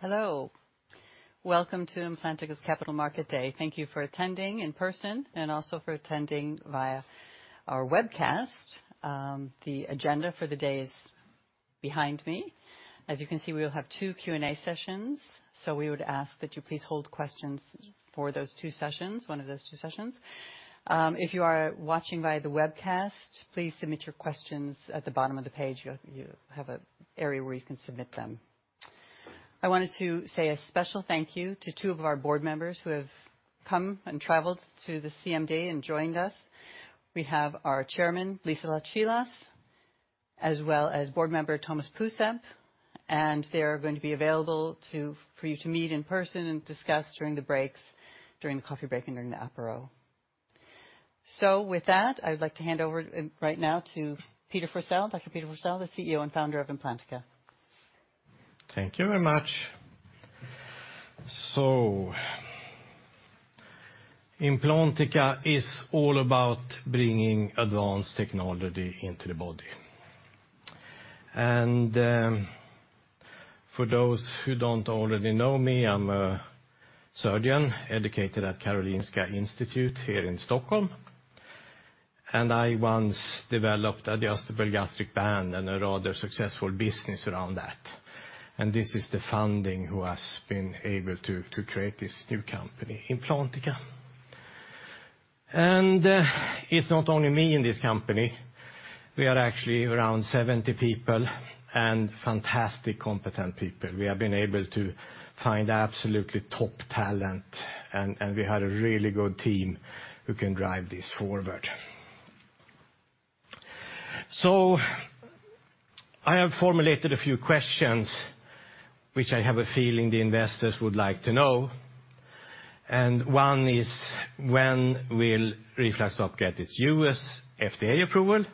Hello, welcome to Implantica's Capital Market Day. Thank you for attending in person and also for attending via our webcast. The agenda for the day is behind me. As you can see, we will have two Q&A sessions, so we would ask that you please hold questions for those two sessions, one of those two sessions. If you are watching via the webcast, please submit your questions at the bottom of the page. You have an area where you can submit them. I wanted to say a special thank you to two of our board members who have come and traveled to the CMD and joined us. We have our Chairman, Liselott Kilaas, as well as board member, Tomas Puusepp, and they are going to be available for you to meet in person and discuss during the breaks, during the coffee break, and during the apero. With that, I'd like to hand over right now to Peter Forsell, Dr. Peter Forsell, the CEO and founder of Implantica. Thank you very much. So Implantica is all about bringing advanced technology into the body. For those who don't already know me, I'm a surgeon, educated at Karolinska Institutet here in Stockholm, and I once developed adjustable gastric band and a rather successful business around that. This is the founder who has been able to create this new company, Implantica. It's not only me in this company, we are actually around 70 people and fantastic, competent people. We have been able to find absolutely top talent, and we had a really good team who can drive this forward. So I have formulated a few questions which I have a feeling the investors would like to know, and one is: when will RefluxStop get its U.S. FDA approval?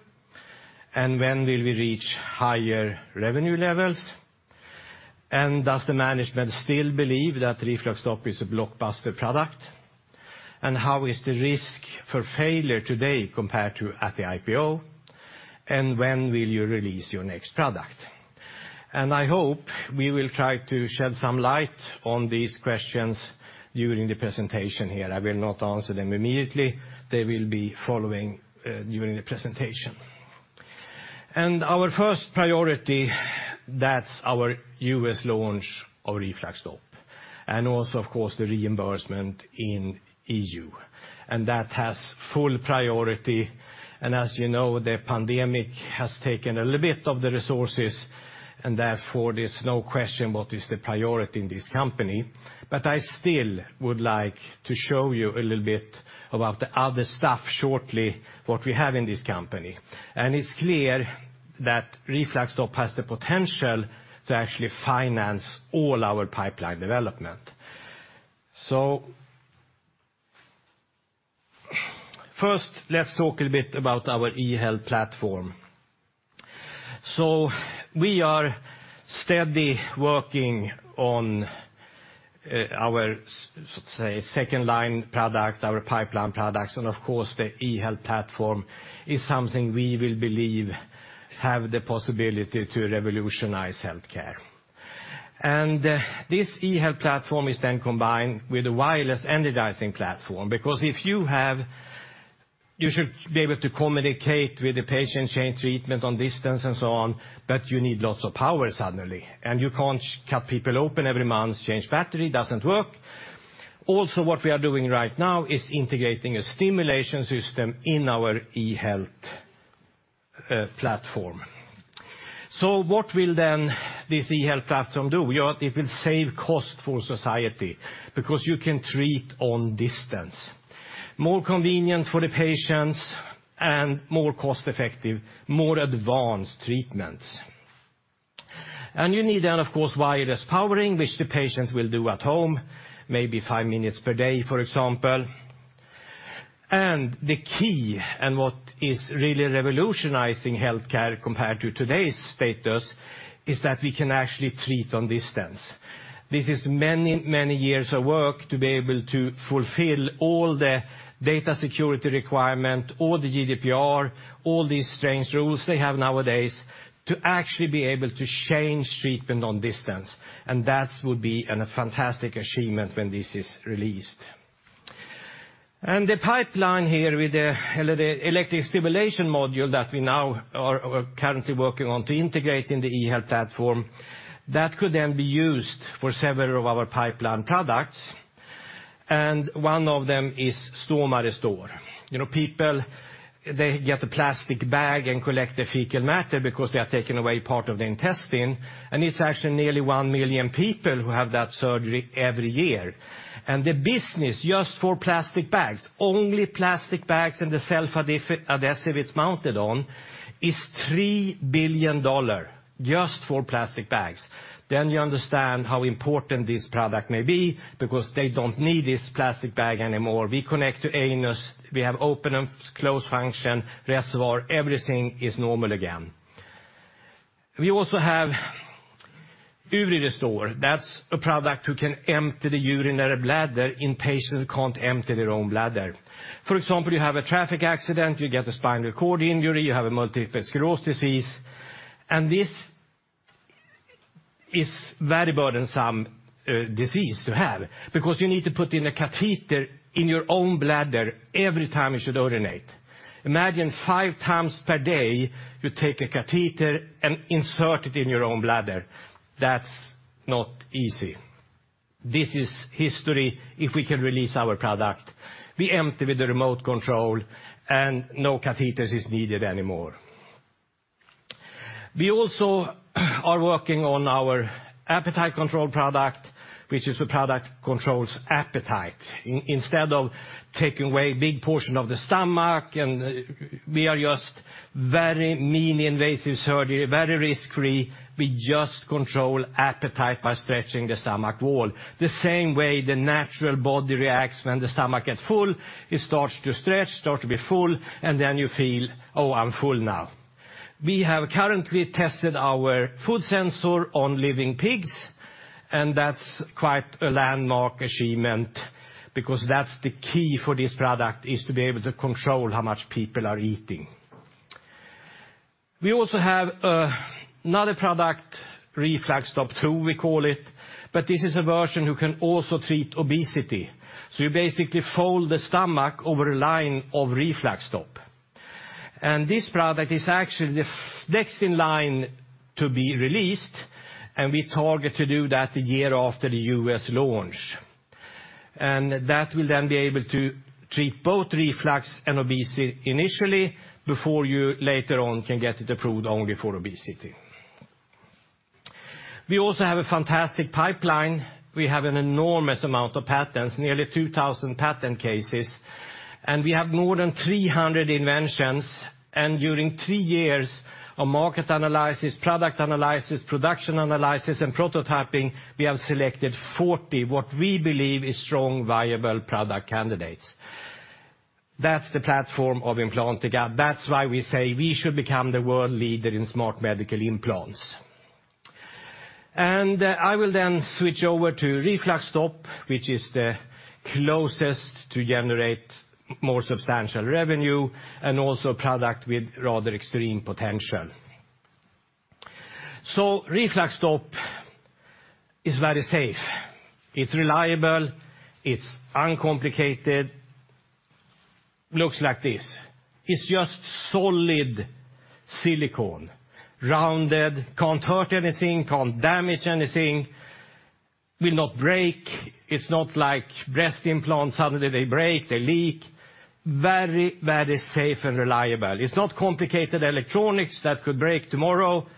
And when will we reach higher revenue levels? And does the management still believe that RefluxStop is a blockbuster product? And how is the risk for failure today compared to at the IPO? And when will you release your next product? And I hope we will try to shed some light on these questions during the presentation here. I will not answer them immediately. They will be following during the presentation. And our first priority, that's our U.S. launch of RefluxStop, and also, of course, the reimbursement in E.U. And that has full priority, and as you know, the pandemic has taken a little bit of the resources, and therefore, there's no question what is the priority in this company. But I still would like to show you a little bit about the other stuff shortly, what we have in this company. And it's clear that RefluxStop has the potential to actually finance all our pipeline development. So first, let's talk a bit about our e-health platform. We are steady working on, our, so say, second line product, our pipeline products, and of course, the e-health platform is something we will believe have the possibility to revolutionize healthcare. This e-health platform is then combined with a wireless energizing platform, because if you have, you should be able to communicate with the patient, change treatment on distance and so on, but you need lots of power suddenly, and you can't cut people open every month, change battery, doesn't work. Also, what we are doing right now is integrating a stimulation system in our e-health, platform. What will then this e-health platform do? Well, it will save cost for society because you can treat on distance. More convenient for the patients and more cost effective, more advanced treatments. You need then, of course, wireless powering, which the patient will do at home, maybe five minutes per day, for example. And the key and what is really revolutionizing healthcare compared to today's status, is that we can actually treat on distance. This is many, many years of work to be able to fulfill all the data security requirement, all the GDPR, all these strange rules they have nowadays, to actually be able to change treatment on distance. And that would be a fantastic achievement when this is released. And the pipeline here with the electric stimulation module that we now are currently working on to integrate in the e-health platform, that could then be used for several of our pipeline products, and one of them is Stoma Restore. You know, people, they get a plastic bag and collect the fecal matter because they have taken away part of the intestine, and it's actually nearly 1 million people who have that surgery every year. And the business, just for plastic bags, only plastic bags and the self-adhesive it's mounted on, is $3 billion, just for plastic bags. Then you understand how important this product may be because they don't need this plastic bag anymore. We connect to anus, we have open and close function, reservoir, everything is normal again. We also have UryRestore. That's a product who can empty the urinary bladder in patients who can't empty their own bladder. For example, you have a traffic accident, you get a spinal cord injury, you have a multiple sclerosis disease, and this-... It is very burdensome disease to have, because you need to put in a catheter in your own bladder every time you should urinate. Imagine five times per day, you take a catheter and insert it in your own bladder. That's not easy. This is history if we can release our product. We empty with the remote control, and no catheters is needed anymore. We also are working on our appetite control product, which is a product controls appetite. Instead of taking away a big portion of the stomach, and we are just very mini-invasive surgery, very risk-free. We just control appetite by stretching the stomach wall. The same way the natural body reacts when the stomach gets full, it starts to stretch, start to be full, and then you feel, "Oh, I'm full now." We have currently tested our food sensor on living pigs, and that's quite a landmark achievement, because that's the key for this product, is to be able to control how much people are eating. We also have another product, RefluxStop Two, we call it, but this is a version who can also treat obesity. So you basically fold the stomach over a line of RefluxStop. And this product is actually the next in line to be released, and we target to do that a year after the U.S. launch. And that will then be able to treat both reflux and obesity initially, before you later on can get it approved only for obesity. We also have a fantastic pipeline. We have an enormous amount of patents, nearly 2,000 patent cases, and we have more than 300 inventions. During 3 years of market analysis, product analysis, production analysis, and prototyping, we have selected 40, what we believe is strong, viable product candidates. That's the platform of Implantica. That's why we say we should become the world leader in smart medical implants. I will then switch over to RefluxStop, which is the closest to generate more substantial revenue, and also a product with rather extreme potential. RefluxStop is very safe. It's reliable, it's uncomplicated. Looks like this. It's just solid silicone, rounded, can't hurt anything, can't damage anything, will not break. It's not like breast implants, suddenly they break, they leak. Very, very safe and reliable. It's not complicated electronics that could break tomorrow.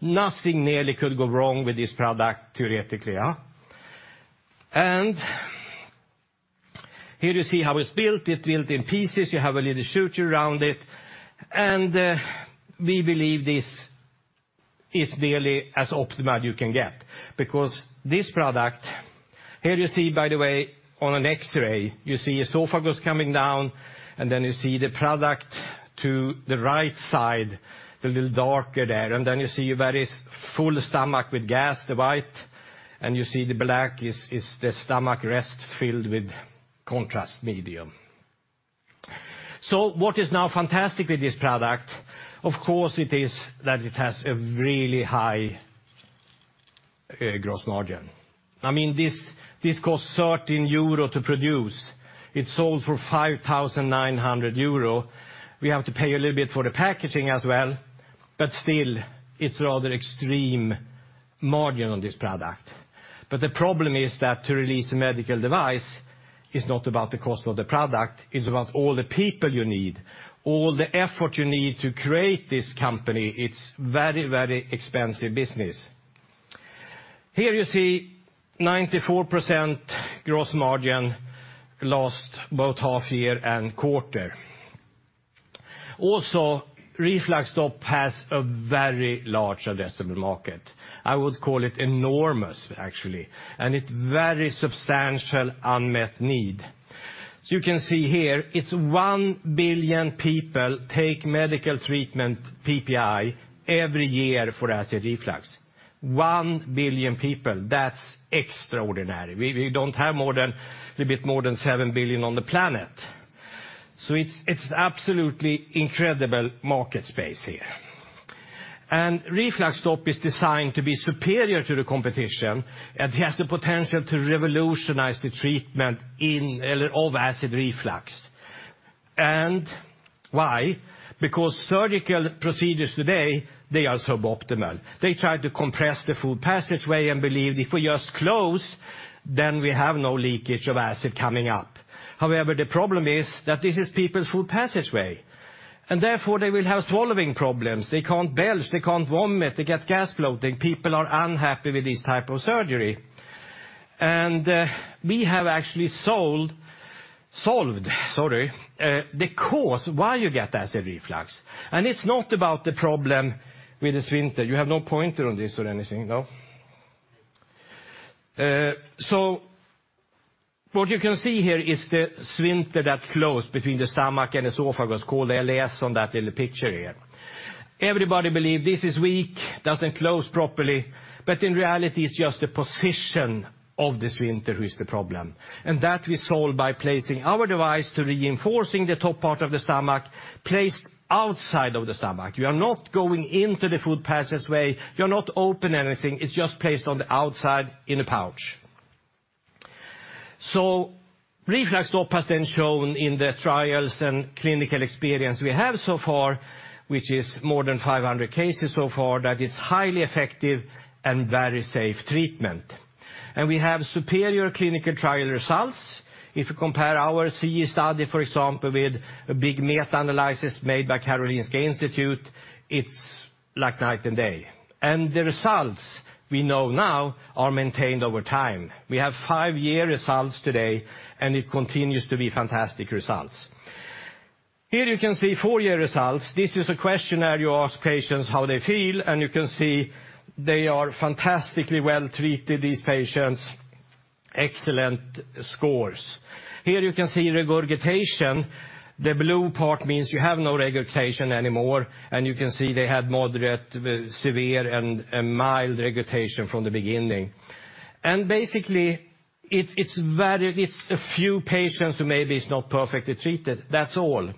Nothing nearly could go wrong with this product, theoretically, huh? Here you see how it's built. It's built in pieces. You have a little suture around it, and we believe this is nearly as optimal you can get, because this product... Here you see, by the way, on an X-ray, you see esophagus coming down, and then you see the product to the right side, the little darker there. And then you see a very full stomach with gas, the white, and you see the black is the stomach rest filled with contrast medium. So what is now fantastic with this product? Of course, it is that it has a really high gross margin. I mean, this costs 13 euro to produce. It's sold for 5,900 euro. We have to pay a little bit for the packaging as well, but still, it's rather extreme margin on this product. But the problem is that to release a medical device is not about the cost of the product, it's about all the people you need, all the effort you need to create this company. It's very, very expensive business. Here you see 94% gross margin last both half year and quarter. Also, RefluxStop has a very large addressable market. I would call it enormous, actually, and it very substantial unmet need. So you can see here, it's 1 billion people take medical treatment, PPI, every year for acid reflux. One billion people, that's extraordinary. We, we don't have more than, a bit more than 7 billion on the planet. So it's, it's absolutely incredible market space here. And RefluxStop is designed to be superior to the competition, and it has the potential to revolutionize the treatment in, or of acid reflux. And why? Because surgical procedures today, they are suboptimal. They try to compress the food passageway and believe if we just close, then we have no leakage of acid coming up. However, the problem is that this is people's food passageway, and therefore, they will have swallowing problems. They can't belch, they can't vomit, they get gas bloating. People are unhappy with this type of surgery. And we have actually solved the cause why you get acid reflux. And it's not about the problem with the sphincter. You have no pointer on this or anything, no? So what you can see here is the sphincter that close between the stomach and the esophagus, called LES on that little picture here. Everybody believe this is weak, doesn't close properly, but in reality, it's just the position of the sphincter is the problem. That we solve by placing our device to reinforcing the top part of the stomach, placed outside of the stomach. You are not going into the food passageway, you are not open anything, it's just placed on the outside in a pouch... So RefluxStop has then shown in the trials and clinical experience we have so far, which is more than 500 cases so far, that it's highly effective and very safe treatment. And we have superior clinical trial results. If you compare our CE study, for example, with a big meta-analysis made by Karolinska Institutet, it's like night and day. And the results we know now are maintained over time. We have 5-year results today, and it continues to be fantastic results. Here you can see 4-year results. This is a questionnaire you ask patients how they feel, and you can see they are fantastically well treated, these patients. Excellent scores. Here you can see regurgitation. The blue part means you have no regurgitation anymore, and you can see they had moderate, severe, and mild regurgitation from the beginning. And basically, it's very—it's a few patients who maybe is not perfectly treated. That's all.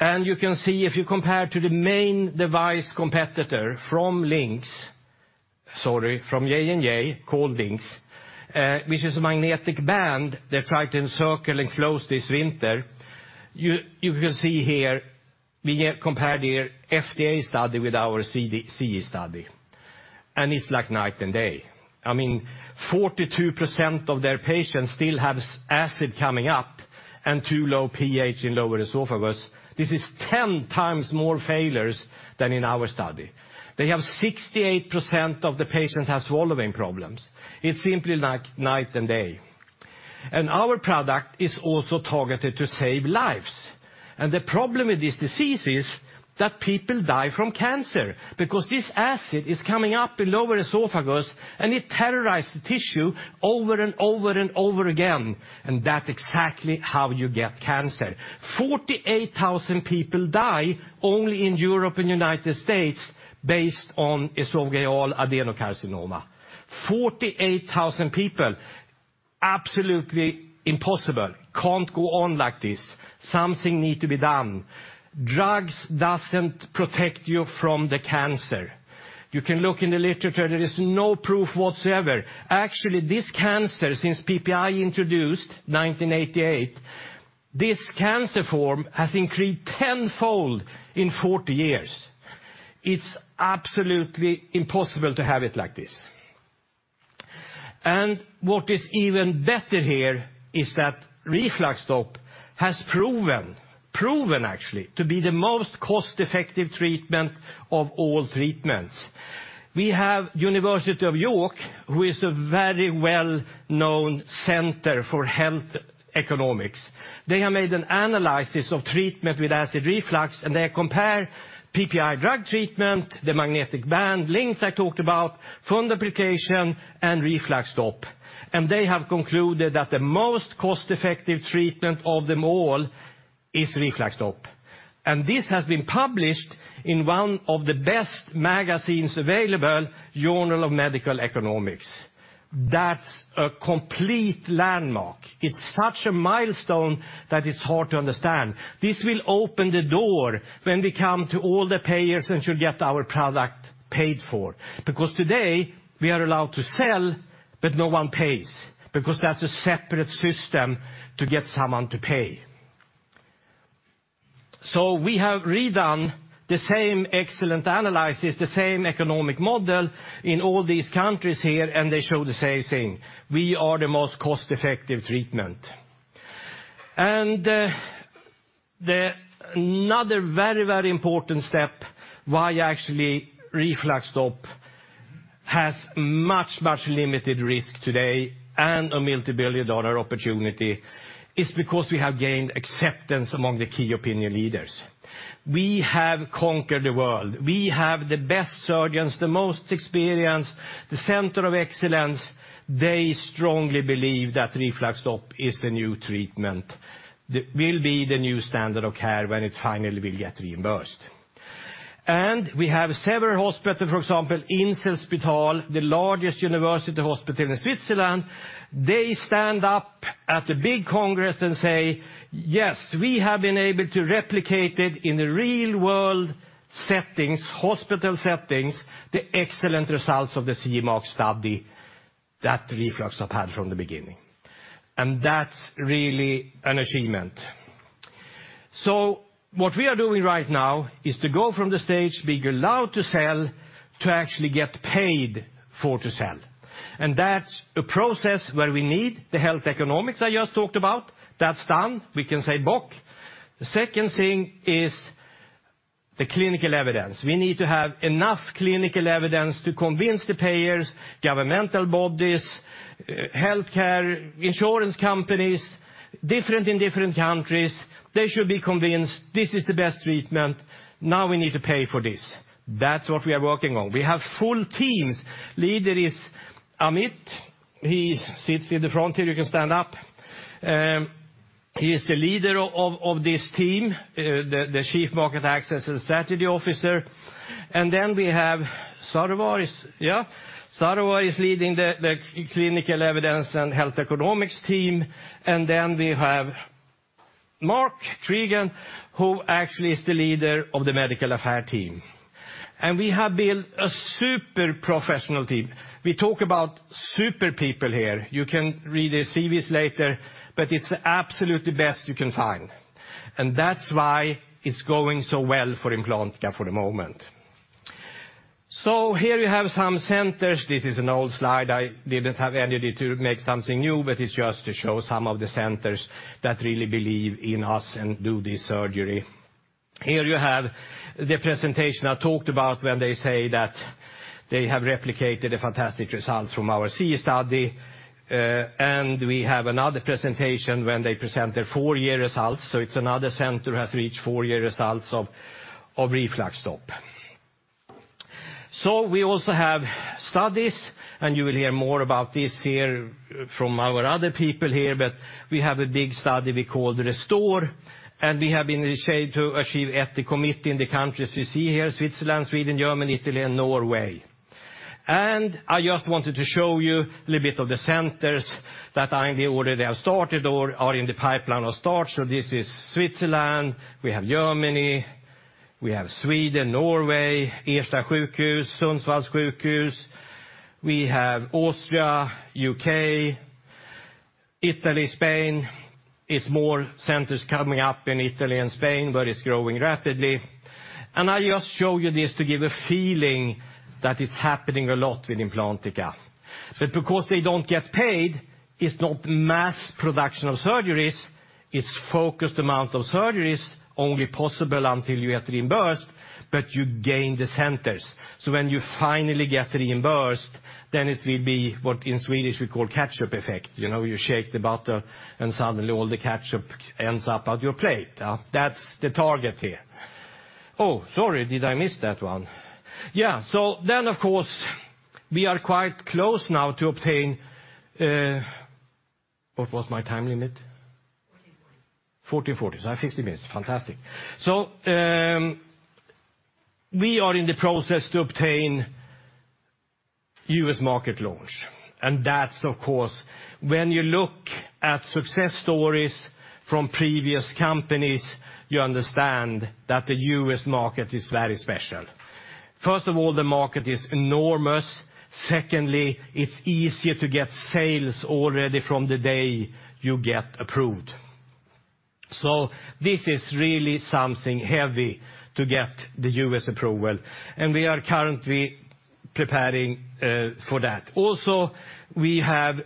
And you can see, if you compare to the main device competitor from LINX, sorry, from J&J, called LINX, which is a magnetic band that tried to encircle and close this hiatus. You can see here, we have compared their FDA study with our CE study, and it's like night and day. I mean, 42% of their patients still have acid coming up and too low pH in lower esophagus. This is 10 times more failures than in our study. They have 68% of the patients have swallowing problems. It's simply like night and day. Our product is also targeted to save lives. The problem with this disease is that people die from cancer, because this acid is coming up in lower esophagus, and it terrorize the tissue over and over and over again, and that's exactly how you get cancer. 48,000 people die only in Europe and United States based on esophageal adenocarcinoma. 48,000 people, absolutely impossible, can't go on like this. Something need to be done. Drugs doesn't protect you from the cancer. You can look in the literature, there is no proof whatsoever. Actually, this cancer, since PPI introduced 1988, this cancer form has increased tenfold in 40 years. It's absolutely impossible to have it like this. What is even better here is that RefluxStop has proven, proven, actually, to be the most cost-effective treatment of all treatments. We have University of York, who is a very well-known center for health economics. They have made an analysis of treatment with acid reflux, and they compare PPI drug treatment, the magnetic band, LINX I talked about, fundoplication, and RefluxStop. They have concluded that the most cost-effective treatment of them all is RefluxStop. This has been published in one of the best magazines available, Journal of Medical Economics. That's a complete landmark. It's such a milestone that is hard to understand. This will open the door when we come to all the payers and should get our product paid for. Because today, we are allowed to sell, but no one pays, because that's a separate system to get someone to pay. So we have redone the same excellent analysis, the same economic model in all these countries here, and they show the same thing. We are the most cost-effective treatment. And, the another very, very important step, why actually RefluxStop has much, much limited risk today and a multi-billion dollar opportunity, is because we have gained acceptance among the key opinion leaders. We have conquered the world. We have the best surgeons, the most experienced, the center of excellence. They strongly believe that RefluxStop is the new treatment, that will be the new standard of care when it finally will get reimbursed. And we have several hospital, for example, Inselspital, the largest university hospital in Switzerland. They stand up at the big congress and say, "Yes, we have been able to replicate it in the real-world settings, hospital settings, the excellent results of the CMOC study that RefluxStop had from the beginning." And that's really an achievement. So what we are doing right now is to go from the stage, being allowed to sell, to actually get paid for to sell. And that's a process where we need the health economics I just talked about. That's done, we can say book. The second thing is the clinical evidence. We need to have enough clinical evidence to convince the payers, governmental bodies, healthcare, insurance companies, different in different countries, they should be convinced this is the best treatment, now we need to pay for this. That's what we are working on. We have full teams. Leader is Amit. He sits in the front here, you can stand up. He is the leader of this team, the Chief Market Access and Strategy Officer. And then we have Sarovar is... Yeah, Sarovar is leading the clinical evidence and health economics team, and then we have Mark Cregan, who actually is the leader of the medical affairs team. And we have built a super professional team. We talk about super people here. You can read their CVs later, but it's absolutely best you can find, and that's why it's going so well for Implantica for the moment. So here you have some centers. This is an old slide. I didn't have energy to make something new, but it's just to show some of the centers that really believe in us and do this surgery. Here you have the presentation I talked about when they say that they have replicated the fantastic results from our SEA study, and we have another presentation when they present their four-year results, so it's another center who has reached four-year results of RefluxStop. So we also have studies, and you will hear more about this here from our other people here, but we have a big study we call the Restore, and we have been shaped to achieve ethical committee in the countries you see here, Switzerland, Sweden, Germany, Italy, and Norway. And I just wanted to show you a little bit of the centers that are in the order they have started or are in the pipeline of start. So this is Switzerland, we have Germany, we have Sweden, Norway, Ersta Sjukhus, Sundsvalls Sjukhus. We have Austria, UK, Italy, Spain. It's more centers coming up in Italy and Spain, but it's growing rapidly. I just show you this to give a feeling that it's happening a lot with Implantica. But because they don't get paid, it's not mass production of surgeries, it's focused amount of surgeries, only possible until you get reimbursed, but you gain the centers. So when you finally get reimbursed, then it will be what in Swedish we call ketchup effect. You know, you shake the bottle, and suddenly all the ketchup ends up on your plate, huh? That's the target here. Oh, sorry, did I miss that one? Yeah, so then, of course, we are quite close now to obtain... What was my time limit? 2:40 P.M., so I have 60 minutes. Fantastic. So, we are in the process to obtain U.S. market launch, and that's, of course, when you look at success stories from previous companies, you understand that the U.S. market is very special. First of all, the market is enormous. Secondly, it's easier to get sales already from the day you get approved. So this is really something heavy to get the U.S. approval, and we are currently preparing for that. Also, we have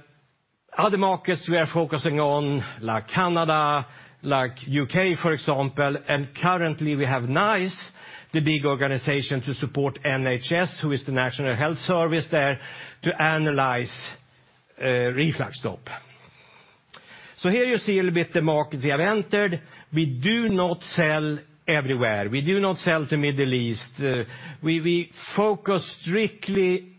other markets we are focusing on, like Canada, like U.K., for example, and currently, we have NICE, the big organization, to support NHS, who is the National Health Service there, to analyze RefluxStop. So here you see a little bit the markets we have entered. We do not sell everywhere. We do not sell to Middle East. We focus strictly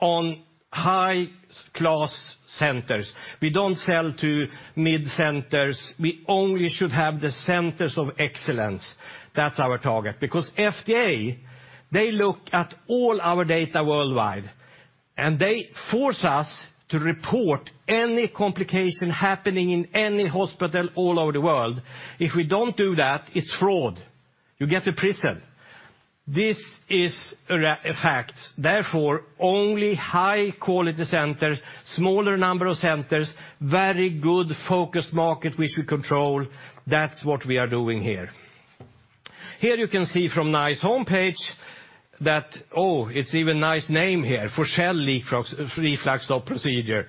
on high-class centers. We don't sell to mid centers. We only should have the centers of excellence. That's our target. Because FDA, they look at all our data worldwide, and they force us to report any complication happening in any hospital all over the world. If we don't do that, it's fraud. You get to prison. This is a fact. Therefore, only high-quality centers, smaller number of centers, very good focused market which we control, that's what we are doing here. Here you can see from NICE homepage that, oh, it's even NICE name here, for the RefluxStop procedure.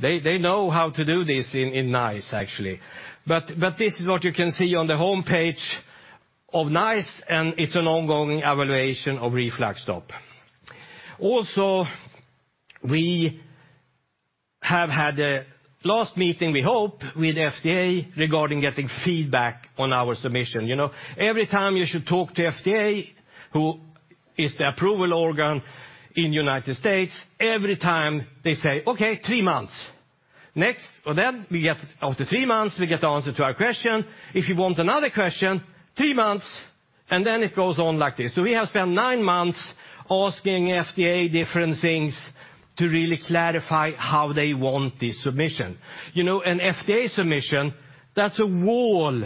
They know how to do this in NICE, actually. But this is what you can see on the homepage of NICE, and it's an ongoing evaluation of RefluxStop. Also, we have had a last meeting, we hope, with FDA regarding getting feedback on our submission. You know, every time you should talk to FDA, who is the approval organ in United States, every time they say, "Okay, 3 months." Next, well, then we get, after 3 months, we get the answer to our question. If you want another question, 3 months, and then it goes on like this. So we have spent 9 months asking FDA different things to really clarify how they want this submission. You know, an FDA submission, that's a wall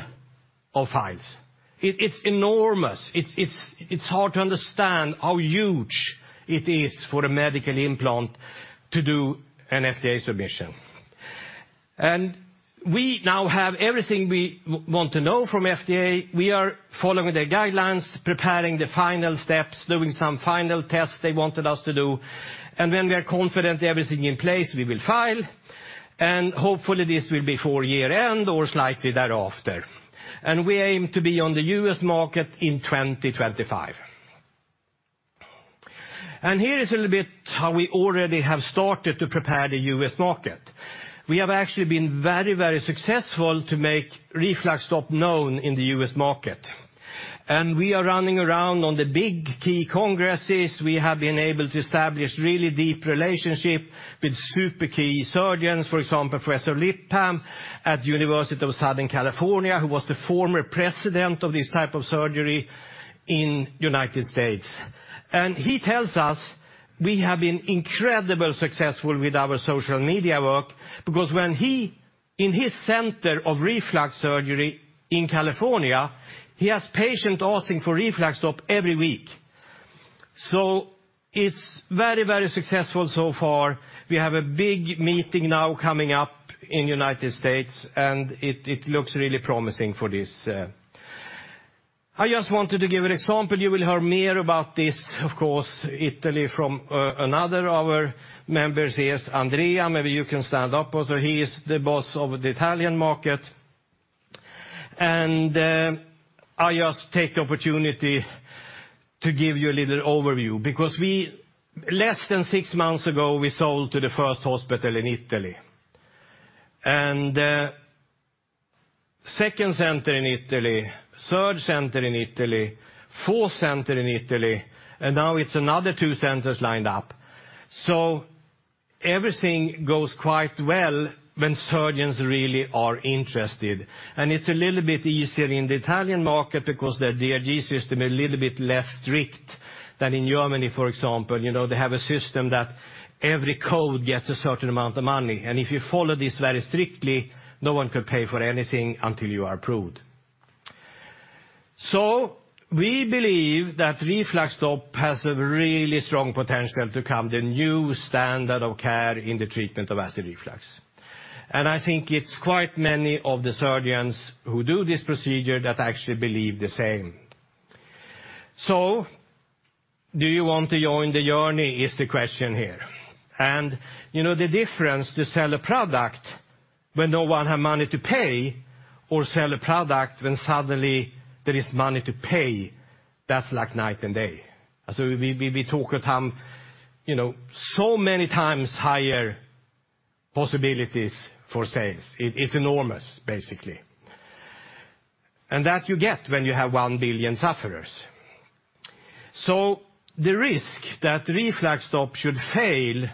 of files. It, it's enormous. It's, it's, it's hard to understand how huge it is for a medical implant to do an FDA submission. And we now have everything we want to know from FDA. We are following their guidelines, preparing the final steps, doing some final tests they wanted us to do, and when we are confident everything in place, we will file, and hopefully, this will be before year-end or slightly thereafter. We aim to be on the U.S. market in 2025. Here is a little bit how we already have started to prepare the U.S. market. We have actually been very, very successful to make RefluxStop known in the U.S. market. We are running around on the big key congresses. We have been able to establish really deep relationship with super key surgeons, for example, Professor Lipham at University of Southern California, who was the former president of this type of surgery in United States. And he tells us we have been incredibly successful with our social media work, because when he, in his center of reflux surgery in California, he has patient asking for RefluxStop every week... So it's very, very successful so far. We have a big meeting now coming up in United States, and it, it looks really promising for this. I just wanted to give an example. You will hear more about this, of course, Italy, from, another of our members. Here's Andrea. Maybe you can stand up. Also, he is the boss of the Italian market. And, I just take the opportunity to give you a little overview, because we, less than six months ago, we sold to the first hospital in Italy. And, second center in Italy, third center in Italy, fourth center in Italy, and now it's another two centers lined up. So everything goes quite well when surgeons really are interested. And it's a little bit easier in the Italian market because their DRG system is a little bit less strict than in Germany, for example. You know, they have a system that every code gets a certain amount of money, and if you follow this very strictly, no one can pay for anything until you are approved. So we believe that RefluxStop has a really strong potential to become the new standard of care in the treatment of acid reflux. And I think it's quite many of the surgeons who do this procedure that actually believe the same. So do you want to join the journey? Is the question here. You know, the difference to sell a product when no one have money to pay, or sell a product when suddenly there is money to pay, that's like night and day. So we talk at, you know, so many times higher possibilities for sales. It's enormous, basically. And that you get when you have 1 billion sufferers. So the risk that RefluxStop should fail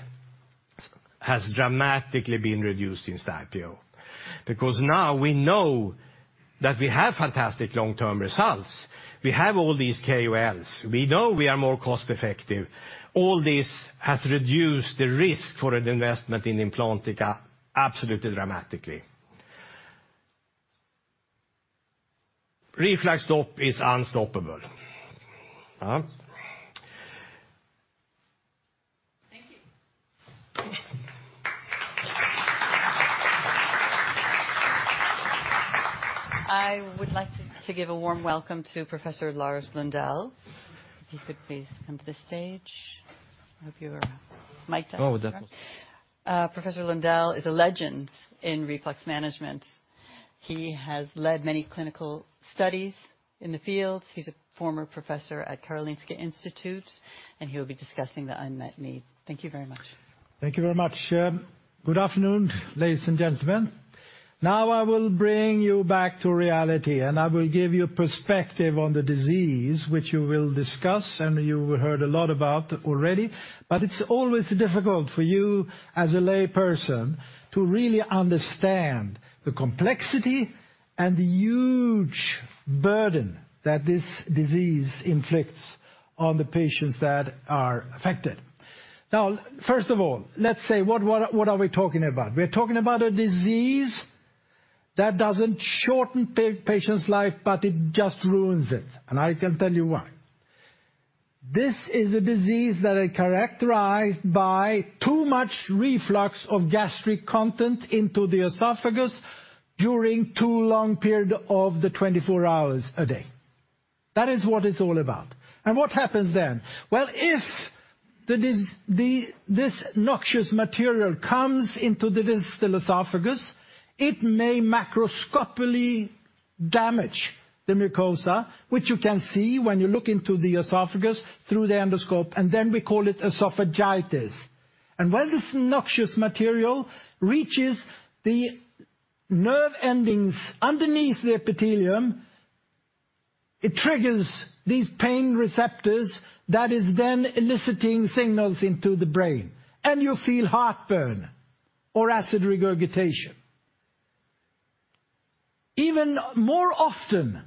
has dramatically been reduced since that deal, because now we know that we have fantastic long-term results. We have all these KOLs. We know we are more cost-effective. All this has reduced the risk for an investment in Implantica absolutely dramatically. RefluxStop is unstoppable. Huh? Thank you. I would like to give a warm welcome to Professor Lars Lundell. If you could please come to the stage. I hope you are mic'd up. Oh, definitely. Professor Lundell is a legend in reflux management. He has led many clinical studies in the field. He's a former professor at Karolinska Institute, and he will be discussing the unmet need. Thank you very much. Thank you very much. Good afternoon, ladies and gentlemen. Now I will bring you back to reality, and I will give you perspective on the disease, which you will discuss and you heard a lot about already. But it's always difficult for you, as a lay person, to really understand the complexity and the huge burden that this disease inflicts on the patients that are affected. Now, first of all, let's say, what, what, what are we talking about? We're talking about a disease that doesn't shorten patient's life, but it just ruins it, and I can tell you why. This is a disease that is characterized by too much reflux of gastric content into the esophagus during too long period of the 24 hours a day. That is what it's all about. And what happens then? Well, if the dis... This noxious material comes into the distal esophagus, it may macroscopically damage the mucosa, which you can see when you look into the esophagus through the endoscope, and then we call it esophagitis. And when this noxious material reaches the nerve endings underneath the epithelium, it triggers these pain receptors that is then eliciting signals into the brain, and you feel heartburn or acid regurgitation. Even more often,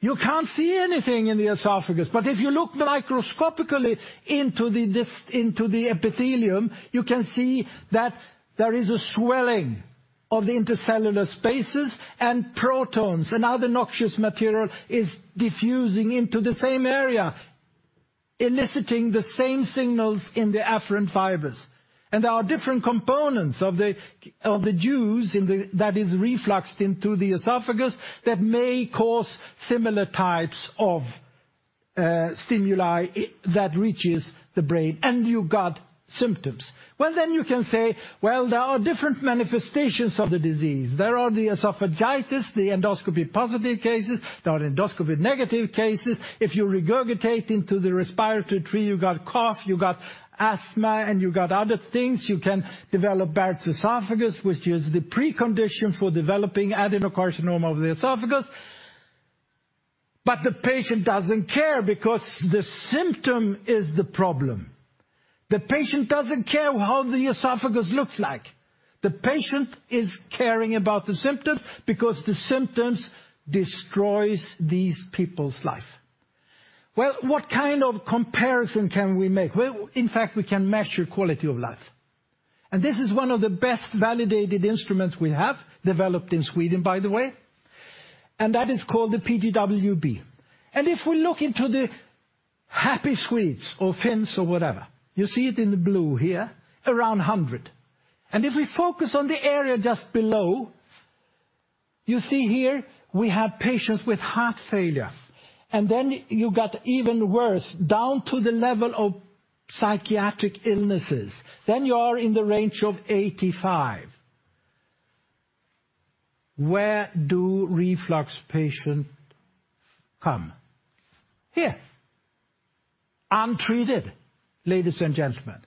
you can't see anything in the esophagus, but if you look microscopically into the epithelium, you can see that there is a swelling of the intercellular spaces, and protons and other noxious material is diffusing into the same area, eliciting the same signals in the afferent fibers. And there are different components of the juice that is refluxed into the esophagus that may cause similar types of stimuli that reaches the brain, and you got symptoms. Well, then you can say, "Well, there are different manifestations of the disease." There are the esophagitis, the endoscopy positive cases, there are endoscopy negative cases. If you regurgitate into the respiratory tree, you got cough, you got asthma, and you got other things. You can develop Barrett's esophagus, which is the precondition for developing adenocarcinoma of the esophagus. But the patient doesn't care because the symptom is the problem. The patient doesn't care how the esophagus looks like. The patient is caring about the symptoms because the symptoms destroys these people's life. Well, what kind of comparison can we make? Well, in fact, we can measure quality of life. And this is one of the best validated instruments we have, developed in Sweden, by the way, and that is called the PDWB. And if we look into the happy Swedes or Finns or whatever, you see it in the blue here, around 100. And if we focus on the area just below, you see here, we have patients with heart failure, and then you got even worse, down to the level of psychiatric illnesses. Then you are in the range of 85. Where do reflux patients come? Here. Untreated, ladies and gentlemen.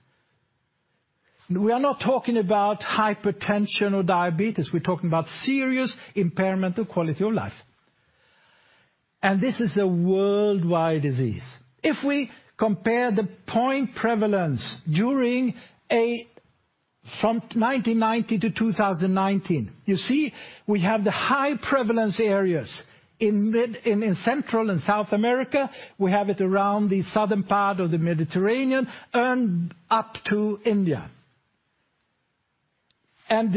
We are not talking about hypertension or diabetes, we're talking about serious impairment of quality of life. And this is a worldwide disease. If we compare the point prevalence during a, from 1990 to 2019, you see, we have the high prevalence areas in mid, in Central and South America. We have it around the southern part of the Mediterranean and up to India.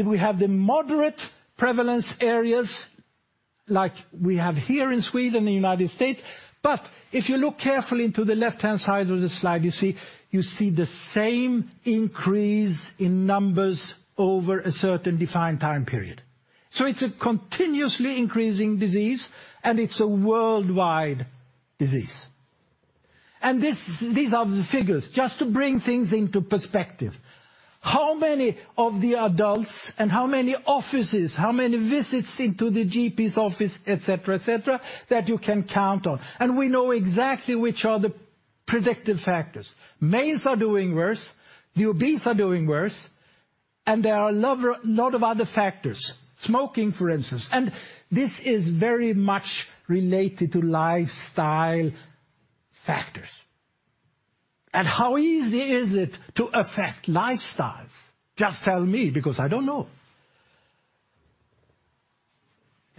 We have the moderate prevalence areas, like we have here in Sweden and the United States. But if you look carefully into the left-hand side of the slide, you see, you see the same increase in numbers over a certain defined time period. So it's a continuously increasing disease, and it's a worldwide disease. This, these are the figures, just to bring things into perspective. How many of the adults and how many offices, how many visits into the GP's office, et cetera, et cetera, that you can count on? We know exactly which are the predictive factors. Males are doing worse, the obese are doing worse, and there are a lot of other factors. Smoking, for instance. This is very much related to lifestyle factors. And how easy is it to affect lifestyles? Just tell me, because I don't know.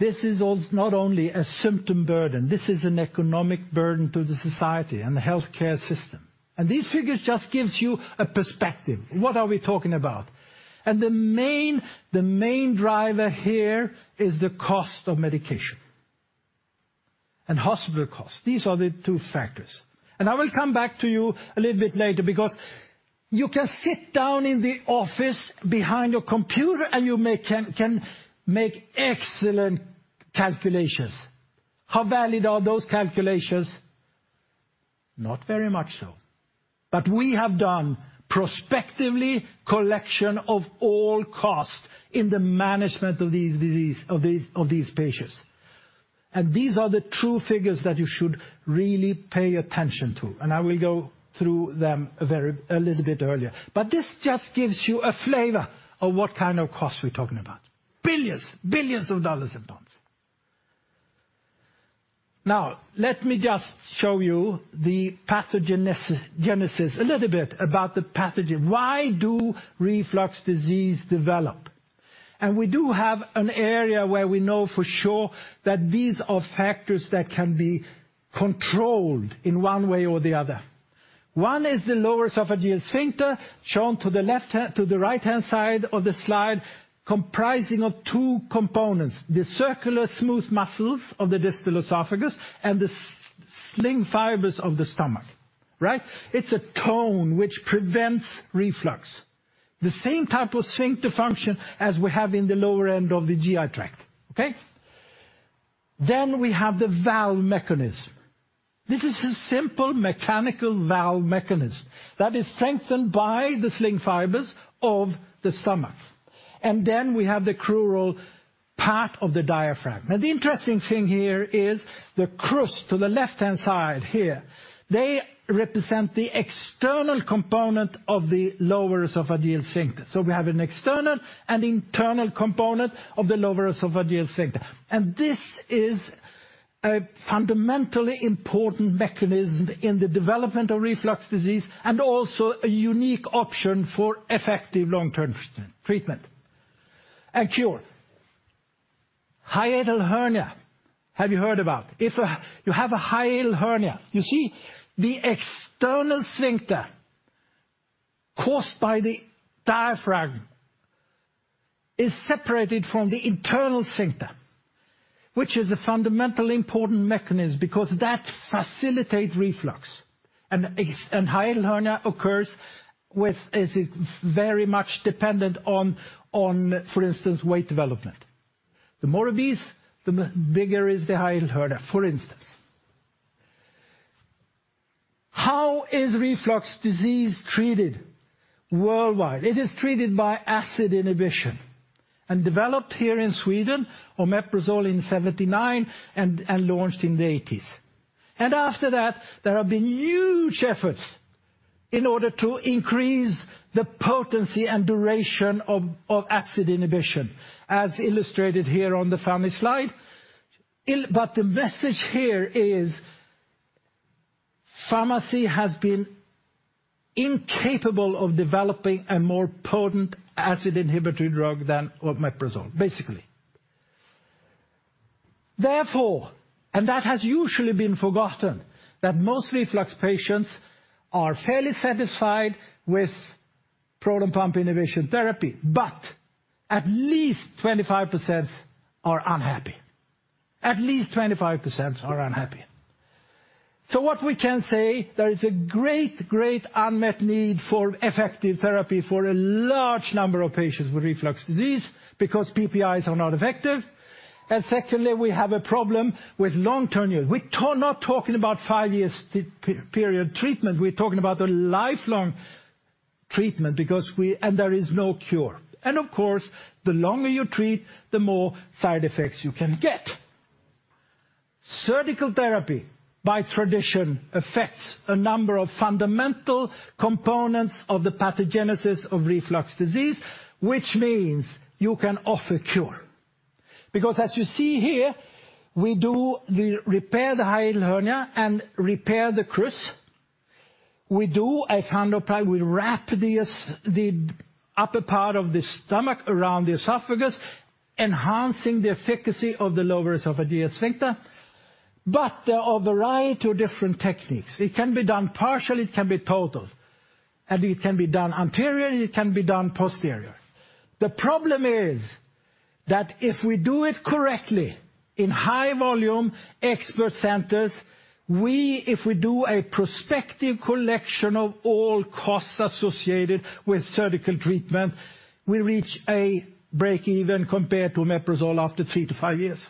This is also not only a symptom burden, this is an economic burden to the society and the healthcare system. These figures just gives you a perspective. What are we talking about? The main driver here is the cost of medication and hospital costs. These are the two factors. I will come back to you a little bit later because you can sit down in the office behind your computer, and you can make excellent calculations. How valid are those calculations? Not very much so. But we have done prospective collection of all costs in the management of these disease, of these patients. These are the true figures that you should really pay attention to, and I will go through them a very, a little bit earlier. This just gives you a flavor of what kind of costs we're talking about. Billions! $ billions a month. Now, let me just show you the pathogenesis, genesis, a little bit about the pathogen. Why do reflux disease develop? We do have an area where we know for sure that these are factors that can be controlled in one way or the other. One is the lower esophageal sphincter, shown to the left hand, to the right-hand side of the slide, comprising of two components: the circular smooth muscles of the distal esophagus and the sling fibers of the stomach. Right? It's a tone which prevents reflux. The same type of sphincter function as we have in the lower end of the GI tract. Okay? Then we have the valve mechanism. This is a simple mechanical valve mechanism that is strengthened by the sling fibers of the stomach. And then we have the crural part of the diaphragm. Now, the interesting thing here is the crus to the left-hand side here. They represent the external component of the lower esophageal sphincter. So we have an external and internal component of the lower esophageal sphincter. And this is a fundamentally important mechanism in the development of reflux disease and also a unique option for effective long-term treatment and cure. Hiatal hernia, have you heard about? If you have a hiatal hernia, you see, the external sphincter, caused by the diaphragm, is separated from the internal sphincter, which is a fundamentally important mechanism because that facilitates reflux. And hiatal hernia occurs with... it is very much dependent on, for instance, weight development. The more obese, the bigger is the hiatal hernia, for instance. How is reflux disease treated worldwide? It is treated by acid inhibition and developed here in Sweden, omeprazole in 1979, and launched in the 1980s. And after that, there have been huge efforts in order to increase the potency and duration of acid inhibition, as illustrated here on the family slide. But the message here is pharma has been incapable of developing a more potent acid inhibitory drug than omeprazole, basically. Therefore, and that has usually been forgotten, that most reflux patients are fairly satisfied with proton pump inhibition therapy, but at least 25% are unhappy. At least 25% are unhappy. So what we can say, there is a great, great unmet need for effective therapy for a large number of patients with reflux disease, because PPIs are not effective. And secondly, we have a problem with long-term use. We're not talking about five years per-period treatment, we're talking about a lifelong treatment because and there is no cure. And of course, the longer you treat, the more side effects you can get. Surgical therapy, by tradition, affects a number of fundamental components of the pathogenesis of reflux disease, which means you can offer cure. Because as you see here, we do the repair the hiatal hernia and repair the crus. We do a fundoplication, we wrap this, the upper part of the stomach around the esophagus, enhancing the efficacy of the lower esophageal sphincter. But there are a variety of different techniques. It can be done partially, it can be total, and it can be done anteriorly, it can be done posterior. The problem is that if we do it correctly in high volume expert centers, we, if we do a prospective collection of all costs associated with surgical treatment, we reach a break-even compared to omeprazole after 3-5 years.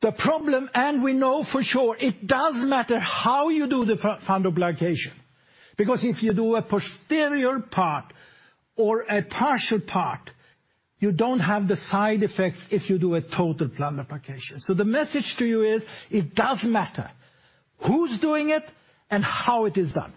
The problem, and we know for sure, it does matter how you do the fundoplication, because if you do a posterior part or a partial part, you don't have the side effects if you do a total fundoplication. So the message to you is, it does matter who's doing it and how it is done.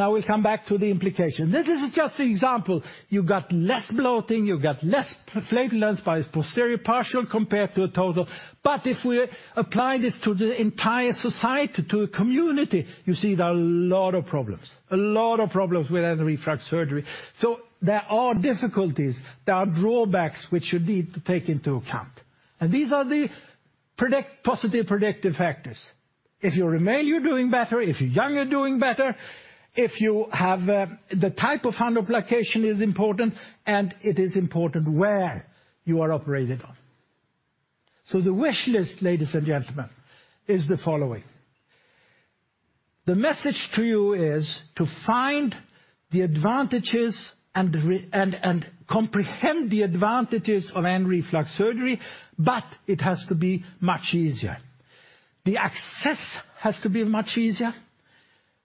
I will come back to the implication. This is just an example. You've got less bloating, you've got less flatulence by posterior partial compared to a total. But if we apply this to the entire society, to a community, you see there are a lot of problems, a lot of problems with anti-reflux surgery. There are difficulties, there are drawbacks, which you need to take into account. These are the positive predictive factors. If you're a male, you're doing better, if you're young, you're doing better, if you have. The type of fundoplication is important, and it is important where you are operated on. The wish list, ladies and gentlemen, is the following: The message to you is to find the advantages and comprehend the advantages of anti-reflux surgery, but it has to be much easier. The access has to be much easier.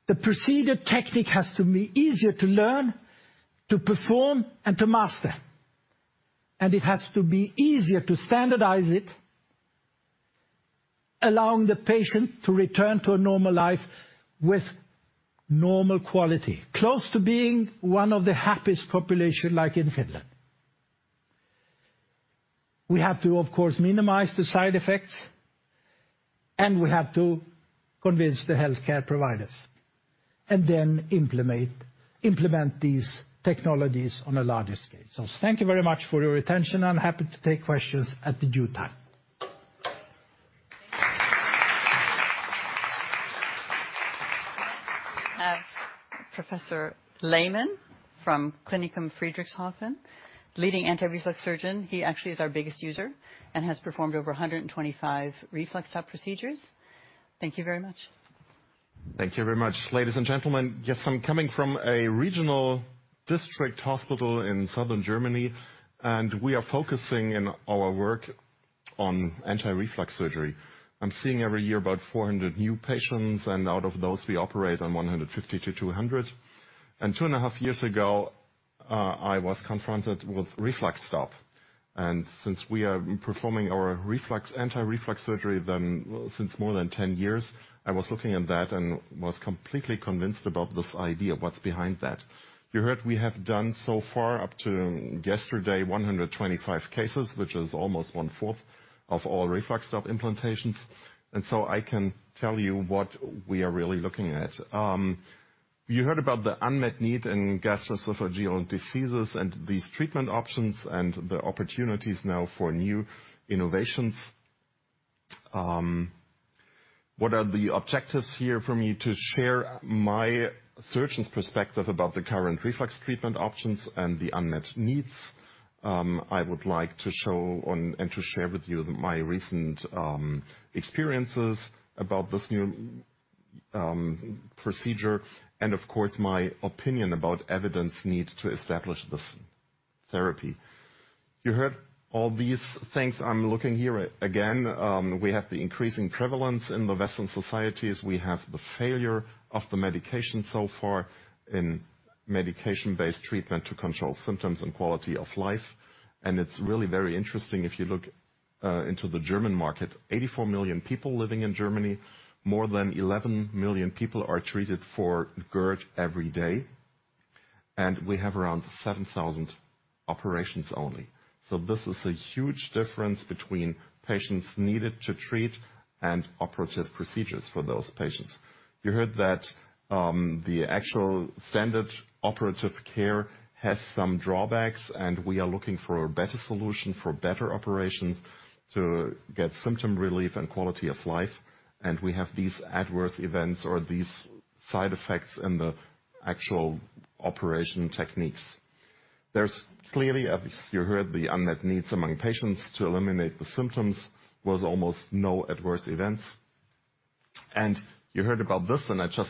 The procedure technique has to be easier to learn, to perform, and to master. It has to be easier to standardize it, allowing the patient to return to a normal life with normal quality, close to being one of the happiest population, like in Finland. We have to, of course, minimize the side effects, and we have to convince the healthcare providers, and then implement these technologies on a larger scale. Thank you very much for your attention. I'm happy to take questions at the due time. Professor Lehmann from Klinikum Friedrichshafen, leading anti-reflux surgeon. He actually is our biggest user and has performed over 125 RefluxStop procedures. Thank you very much. Thank you very much, ladies and gentlemen. Yes, I'm coming from a regional district hospital in southern Germany, and we are focusing in our work on anti-reflux surgery. I'm seeing every year about 400 new patients, and out of those, we operate on 150-200. Two and a half years ago, I was confronted with RefluxStop. Since we are performing our reflux, anti-reflux surgery, then since more than 10 years, I was looking at that and was completely convinced about this idea, what's behind that. You heard we have done so far, up to yesterday, 125 cases, which is almost 1/4 of all RefluxStop implantations. So I can tell you what we are really looking at. You heard about the unmet need in gastroesophageal diseases and these treatment options and the opportunities now for new innovations. What are the objectives here for me? To share my surgeon's perspective about the current reflux treatment options and the unmet needs. I would like to share with you my recent experiences about this new procedure, and of course, my opinion about evidence needs to establish this therapy. You heard all these things. I'm looking here again. We have the increasing prevalence in the Western societies. We have the failure of the medication so far in medication-based treatment to control symptoms and quality of life. It's really very interesting if you look into the German market. 84 million people living in Germany, more than 11 million people are treated for GERD every day... And we have around 7,000 operations only. So this is a huge difference between patients needed to treat and operative procedures for those patients. You heard that the actual standard operative care has some drawbacks, and we are looking for a better solution, for better operation to get symptom relief and quality of life, and we have these adverse events or these side effects in the actual operation techniques. There's clearly, as you heard, the unmet needs among patients to eliminate the symptoms, with almost no adverse events. And you heard about this, and I just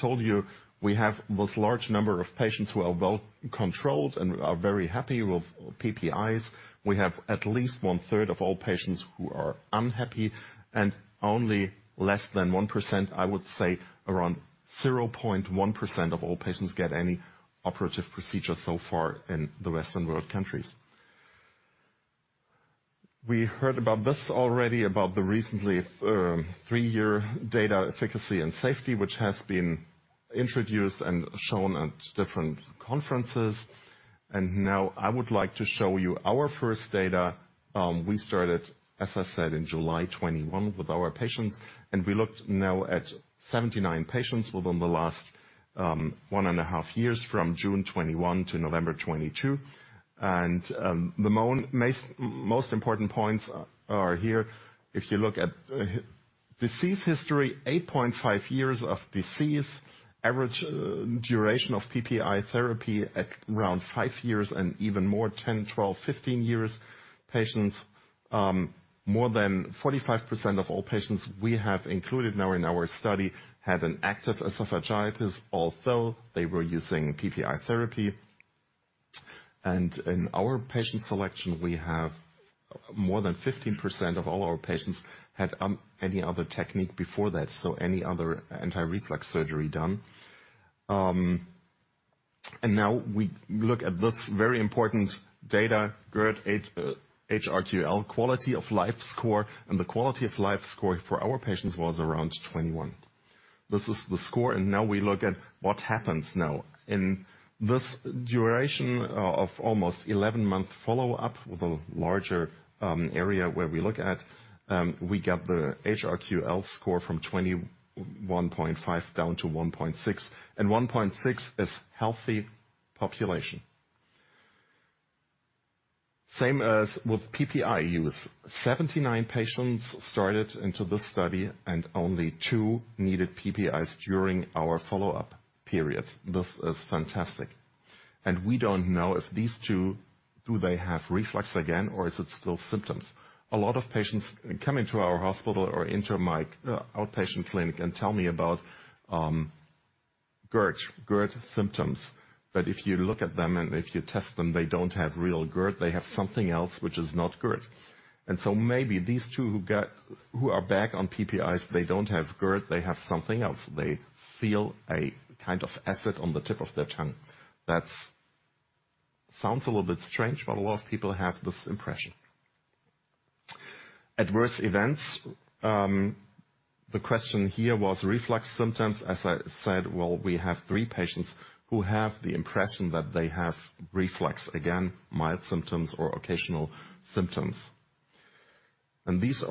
told you, we have this large number of patients who are well-controlled and are very happy with PPIs. We have at least one-third of all patients who are unhappy, and only less than 1%, I would say, around 0.1% of all patients get any operative procedure so far in the Western world countries. We heard about this already, about the recently three-year data, efficacy, and safety, which has been introduced and shown at different conferences. Now I would like to show you our first data. We started, as I said, in July 2021 with our patients, and we looked now at 79 patients within the last one and a half years, from June 2021 to November 2022. The most important points are here. If you look at disease history, 8.5 years of disease, average duration of PPI therapy at around five years and even more, 10, 12, 15 years patients. More than 45% of all patients we have included now in our study had an active esophagitis, although they were using PPI therapy. In our patient selection, we have more than 15% of all our patients had any other technique before that, so any other anti-reflux surgery done. Now we look at this very important data, GERD, HRQOL, quality of life score, and the quality of life score for our patients was around 21. This is the score, and now we look at what happens now. In this duration of almost 11-month follow-up with a larger area where we look at we get the HRQOL score from 21.5 down to 1.6, and 1.6 is healthy population. Same as with PPI use. 79 patients started into this study, and only two needed PPIs during our follow-up period. This is fantastic. We don't know if these two, do they have reflux again, or is it still symptoms? A lot of patients come into our hospital or into my outpatient clinic and tell me about GERD, GERD symptoms. But if you look at them and if you test them, they don't have real GERD, they have something else which is not GERD. And so maybe these two who are back on PPIs, they don't have GERD, they have something else. They feel a kind of acid on the tip of their tongue. That sounds a little bit strange, but a lot of people have this impression. Adverse events. The question here was reflux symptoms. As I said, well, we have three patients who have the impression that they have reflux. Again, mild symptoms or occasional symptoms. And this is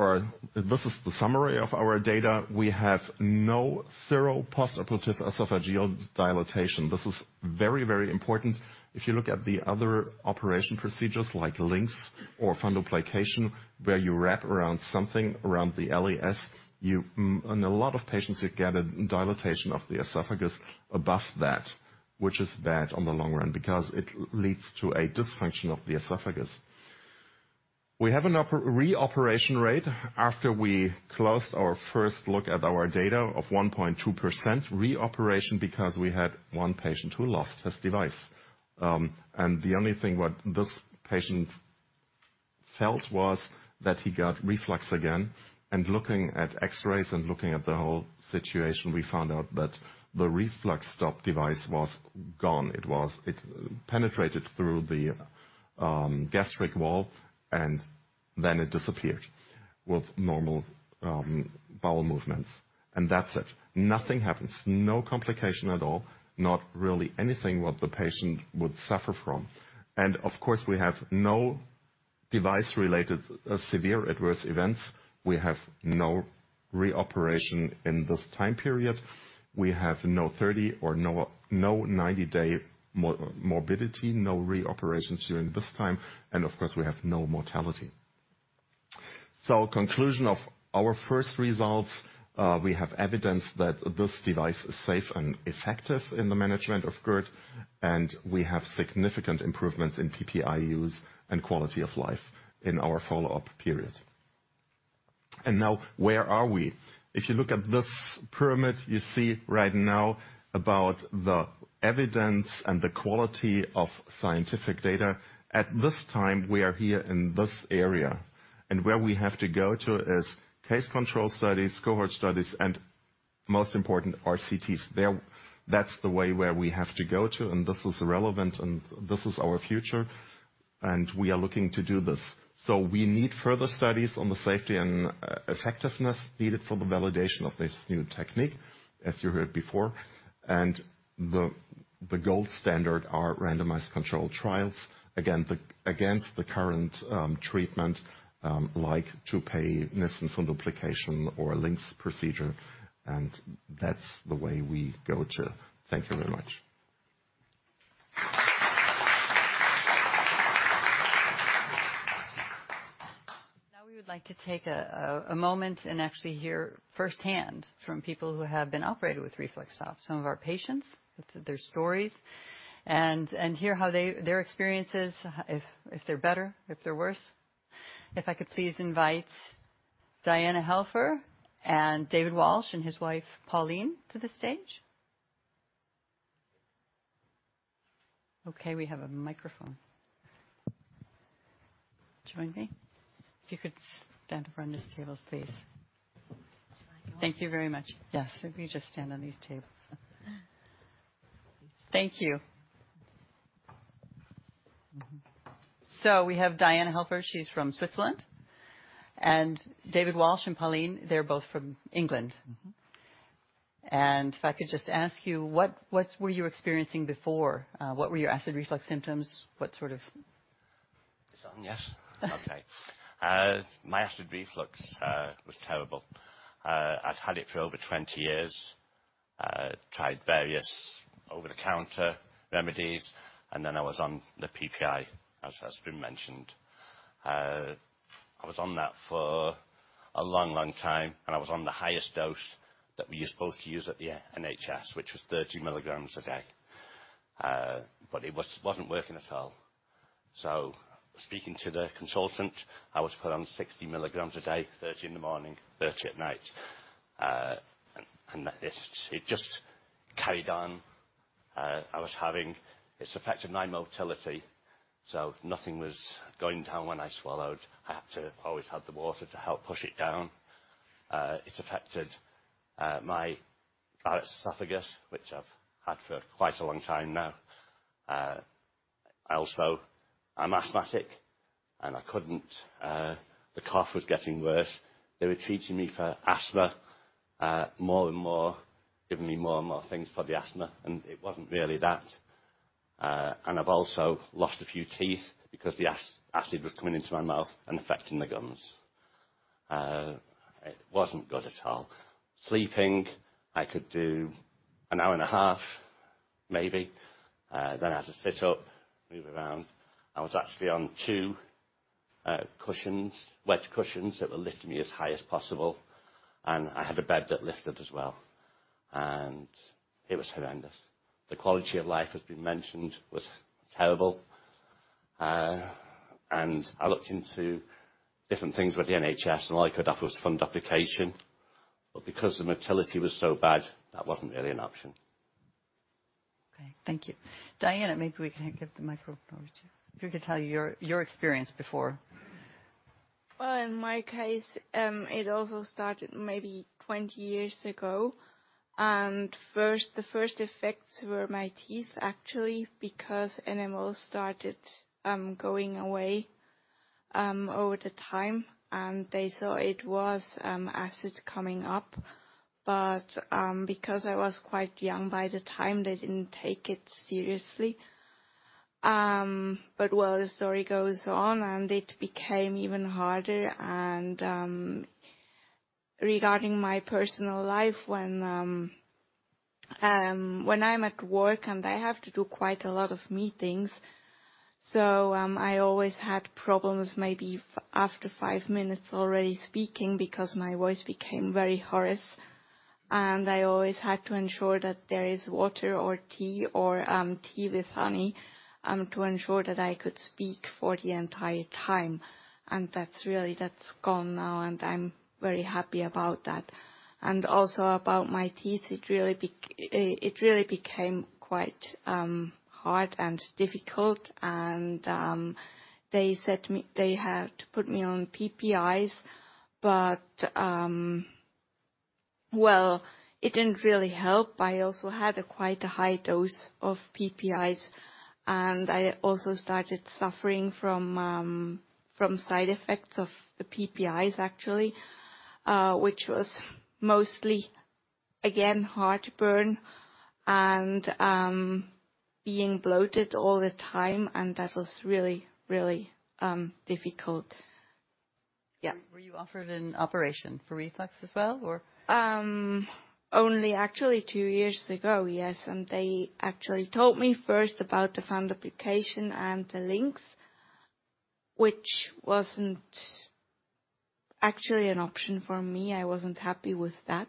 the summary of our data. We have no severe esophageal dilation. This is very, very important. If you look at the other operation procedures, like LINX or fundoplication, where you wrap around something around the LES, you, and a lot of patients have gathered dilatation of the esophagus above that, which is bad on the long run because it leads to a dysfunction of the esophagus. We have a reoperation rate after we closed our first look at our data of 1.2% reoperation because we had one patient who lost his device. And the only thing what this patient felt was that he got reflux again, and looking at X-rays and looking at the whole situation, we found out that the RefluxStop device was gone. It was, it penetrated through the gastric wall, and then it disappeared with normal bowel movements. And that's it. Nothing happens, no complication at all, not really anything what the patient would suffer from. And of course, we have no device-related severe adverse events. We have no reoperation in this time period. We have no 30- or 90-day morbidity, no reoperations during this time, and of course, we have no mortality. So conclusion of our first results, we have evidence that this device is safe and effective in the management of GERD, and we have significant improvements in PPI use and quality of life in our follow-up period. And now, where are we? If you look at this pyramid, you see right now about the evidence and the quality of scientific data. At this time, we are here in this area, and where we have to go to is case control studies, cohort studies, and most important, RCTs. That's the way where we have to go to, and this is relevant, and this is our future.... and we are looking to do this. So we need further studies on the safety and effectiveness needed for the validation of this new technique, as you heard before, and the gold standard are randomized controlled trials against the current treatment, like Toupet Nissen fundoplication or a LINX procedure, and that's the way we go to. Thank you very much. Now, we would like to take a moment and actually hear firsthand from people who have been operated with RefluxStop. Some of our patients, with their stories, and hear how their experiences, if they're better, if they're worse. If I could please invite Diana Helfer and David Walsh and his wife, Pauline, to the stage. Okay, we have a microphone. Join me. If you could stand in front of this table, please. Sure. Thank you very much. Yes, if you just stand on these tables. Thank you. Mm-hmm. So we have Diana Helfer, she's from Switzerland, and David Walsh and Pauline, they're both from England. Mm-hmm. And if I could just ask you, what were you experiencing before? What were your acid reflux symptoms? What sort of- It's on? Yes. Okay. My acid reflux was terrible. I'd had it for over 20 years. Tried various over-the-counter remedies, and then I was on the PPI, as has been mentioned. I was on that for a long, long time, and I was on the highest dose that we used, both use at the NHS, which was 30 milligrams a day. But it was not working at all. So speaking to the consultant, I was put on 60 milligrams a day, 30 in the morning, 30 at night. And that is... It just carried on. I was having. It's affected my motility, so nothing was going down when I swallowed. I had to always have the water to help push it down. It affected my Barrett's Esophagus, which I've had for quite a long time now. Also, I'm asthmatic, and I couldn't. The cough was getting worse. They were treating me for asthma, more and more, giving me more and more things for the asthma, and it wasn't really that. And I've also lost a few teeth because the acid was coming into my mouth and affecting the gums. It wasn't good at all. Sleeping, I could do an hour and a half, maybe, then I had to sit up, move around. I was actually on two cushions, wedge cushions, that would lift me as high as possible, and I had a bed that lifted as well, and it was horrendous. The quality of life has been mentioned, was terrible. And I looked into different things with the NHS, and all I could offer was fundoplication, but because the motility was so bad, that wasn't really an option. Okay, thank you. Diana, maybe we can give the microphone over to you. If you could tell your experience before. Well, in my case, it also started maybe 20 years ago, and the first effects were my teeth, actually, because enamel started going away over the time, and they thought it was acid coming up. But, because I was quite young by the time, they didn't take it seriously. But well, the story goes on, and it became even harder and, regarding my personal life, when, when I'm at work, and I have to do quite a lot of meetings, so, I always had problems, maybe after 5 minutes already speaking, because my voice became very hoarse. And I always had to ensure that there is water or tea or, tea with honey, to ensure that I could speak for the entire time. And that's really, that's gone now, and I'm very happy about that. And also, about my teeth, it really became quite hard and difficult, and they said to me, they had to put me on PPIs, but well, it didn't really help. I also had quite a high dose of PPIs, and I also started suffering from side effects of the PPIs, actually, which was mostly, again, heartburn and being bloated all the time, and that was really, really difficult. Yeah. Were you offered an operation for reflux as well, or? Only actually 2 years ago, yes, and they actually told me first about the fundoplication and the LINX, which wasn't actually an option for me. I wasn't happy with that.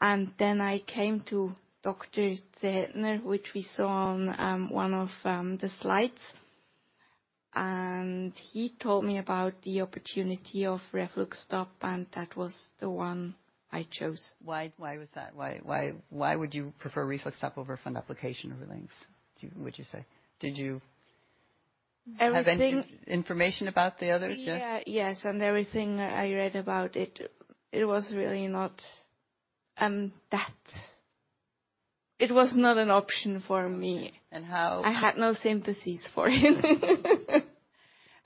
Then, I came to Dr. Zehetner, which we saw on one of the slides, and he told me about the opportunity of RefluxStop, and that was the one I chose. Why, why was that? Why, why, why would you prefer RefluxStop over fundoplication, over LINX, do you—would you say? Did you- Everything- Have any information about the others, yes? Yeah, yes, and everything I read about it, it was really not. It was not an option for me. And how- I had no sympathies for him.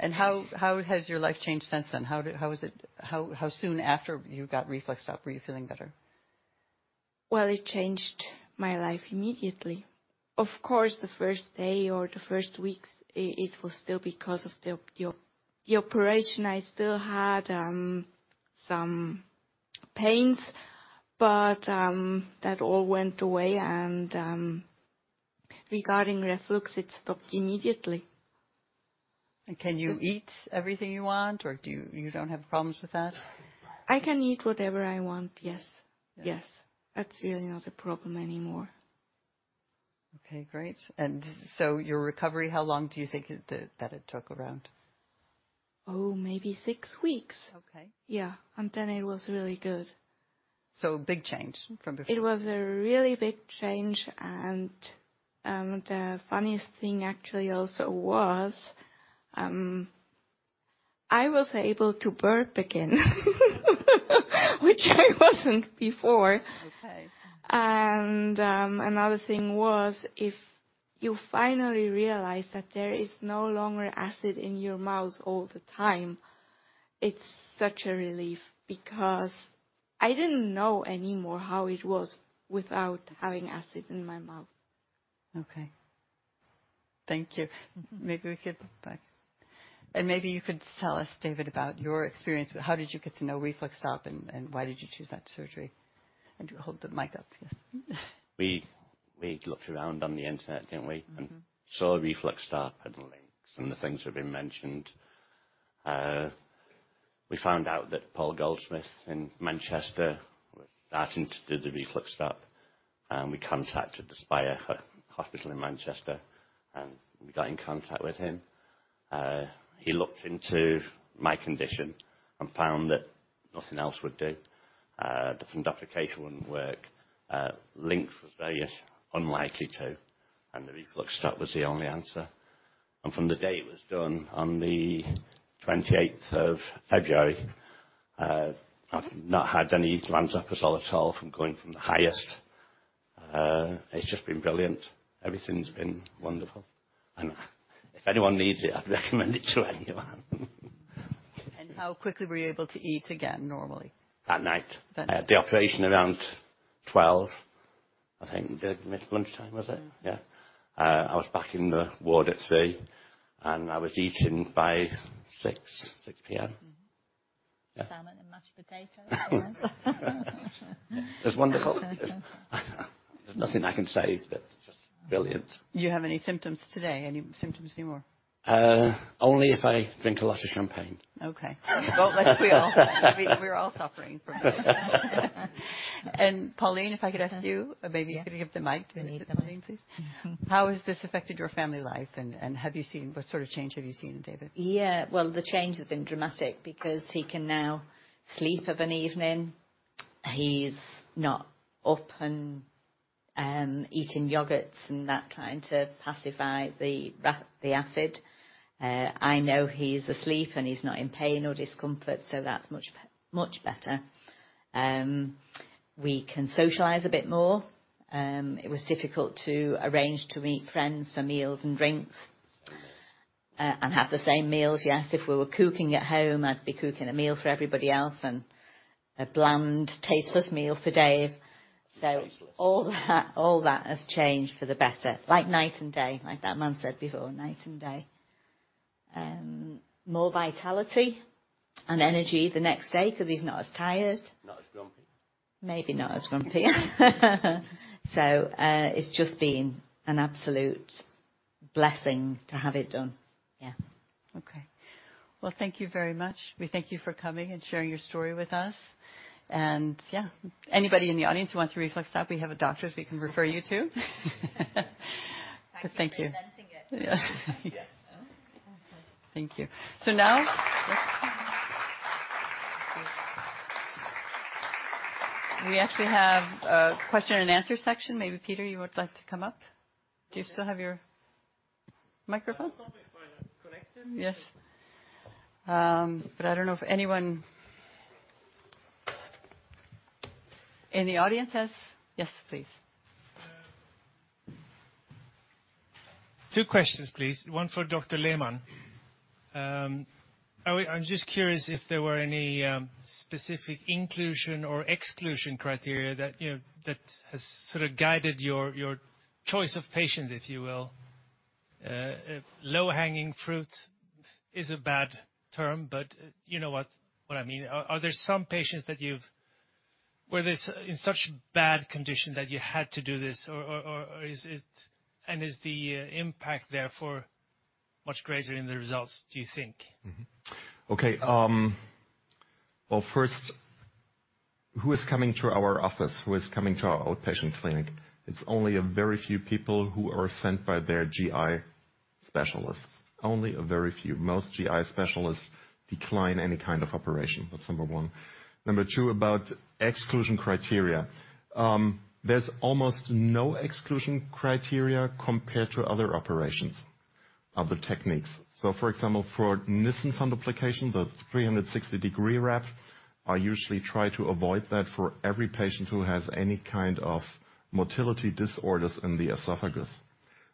And how has your life changed since then? How soon after you got RefluxStop were you feeling better? Well, it changed my life immediately. Of course, the first day or the first weeks, it was still because of the operation. I still had some pains, but that all went away, and regarding reflux, it stopped immediately. Can you eat everything you want, or do you—you don't have problems with that? I can eat whatever I want, yes. Yes. That's really not a problem anymore. Okay, great. And so your recovery, how long do you think it took around? Oh, maybe 6 weeks. Okay. Yeah, and then it was really good. A big change from before? It was a really big change, and the funniest thing actually also was, I was able to burp again, which I wasn't before. Okay. Another thing was, if you finally realize that there is no longer acid in your mouth all the time, it's such a relief because I didn't know anymore how it was without having acid in my mouth. Okay. Thank you. Mm-hmm. Maybe we could, and maybe you could tell us, David, about your experience. How did you get to know RefluxStop, and, and why did you choose that surgery? And hold the mic up. Yeah. We looked around on the internet, didn't we? Mm-hmm. And saw RefluxStop and the LINX and the things that have been mentioned. We found out that Paul Goldsmith in Manchester was starting to do the RefluxStop, and we contacted the Spire Hospital in Manchester, and we got in contact with him. He looked into my condition and found that nothing else would do. The fundoplication wouldn't work, LINX was very unlikely to, and the RefluxStop was the only answer. And from the day it was done on the twenty-eighth of February, I've not had any Lanza episode at all from going from the highest. It's just been brilliant. Everything's been wonderful, and if anyone needs it, I'd recommend it to anyone. How quickly were you able to eat again normally? That night. That- The operation around 12, I think. Mid lunchtime, was it? Mm-hmm. Yeah. I was back in the ward at 3:00, and I was eating by 6:00 P.M. Mm-hmm. Yeah. Salmon and mashed potato. It was wonderful. There's nothing I can say, but just brilliant. Do you have any symptoms today? Any symptoms anymore? Only if I drink a lot of champagne. Okay. Well, like we all. We're all suffering from it. Pauline, if I could ask you- Yeah. Maybe you could give the mic to Pauline, please. How has this affected your family life, and what sort of change have you seen in David? Yeah, well, the change has been dramatic because he can now sleep of an evening. He's not up and eating yogurts and that, trying to pacify the acid. I know he's asleep, and he's not in pain or discomfort, so that's much better. We can socialize a bit more. It was difficult to arrange to meet friends for meals and drinks, and have the same meals. Yes, if we were cooking at home, I'd be cooking a meal for everybody else and a bland, tasteless meal for Dave. Tasteless. All that, all that has changed for the better. Like night and day, like that man said before, night and day. More vitality and energy the next day because he's not as tired. Not as grumpy. Maybe not as grumpy. So, it's just been an absolute blessing to have it done. Yeah. Okay. Well, thank you very much. We thank you for coming and sharing your story with us. And yeah, anybody in the audience who wants a RefluxStop, we have a doctor we can refer you to. Thank you. Thank you for presenting it. Yeah. Yes. Thank you. So now... We actually have a question and answer section. Maybe, Peter, you would like to come up? Do you still have your microphone? Correct me. Yes. But I don't know if anyone in the audience has. Yes, please. Two questions, please. One for Dr. Lehmann. I'm just curious if there were any specific inclusion or exclusion criteria that, you know, that has sort of guided your choice of patient, if you will. Low-hanging fruit is a bad term, but you know what I mean. Are there some patients that you've— Were this in such bad condition that you had to do this, or is it— And is the impact therefore much greater in the results, do you think? Mm-hmm. Okay, well, first, who is coming to our office? Who is coming to our outpatient clinic? It's only a very few people who are sent by their GI specialists. Only a very few. Most GI specialists decline any kind of operation. That's number one. Number two, about exclusion criteria. There's almost no exclusion criteria compared to other operations.... other techniques. So for example, for Nissen fundoplication, the 360-degree wrap, I usually try to avoid that for every patient who has any kind of motility disorders in the esophagus.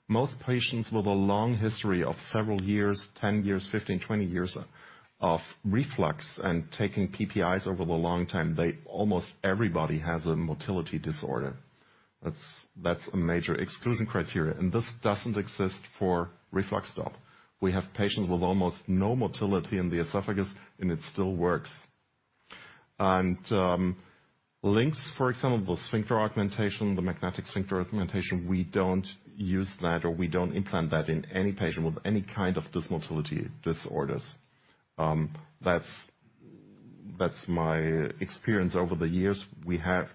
Most patients with a long history of several years, 10 years, 15, 20 years of reflux, and taking PPIs over the long term, they almost everybody has a motility disorder. That's a major exclusion criteria, and this doesn't exist for RefluxStop. We have patients with almost no motility in the esophagus, and it still works. And, LINX, for example, the sphincter augmentation, the magnetic sphincter augmentation, we don't use that, or we don't implant that in any patient with any kind of dysmotility disorders. That's my experience over the years. We have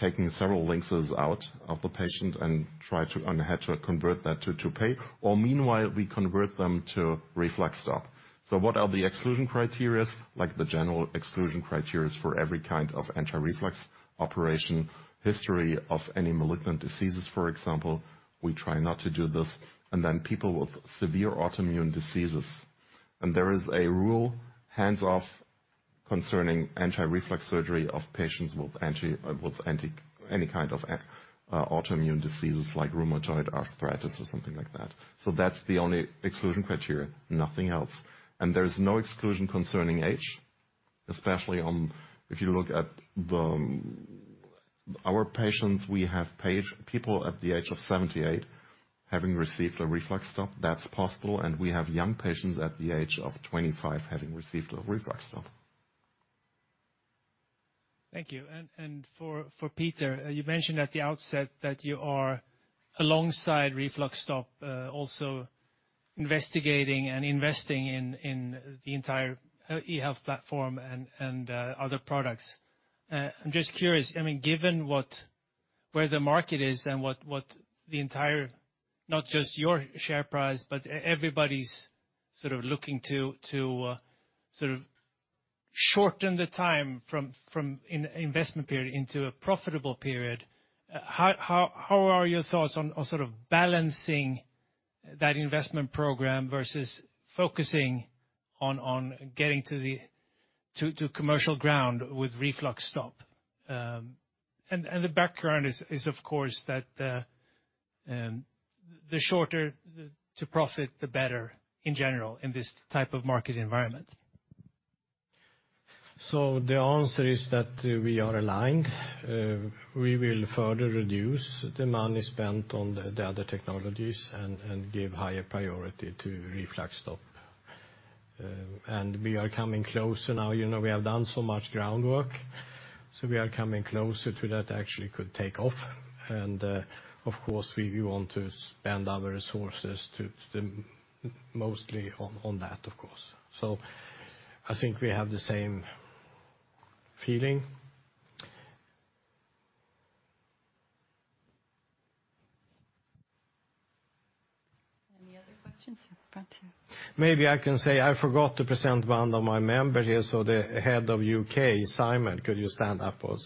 taken several links out of the patient and had to convert that to Toupet, or meanwhile, we convert them to RefluxStop. So what are the exclusion criteria? Like the general exclusion criteria for every kind of anti-reflux operation, history of any malignant diseases, for example, we try not to do this, and then people with severe autoimmune diseases. And there is a rule, hands off, concerning anti-reflux surgery of patients with any kind of autoimmune diseases like rheumatoid arthritis or something like that. So that's the only exclusion criteria, nothing else. And there's no exclusion concerning age, especially. If you look at our patients, we have people at the age of 78, having received a RefluxStop. That's possible, and we have young patients at the age of 25 having received a RefluxStop. Thank you. And for Peter, you mentioned at the outset that you are alongside RefluxStop also investigating and investing in the entire eHealth platform and other products. I'm just curious, I mean, given where the market is and what the entire, not just your share price, but everybody's sort of looking to sort of shorten the time from in investment period into a profitable period, how are your thoughts on sort of balancing that investment program versus focusing on getting to the commercial ground with RefluxStop? And the background is, of course, the shorter to profit, the better in general in this type of market environment. So the answer is that we are aligned. We will further reduce the money spent on the other technologies and give higher priority to RefluxStop. And we are coming closer now. You know, we have done so much groundwork, so we are coming closer to that actually could take off. And, of course, we want to spend our resources to mostly on that, of course. So I think we have the same feeling. Any other questions? Thank you. Maybe I can say, I forgot to present one of my members here, so the head of U.K., Simon, could you stand up, please?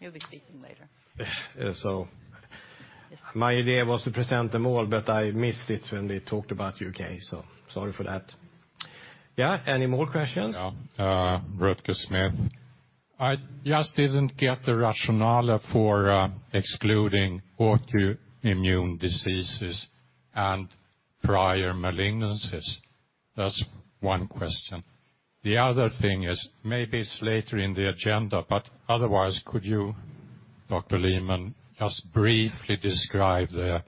He'll be speaking later. My idea was to present them all, but I missed it when we talked about UK, so sorry for that. Yeah, any more questions? Yeah. Rutger Smith. I just didn't get the rationale for excluding autoimmune diseases and prior malignancies. That's one question. The other thing is, maybe it's later in the agenda, but otherwise, could you, Dr. Lehmann, just briefly describe the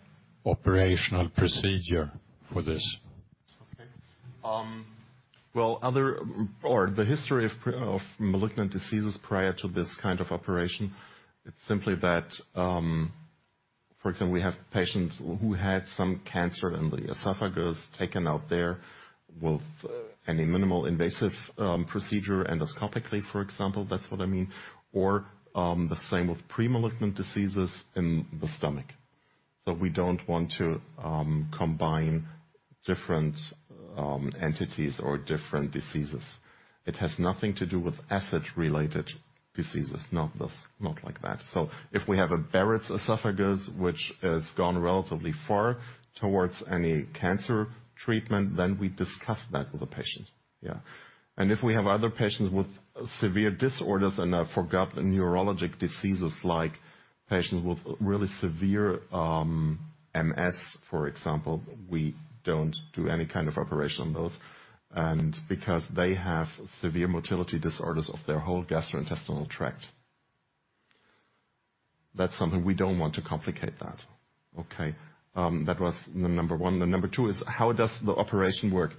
operational procedure for this? Okay. Well, other or the history of pre-malignant diseases prior to this kind of operation, it's simply that, for example, we have patients who had some cancer in the esophagus taken out there with any minimal invasive procedure endoscopically, for example, that's what I mean, or the same with pre-malignant diseases in the stomach. So we don't want to combine different entities or different diseases. It has nothing to do with acid-related diseases, not this, not like that. So if we have a Barrett's Esophagus, which has gone relatively far towards any cancer treatment, then we discuss that with the patient. Yeah. And if we have other patients with severe disorders, and I forgot the neurologic diseases, like patients with really severe MS, for example, we don't do any kind of operation on those. Because they have severe motility disorders of their whole gastrointestinal tract. That's something we don't want to complicate that. Okay, that was the number one. The number two is: how does the operation work?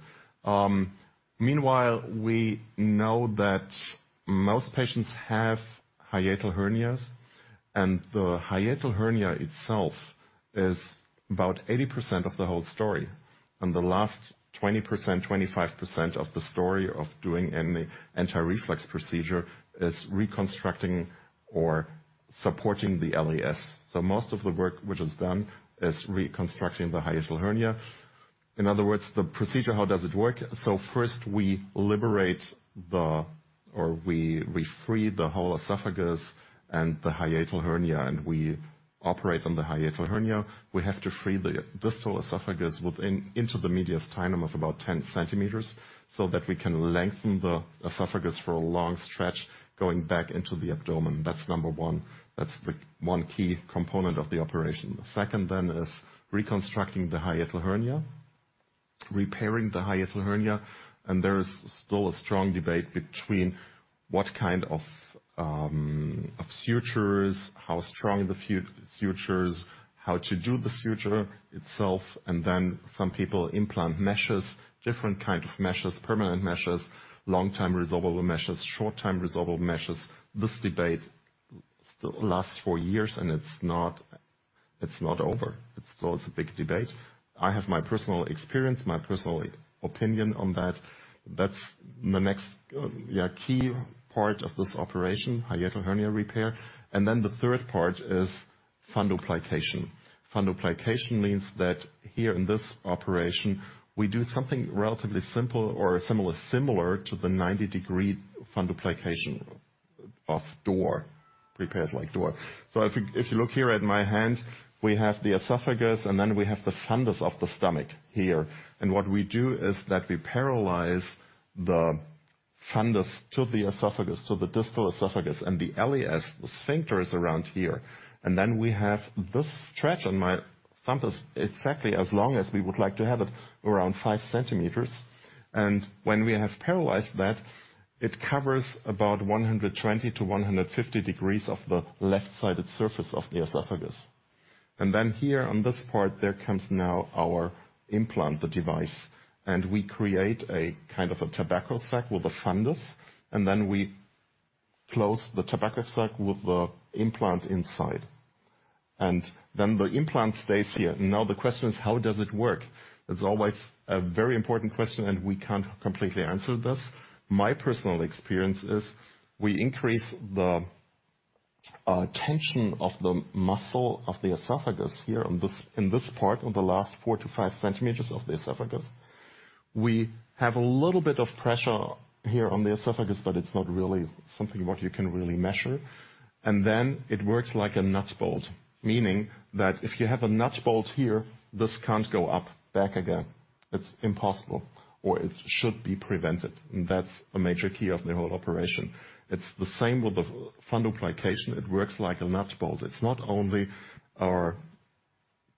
Meanwhile, we know that most patients have hiatal hernias, and the hiatal hernia itself is about 80% of the whole story, and the last 20%, 25% of the story of doing any anti-reflux procedure is reconstructing or supporting the LES. So most of the work which is done is reconstructing the hiatal hernia. In other words, the procedure, how does it work? So first, we liberate the or we free the whole esophagus and the hiatal hernia, and we operate on the hiatal hernia. We have to free the distal esophagus within, into the mediastinum of about 10 centimeters, so that we can lengthen the esophagus for a long stretch, going back into the abdomen. That's number one. That's the one key component of the operation. The second then is reconstructing the hiatal hernia, repairing the hiatal hernia, and there is still a strong debate between what kind of, of sutures, how strong the sutures, how to do the suture itself, and then some people implant meshes, different kind of meshes, permanent meshes, long-term resorbable meshes, short-term resorbable meshes. This debate still lasts for years, and it's not, it's not over. It's still, it's a big debate. I have my personal experience, my personal opinion on that. That's the next, key part of this operation, hiatal hernia repair. And then the third part is fundoplication. Fundoplication means that here in this operation, we do something relatively simple or similar, similar to the 90-degree fundoplication of Dor, prepared like Dor. So if, if you look here at my hand, we have the esophagus, and then we have the fundus of the stomach here. And what we do is that we plicate the fundus to the esophagus, to the distal esophagus, and the LES, the sphincter, is around here. And then we have this stitch on my fundus, exactly as long as we would like to have it, around 5 centimeters. And when we have plicated that, it covers about 120-150 degrees of the left-sided surface of the esophagus. And then here, on this part, there comes now our implant, the device, and we create a kind of a tobacco sack with a fundus, and then we close the tobacco sack with the implant inside. And then the implant stays here. Now, the question is: how does it work? It's always a very important question, and we can't completely answer this. My personal experience is we increase the tension of the muscle of the esophagus here on this, in this part, on the last four to five centimeters of the esophagus. We have a little bit of pressure here on the esophagus, but it's not really something what you can really measure. And then it works like a nut bolt, meaning that if you have a nut bolt here, this can't go up back again. It's impossible, or it should be prevented, and that's a major key of the whole operation. It's the same with the fundoplication. It works like a nut bolt. It's not only our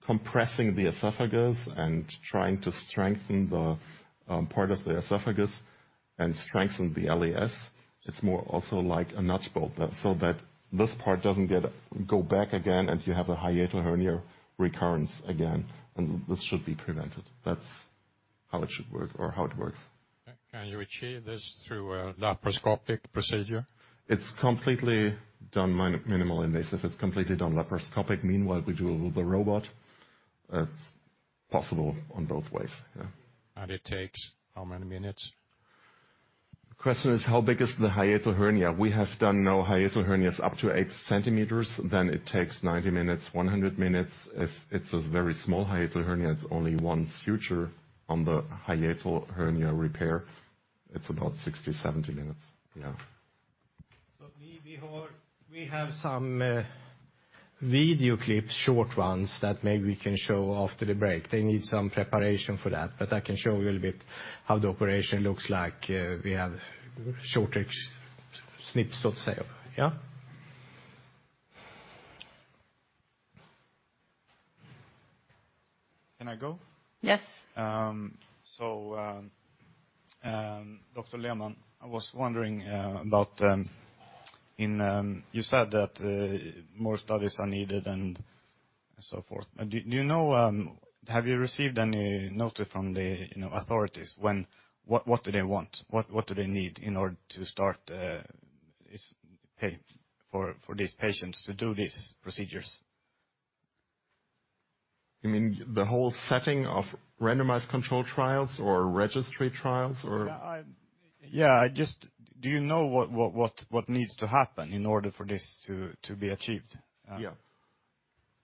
compressing the esophagus and trying to strengthen the part of the esophagus and strengthen the LES. It's more also like a nut bolt, that so that this part doesn't get, go back again, and you have a hiatal hernia recurrence again, and this should be prevented. That's how it should work or how it works. Can you achieve this through a laparoscopic procedure? It's completely done minimally invasive. It's completely done laparoscopic. Meanwhile, we do it with a robot. It's possible on both ways, yeah. It takes how many minutes? Question is, how big is the hiatal hernia? We have done now hiatal hernias up to 8 centimeters, then it takes 90-100 minutes. If it's a very small hiatal hernia, it's only one suture on the hiatal hernia repair, it's about 60-70 minutes. Yeah. So we have some video clips, short ones, that maybe we can show after the break. They need some preparation for that, but I can show you a little bit how the operation looks like. We have shorter snips, so to say. Yeah? Can I go? Yes. So, Dr. Lehmann, I was wondering about you said that more studies are needed and so forth. Do you know, have you received any notice from the, you know, authorities? What do they want? What do they need in order to start this pay for these patients to do these procedures? You mean the whole setting of randomized controlled trials or registry trials, or? Yeah, yeah, I just do you know what needs to happen in order for this to be achieved? Yeah.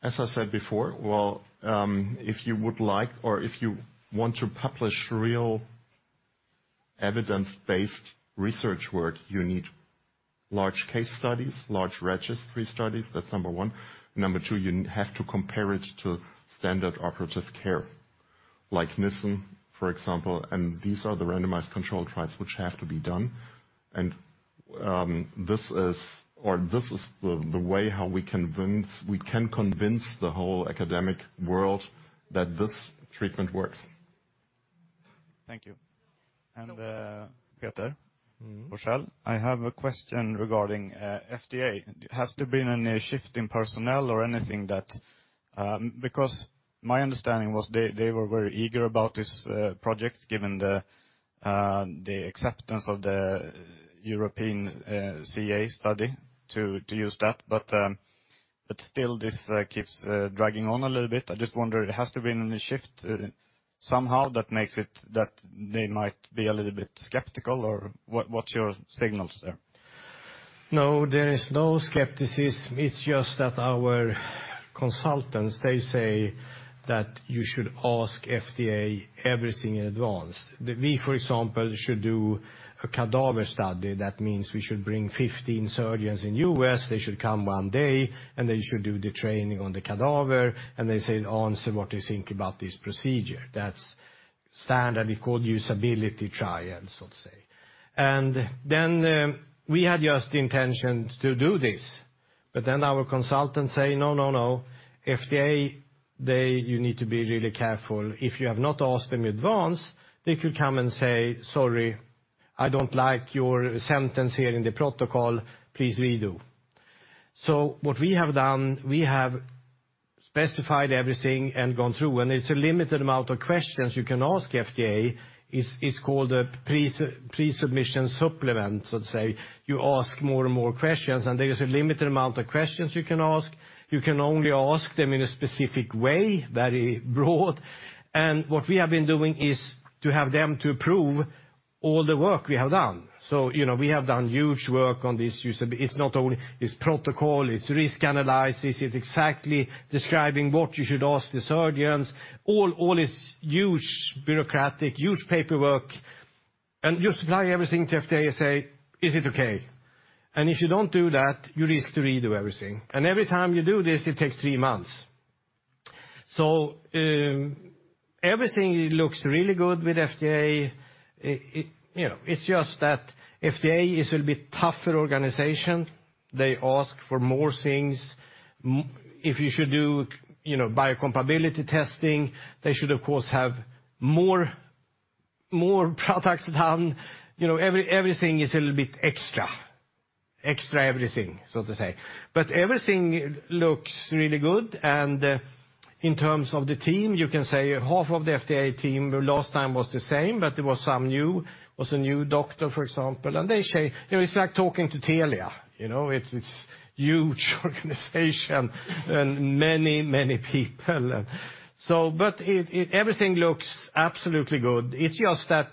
As I said before, well, if you would like, or if you want to publish real evidence-based research work, you need large case studies, large registry studies. That's number one. Number two, you have to compare it to standard operative care, like Nissen, for example, and these are the randomized controlled trials which have to be done. And, this is, or this is the way how we convince, we can convince the whole academic world that this treatment works. Thank you. And, Peter Forsell, I have a question regarding FDA. Has there been any shift in personnel or anything that... Because my understanding was they, they were very eager about this project, given the acceptance of the European CE study to use that, but still, this keeps dragging on a little bit. I just wonder, it has to be been any shift somehow that makes it that they might be a little bit skeptical, or what, what's your signals there?... No, there is no skepticism. It's just that our consultants, they say that you should ask FDA everything in advance. We, for example, should do a cadaver study. That means we should bring 15 surgeons in U.S., they should come one day, and they should do the training on the cadaver, and they say, answer what you think about this procedure. That's standard. We call usability trials, let's say. And then, we had just the intention to do this, but then our consultants say: No, no, no, FDA, they, you need to be really careful. If you have not asked them in advance, they could come and say, "Sorry, I don't like your sentence here in the protocol. Please redo." So what we have done, we have specified everything and gone through, and it's a limited amount of questions you can ask FDA. It's called a pre-submission supplement, let's say. You ask more and more questions, and there is a limited amount of questions you can ask. You can only ask them in a specific way, very broad. And what we have been doing is to have them to approve all the work we have done. So, you know, we have done huge work on this user. It's not only it's protocol, it's risk analysis, it's exactly describing what you should ask the surgeons. All is huge bureaucratic, huge paperwork, and just supply everything to FDA and say, "Is it okay?" And if you don't do that, you risk to redo everything. And every time you do this, it takes three months. So, everything looks really good with FDA. It, it, you know, it's just that FDA is a little bit tougher organization. They ask for more things. If you should do, you know, biocompatibility testing, they should, of course, have more products done. You know, everything is a little bit extra, extra everything, so to say. But everything looks really good. In terms of the team, you can say half of the FDA team last time was the same, but there was a new doctor, for example, and it's like talking to Telia, you know, it's a huge organization and many people. But everything looks absolutely good. It's just that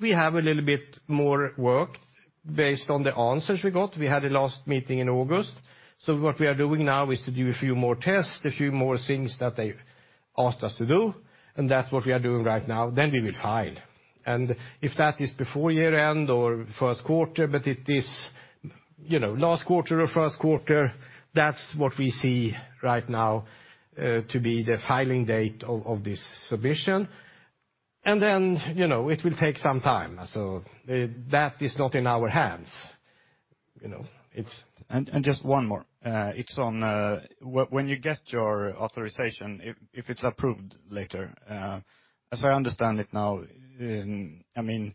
we have a little bit more work based on the answers we got. We had the last meeting in August. So what we are doing now is to do a few more tests, a few more things that they asked us to do, and that's what we are doing right now, then we will file. And if that is before year-end or first quarter, but it is, you know, last quarter or first quarter, that's what we see right now, to be the filing date of this submission. And then, you know, it will take some time. So that is not in our hands, you know, it's- And just one more. It's on when you get your authorization, if it's approved later, as I understand it now, I mean,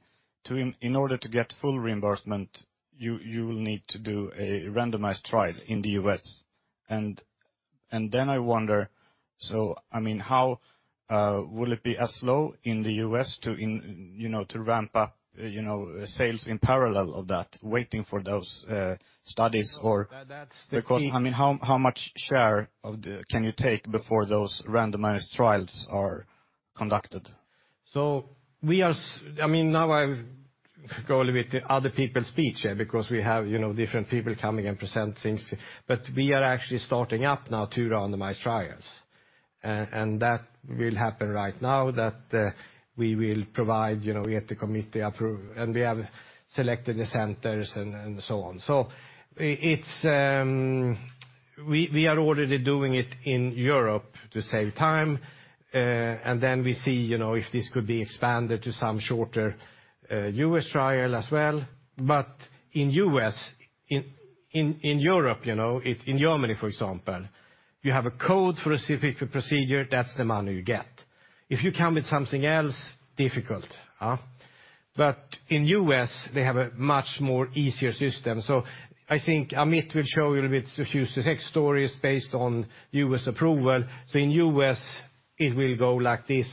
in order to get full reimbursement, you will need to do a randomized trial in the U.S. And then I wonder, so, I mean, how will it be as slow in the U.S., you know, to ramp up, you know, sales in parallel of that, waiting for those studies or- That, that's the key. Because, I mean, how much share of the- can you take before those randomized trials are conducted? So we are, I mean, now I've got a little bit to other people's speech, because we have, you know, different people coming and present things. But we are actually starting up now two randomized trials, and that will happen right now, we will provide, you know, we have to commit, they approve, and we have selected the centers and so on. So it's, we are already doing it in Europe to save time, and then we see, you know, if this could be expanded to some shorter U.S. trial as well. But in U.S., in Europe, you know, it's in Germany, for example, you have a code for a specific procedure, that's the money you get. If you come with something else, difficult, huh? But in U.S., they have a much more easier system. I think Amit will show you a little bit of success stories based on U.S. approval. In U.S., it will go like this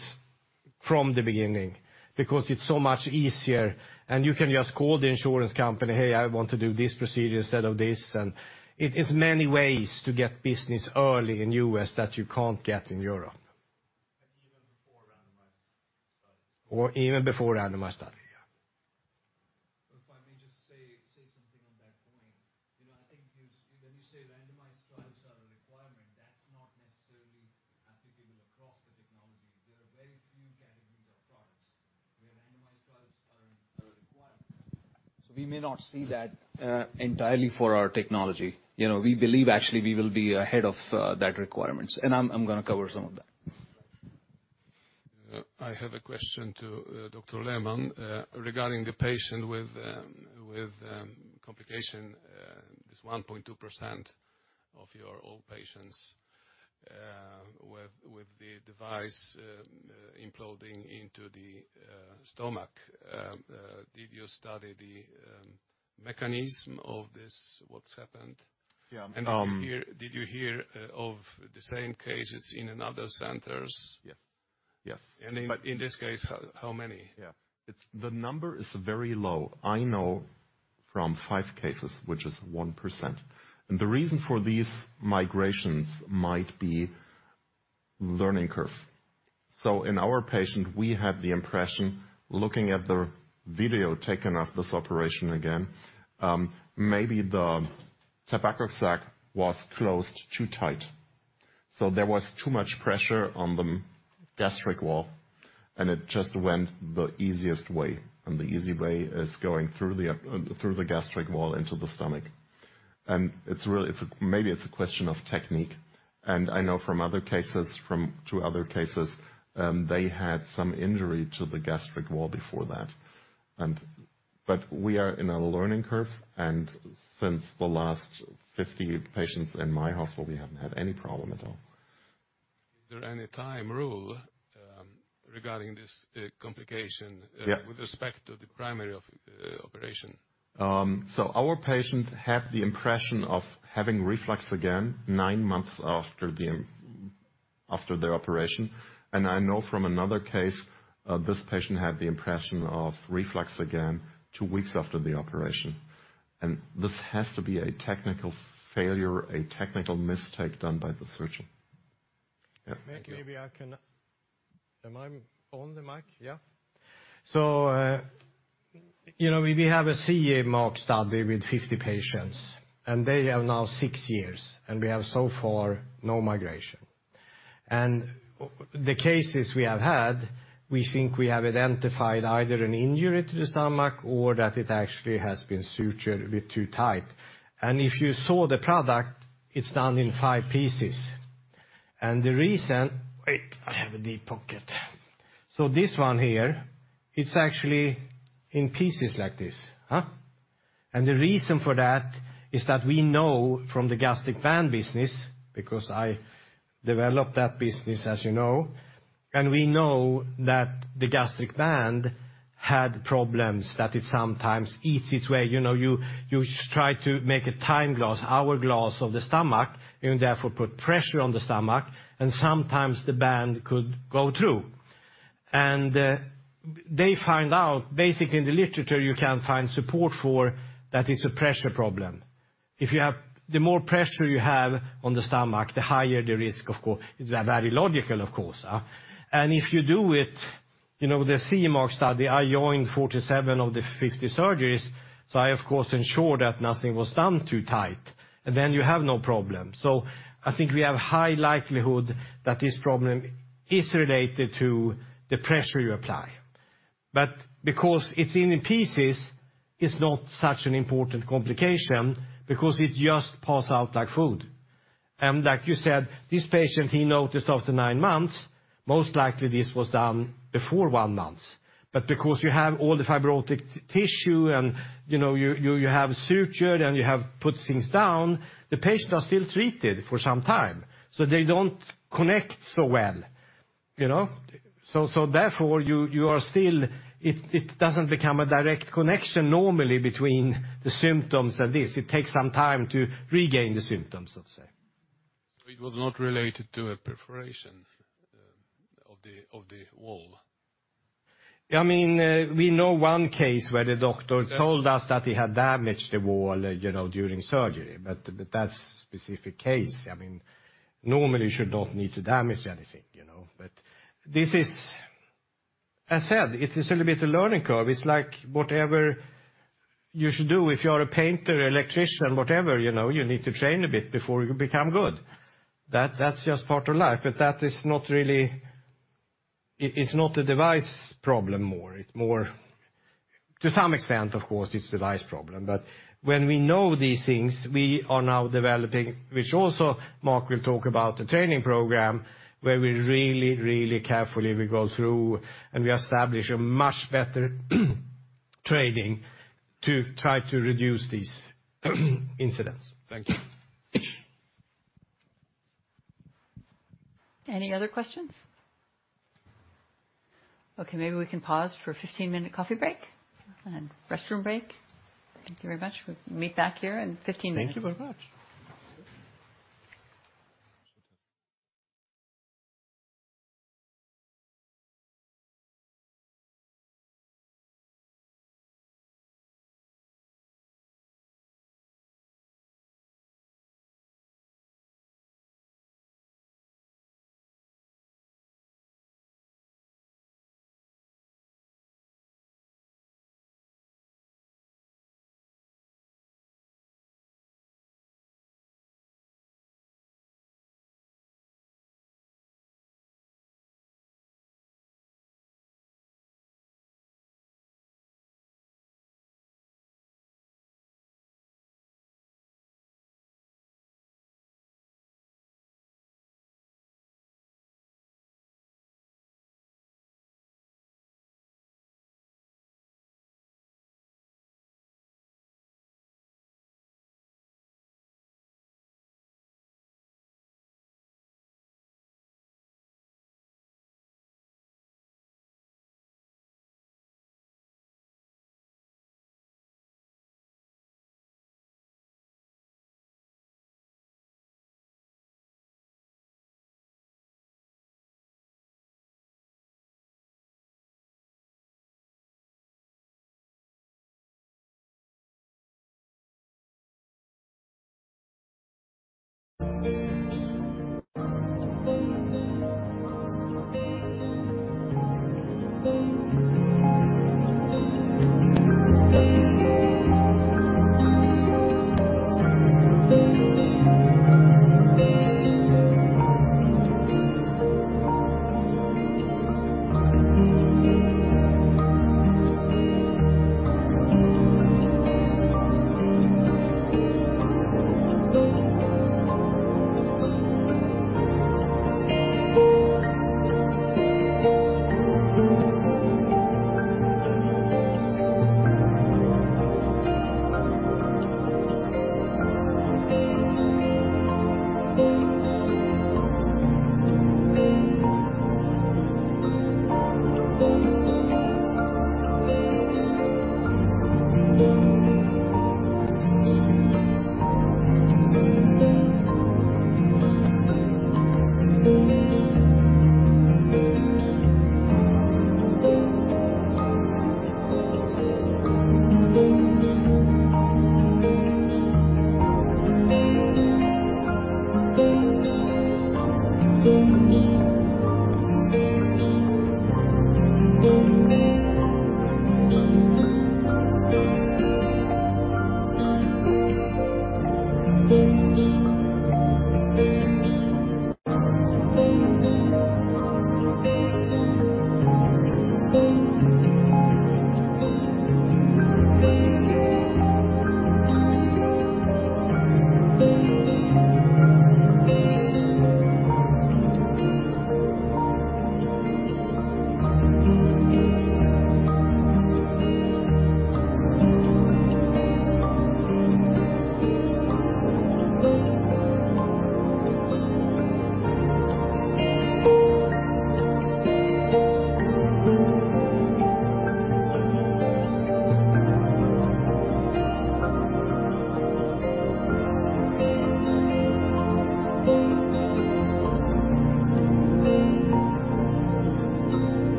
from the beginning, because it's so much easier, and you can just call the insurance company, "Hey, I want to do this procedure instead of this." It is many ways to get business early in U.S. that you can't get in Europe. Even before randomized study. Or even before randomized study, yeah. If I may just say something on that point. You know, I think you, when you say randomized trials are a requirement, that's not necessarily applicable across the technologies. There are very few categories of products where randomized trials are required. So we may not see that entirely for our technology. You know, we believe, actually, we will be ahead of that requirements, and I'm going to cover some of that. I have a question to Dr. Lehmann regarding the patient with complication, this 1.2% of your old patients, with the device imploding into the stomach. Did you study the mechanism of this, what's happened? Yeah, um- Did you hear, did you hear of the same cases in another centers? Yes. Yes. And in this case, how many? Yeah. It's the number is very low. I know from 5 cases, which is 1%. And the reason for these migrations might be learning curve. So in our patient, we had the impression, looking at the video taken of this operation again, maybe the tobacco sac was closed too tight, so there was too much pressure on the gastric wall, and it just went the easiest way, and the easy way is going through the through the gastric wall into the stomach. And it's really it's a, maybe it's a question of technique, and I know from other cases, from 2 other cases, they had some injury to the gastric wall before that. And but we are in a learning curve, and since the last 50 patients in my hospital, we haven't had any problem at all. Is there any time rule, regarding this, complication? Yeah. -with respect to the primary of operation? Our patient had the impression of having reflux again, nine months after the operation. I know from another case, this patient had the impression of reflux again, two weeks after the operation. This has to be a technical failure, a technical mistake done by the surgeon. Yeah. Thank you. Maybe I can... Am I on the mic? Yeah. So, you know, we have a CE Mark study with 50 patients, and they have now 6 years, and we have so far no migration. And the cases we have had, we think we have identified either an injury to the stomach or that it actually has been sutured a bit too tight. And if you saw the product, it's done in 5 pieces. And the reason... Wait, I have a deep pocket. So this one here, it's actually in pieces like this, huh? And the reason for that is that we know from the gastric band business, because I developed that business, as you know, and we know that the gastric band had problems, that it sometimes eats its way. You know, you try to make a time glass, hour glass of the stomach, and therefore put pressure on the stomach, and sometimes the band could go through. And they find out, basically, in the literature, you can find support for that is a pressure problem. If you have... The more pressure you have on the stomach, the higher the risk, of course. It's very logical, of course. And if you do it, you know, the CE Mark study, I joined 47 of the 50 surgeries, so I, of course, ensured that nothing was done too tight, and then you have no problem. So I think we have high likelihood that this problem is related to the pressure you apply. But because it's in pieces, it's not such an important complication because it just pass out like food. And like you said, this patient, he noticed after 9 months, most likely, this was done before 1 month. But because you have all the fibrotic tissue and, you know, you, you have suture and you have put things down, the patient are still treated for some time, so they don't connect so well, you know? So, so therefore, you, you are still... It, it doesn't become a direct connection normally between the symptoms and this. It takes some time to regain the symptoms, let's say. So it was not related to a perforation of the wall? I mean, we know one case where the doctor told us that he had damaged the wall, you know, during surgery, but that's specific case. I mean, normally, you should not need to damage anything, you know, but this is... I said it's a little bit a learning curve. It's like whatever you should do, if you're a painter, electrician, whatever, you know, you need to train a bit before you become good. That, that's just part of life, but that is not really... it's not a device problem more, it's more, to some extent, of course, it's device problem, but when we know these things, we are now developing, which also Mark will talk about the training program, where we really, really carefully, we go through and we establish a much better training to try to reduce these incidents. Thank you. Any other questions? Okay, maybe we can pause for a 15-minute coffee break and restroom break. Thank you very much. We'll meet back here in 15 minutes. Thank you very much.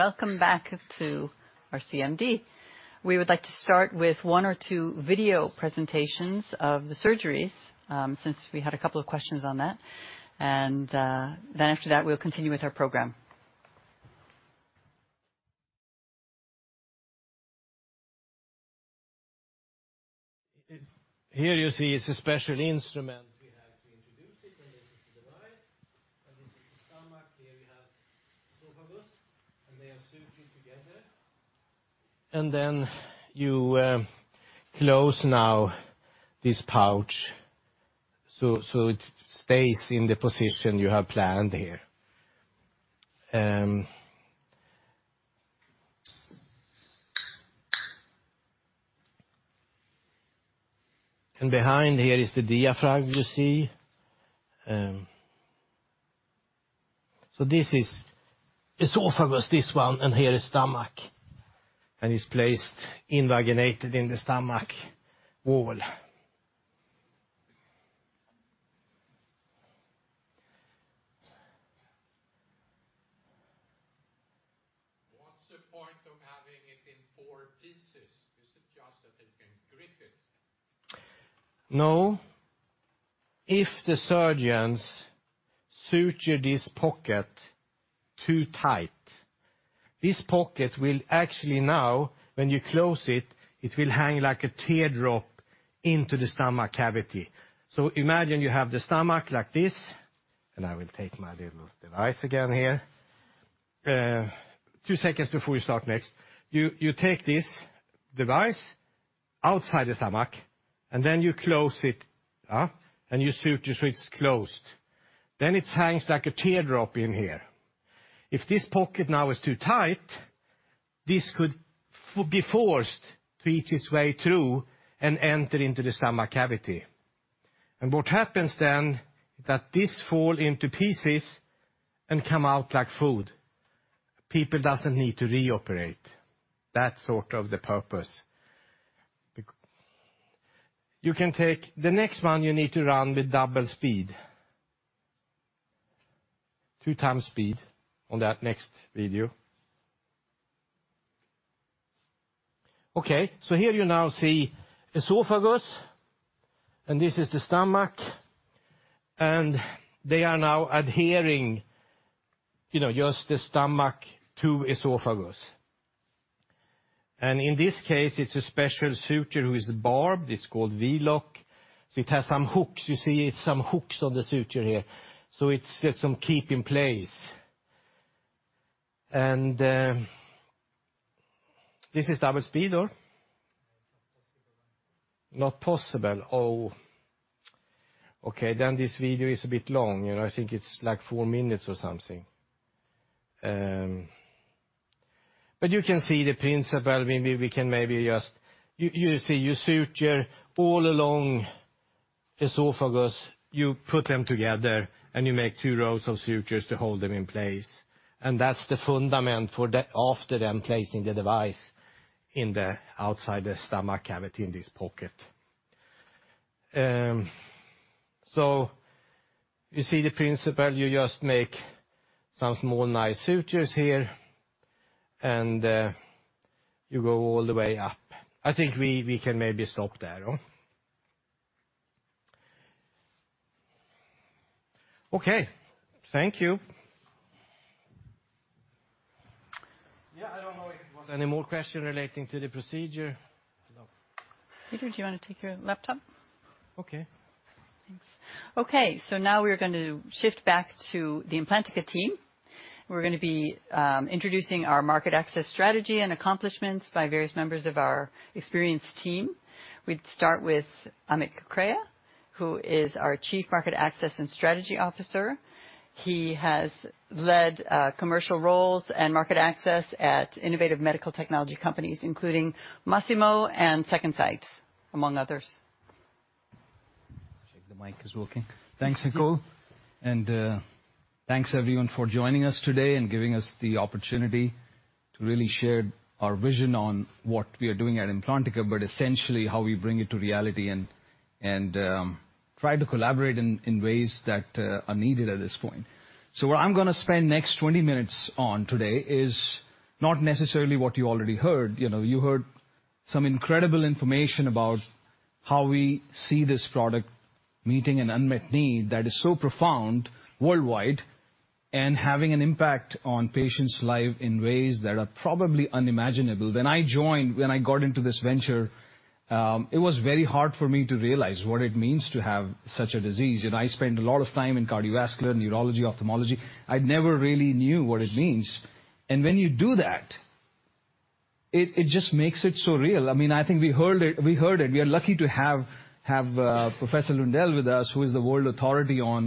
Welcome back to our CMD. We would like to start with one or two video presentations of the surgeries, since we had a couple of questions on that. Then after that, we'll continue with our program. Here you see it's a special instrument. We have to introduce it in the device, and this is the stomach. Here we have esophagus, and they are sutured together. And then you close now this pouch, so it stays in the position you have planned here. And behind here is the diaphragm, you see. So this is esophagus, this one, and here is stomach, and it's placed invaginated in the stomach wall. What's the point of having it in four pieces? Is it just that they can grip it? No. If the surgeons suture this pocket too tight, this pocket will actually now, when you close it, it will hang like a teardrop into the stomach cavity. So imagine you have the stomach like this. And I will take my little device again here. Two seconds before we start next. You take this device outside the stomach, and then you close it, and you suture so it's closed. Then it hangs like a teardrop in here. If this pocket now is too tight, this could be forced to eat its way through and enter into the stomach cavity. And what happens then, is that this fall into pieces and come out like food. People doesn't need to reoperate. That's sort of the purpose. You can take the next one, you need to run with double speed. Two times speed on that next video. Okay, so here you now see esophagus, and this is the stomach, and they are now adhering, you know, just the stomach to esophagus. And in this case, it's a special suture who is barbed, it's called V-Loc. So it has some hooks. You see, it's some hooks on the suture here, so it's some keep in place. And this is double speed or? It's not possible right now. Not possible. Oh, okay, then this video is a bit long. I think it's, like, four minutes or something. But you can see the principle. Maybe we can maybe just... You see, you suture all along esophagus, you put them together, and you make two rows of sutures to hold them in place. And that's the fundament for the after then placing the device in the outside the stomach cavity in this pocket. So you see the principle. You just make some small, nice sutures here, and you go all the way up. I think we can maybe stop there, oh. Okay, thank you. Yeah, I don't know if there was any more question relating to the procedure. No. Peter, do you want to take your laptop? Okay. Thanks. Okay, so now we're going to shift back to the Implantica team. We're going to be introducing our market access strategy and accomplishments by various members of our experienced team. We'd start with Amit Kakkad, who is our Chief Market Access and Strategy Officer. He has led commercial roles and market access at innovative medical technology companies, including Masimo and Second Sight, among others. Check the mic is working. Thanks, Nicole, and thanks, everyone, for joining us today and giving us the opportunity to really share our vision on what we are doing at Implantica, but essentially how we bring it to reality and try to collaborate in ways that are needed at this point. What I'm gonna spend next 20 minutes on today is not necessarily what you already heard. You know, you heard some incredible information about how we see this product meeting an unmet need that is so profound worldwide, and having an impact on patients' life in ways that are probably unimaginable. When I joined, when I got into this venture, it was very hard for me to realize what it means to have such a disease. I spent a lot of time in cardiovascular, neurology, ophthalmology. I never really knew what it means. And when you do that, it just makes it so real. I mean, I think we heard it, we heard it. We are lucky to have Professor Lundell with us, who is the world authority on,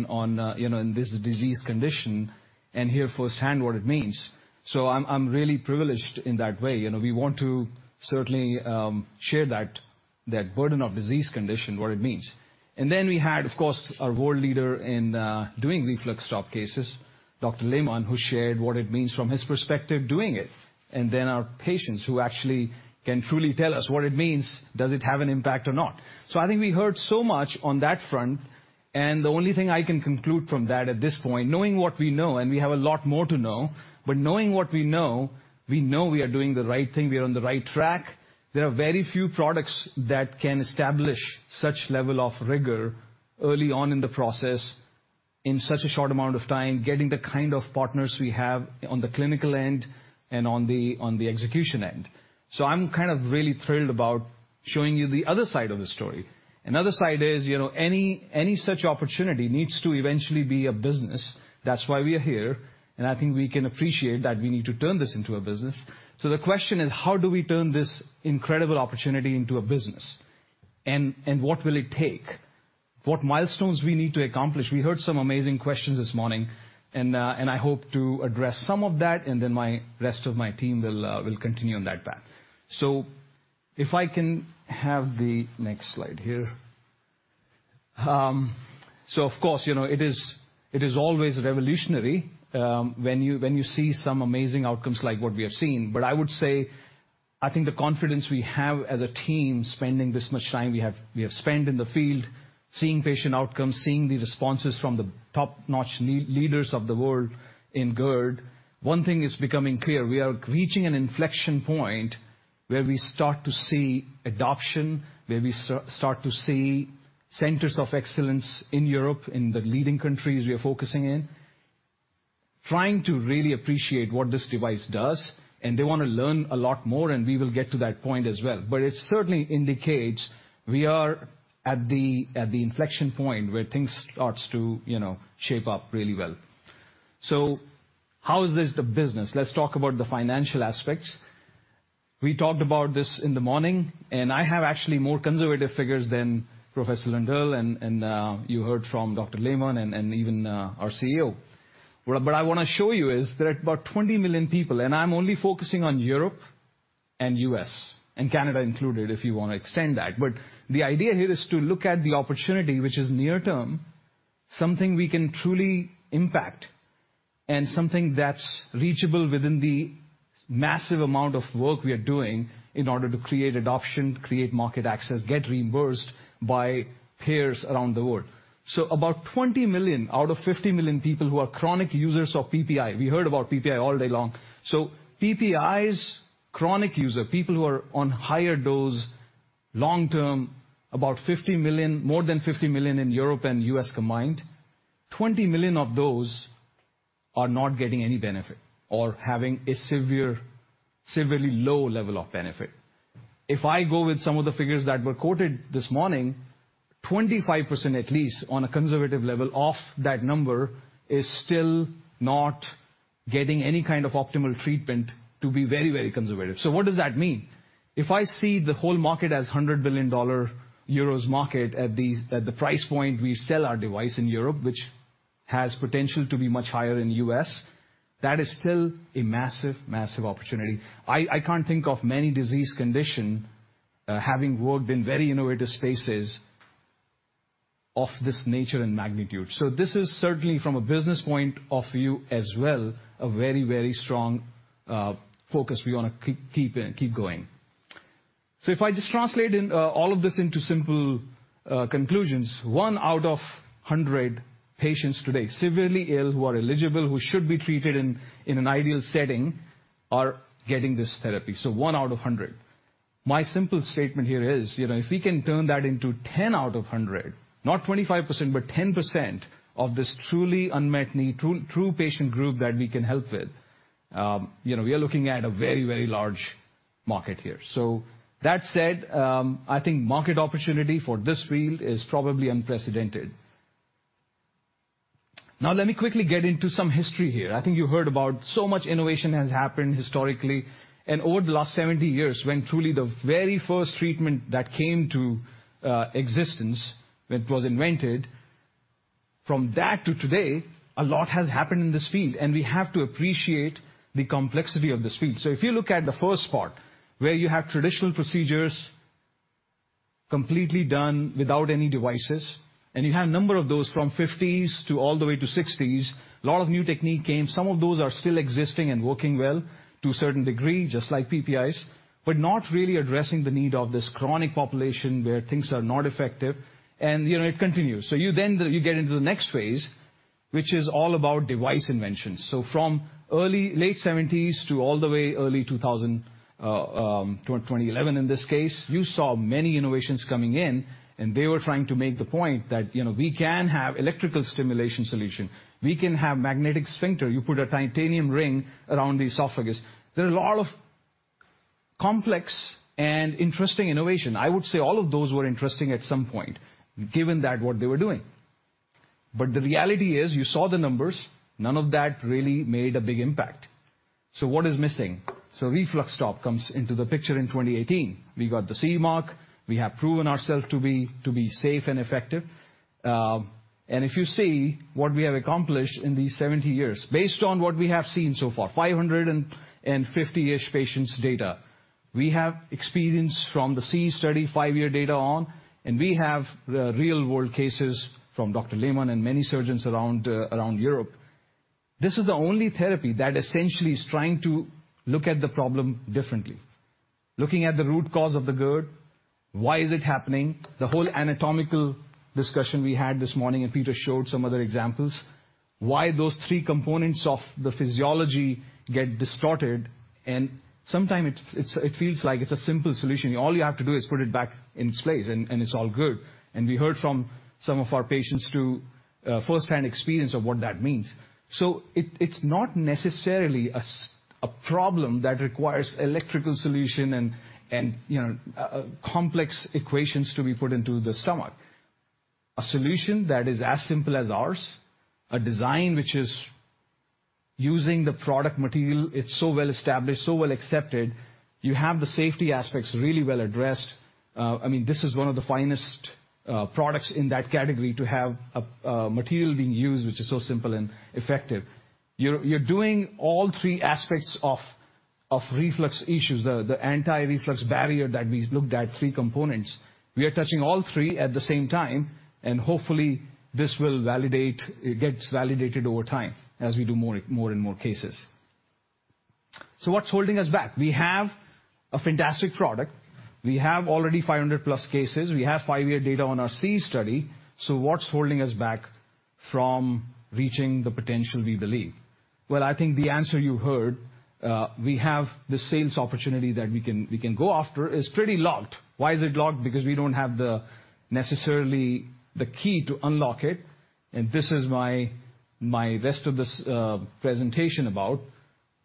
you know, in this disease condition, and hear firsthand what it means. So I'm really privileged in that way. You know, we want to certainly share that burden of disease condition, what it means. And then we had, of course, our world leader in doing RefluxStop cases, Dr. Lehmann, who shared what it means from his perspective doing it, and then our patients who actually can truly tell us what it means, does it have an impact or not? So I think we heard so much on that front, and the only thing I can conclude from that at this point, knowing what we know, and we have a lot more to know, but knowing what we know, we know we are doing the right thing, we are on the right track. There are very few products that can establish such level of rigor early on in the process, in such a short amount of time, getting the kind of partners we have on the clinical end and on the execution end. So I'm kind of really thrilled about showing you the other side of the story. Another side is, you know, any such opportunity needs to eventually be a business. That's why we are here, and I think we can appreciate that we need to turn this into a business. So the question is: how do we turn this incredible opportunity into a business? And what will it take? What milestones we need to accomplish? We heard some amazing questions this morning, and I hope to address some of that, and then my rest of my team will continue on that path. So if I can have the next slide here. So, of course, you know, it is, it is always revolutionary, when you, when you see some amazing outcomes like what we have seen. But I would say, I think the confidence we have as a team, spending this much time we have, we have spent in the field, seeing patient outcomes, seeing the responses from the top-notch leaders of the world in GERD, one thing is becoming clear: we are reaching an inflection point where we start to see adoption, where we start to see centers of excellence in Europe, in the leading countries we are focusing in, trying to really appreciate what this device does, and they want to learn a lot more, and we will get to that point as well. But it certainly indicates we are at the inflection point where things starts to, you know, shape up really well. So how is this the business? Let's talk about the financial aspects. We talked about this in the morning, and I have actually more conservative figures than Professor Lundell, and you heard from Dr. Lehmann and even our CEO. What I, but I want to show you is there are about 20 million people, and I'm only focusing on Europe and U.S., and Canada included, if you want to extend that. But the idea here is to look at the opportunity, which is near term, something we can truly impact, and something that's reachable within the massive amount of work we are doing in order to create adoption, create market access, get reimbursed by payers around the world. So about 20 million out of 50 million people who are chronic users of PPI. We heard about PPI all day long. So, PPI's chronic users, people who are on higher dose, long-term, about 50 million, more than 50 million in Europe and U.S. combined, 20 million of those are not getting any benefit or having a severe, severely low level of benefit. If I go with some of the figures that were quoted this morning, 25%, at least on a conservative level, of that number is still not getting any kind of optimal treatment to be very, very conservative. So what does that mean? If I see the whole market as 100 billion dollar euros market at the price point we sell our device in Europe, which has potential to be much higher in the U.S., that is still a massive, massive opportunity. I can't think of many disease condition, having worked in very innovative spaces of this nature and magnitude. So this is certainly from a business point of view as well, a very, very strong focus we wanna keep, keep, keep going. So if I just translate in all of this into simple conclusions, one out of 100 patients today, severely ill, who are eligible, who should be treated in an ideal setting, are getting this therapy. So one out of 100. My simple statement here is, you know, if we can turn that into 10 out of 100, not 25%, but 10% of this truly unmet need, true, true patient group that we can help with, you know, we are looking at a very, very large market here. So that said, I think market opportunity for this field is probably unprecedented. Now, let me quickly get into some history here. I think you heard about so much innovation has happened historically and over the last 70 years, when truly the very first treatment that came to existence, it was invented. From that to today, a lot has happened in this field, and we have to appreciate the complexity of this field. So if you look at the first part, where you have traditional procedures completely done without any devices, and you have a number of those from the 1950s to all the way to the 1960s, a lot of new technique came. Some of those are still existing and working well to a certain degree, just like PPIs, but not really addressing the need of this chronic population where things are not effective and, you know, it continues. So you then, you get into the next phase, which is all about device invention. So from early to late 1970s to all the way early 2000s, twenty eleven, in this case, you saw many innovations coming in, and they were trying to make the point that, you know, we can have electrical stimulation solution. We can have magnetic sphincter. You put a titanium ring around the esophagus. There are a lot of complex and interesting innovations. I would say all of those were interesting at some point, given that what they were doing. But the reality is, you saw the numbers, none of that really made a big impact. So what is missing? So RefluxStop comes into the picture in 2018. We got the CE mark. We have proven ourselves to be safe and effective. And if you see what we have accomplished in these 70 years, based on what we have seen so far, 550-ish patients' data. We have experience from the SE study, 5-year data on, and we have the real-world cases from Dr. Lehmann and many surgeons around Europe. This is the only therapy that essentially is trying to look at the problem differently, looking at the root cause of the GERD. Why is it happening? The whole anatomical discussion we had this morning, and Peter showed some other examples. Why those three components of the physiology get distorted, and sometimes it feels like it's a simple solution. All you have to do is put it back in its place, and it's all good. And we heard from some of our patients through first-hand experience of what that means. It's not necessarily a problem that requires electrical solution and, you know, complex equations to be put into the stomach. A solution that is as simple as ours, a design which is using the product material, it's so well-established, so well-accepted. You have the safety aspects really well addressed. I mean, this is one of the finest products in that category to have a material being used, which is so simple and effective. You're doing all three aspects of reflux issues, the anti-reflux barrier that we looked at, three components. We are touching all three at the same time, and hopefully, this will validate, it gets validated over time as we do more and more cases. So what's holding us back? We have a fantastic product. We have already 500+ cases. We have five-year data on our SE study. So what's holding us back from reaching the potential we believe? Well, I think the answer you heard, we have the sales opportunity that we can, we can go after, is pretty locked. Why is it locked? Because we don't have necessarily the key to unlock it, and this is my, my rest of this, presentation about...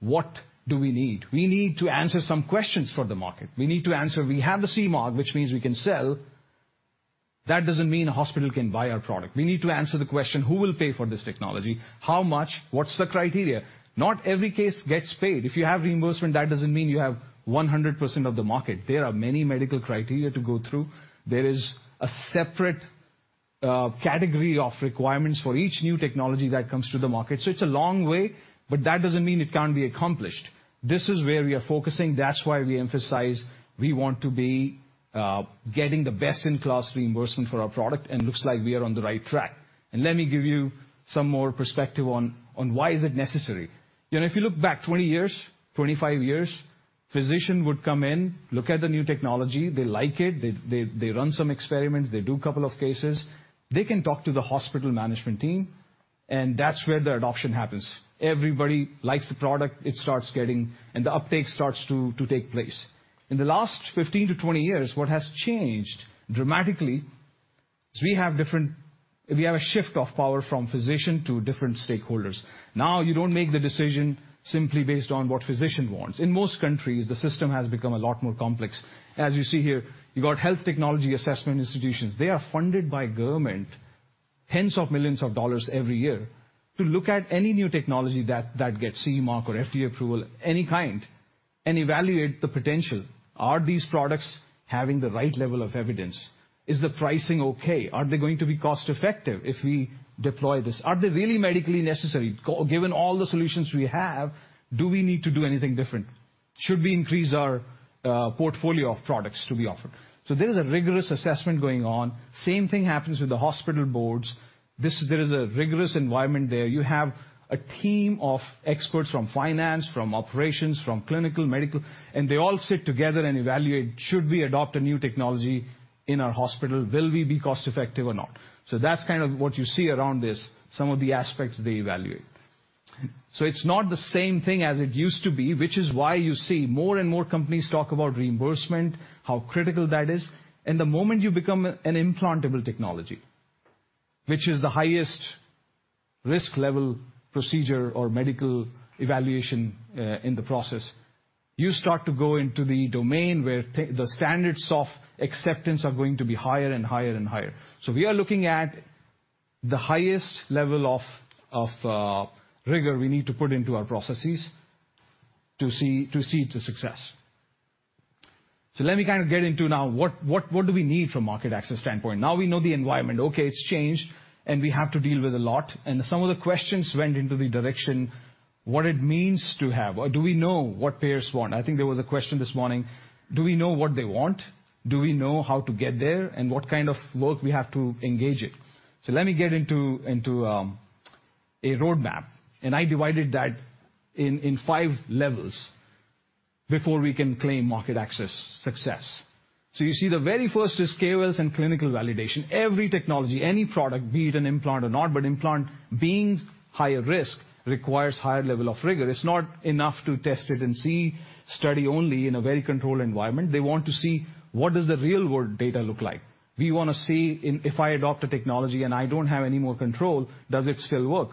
What do we need? We need to answer some questions for the market. We need to answer, we have the CE Mark, which means we can sell. That doesn't mean a hospital can buy our product. We need to answer the question, who will pay for this technology? How much? What's the criteria? Not every case gets paid. If you have reimbursement, that doesn't mean you have 100% of the market. There are many medical criteria to go through. There is a separate category of requirements for each new technology that comes to the market. So it's a long way, but that doesn't mean it can't be accomplished. This is where we are focusing. That's why we emphasize we want to be getting the best-in-class reimbursement for our product, and looks like we are on the right track. And let me give you some more perspective on why is it necessary. You know, if you look back 20 years, 25 years, physician would come in, look at the new technology, they like it, they run some experiments, they do a couple of cases. They can talk to the hospital management team, and that's where the adoption happens. Everybody likes the product, it starts getting... And the uptake starts to take place. In the last 15-20 years, what has changed dramatically is we have a shift of power from physician to different stakeholders. Now, you don't make the decision simply based on what physician wants. In most countries, the system has become a lot more complex. As you see here, you got health technology assessment institutions. They are funded by government, $10s of millions every year, to look at any new technology that gets CE mark or FDA approval, any kind, and evaluate the potential. Are these products having the right level of evidence? Is the pricing okay? Are they going to be cost-effective if we deploy this? Are they really medically necessary? Given all the solutions we have, do we need to do anything different? Should we increase our portfolio of products to be offered? So there is a rigorous assessment going on. Same thing happens with the hospital boards. There is a rigorous environment there. You have a team of experts from finance, from operations, from clinical, medical, and they all sit together and evaluate, should we adopt a new technology in our hospital? Will we be cost-effective or not? So that's kind of what you see around this, some of the aspects they evaluate. So it's not the same thing as it used to be, which is why you see more and more companies talk about reimbursement, how critical that is. And the moment you become an implantable technology, which is the highest risk-level procedure or medical evaluation, in the process, you start to go into the domain where the standards of acceptance are going to be higher and higher and higher. So we are looking at the highest level of rigor we need to put into our processes to see success. So let me kind of get into now, what do we need from a market access standpoint? Now we know the environment. Okay, it's changed, and we have to deal with a lot, and some of the questions went into the direction, what it means to have... Or do we know what payers want? I think there was a question this morning, do we know what they want? Do we know how to get there, and what kind of work we have to engage in? So let me get into a roadmap, and I divided that in five levels before we can claim market access success. So you see, the very first is KOLs and clinical validation. Every technology, any product, be it an implant or not, but implant being higher risk, requires higher level of rigor. It's not enough to test it and see, study only in a very controlled environment. They want to see what does the real-world data look like. We want to see, if I adopt a technology and I don't have any more control, does it still work?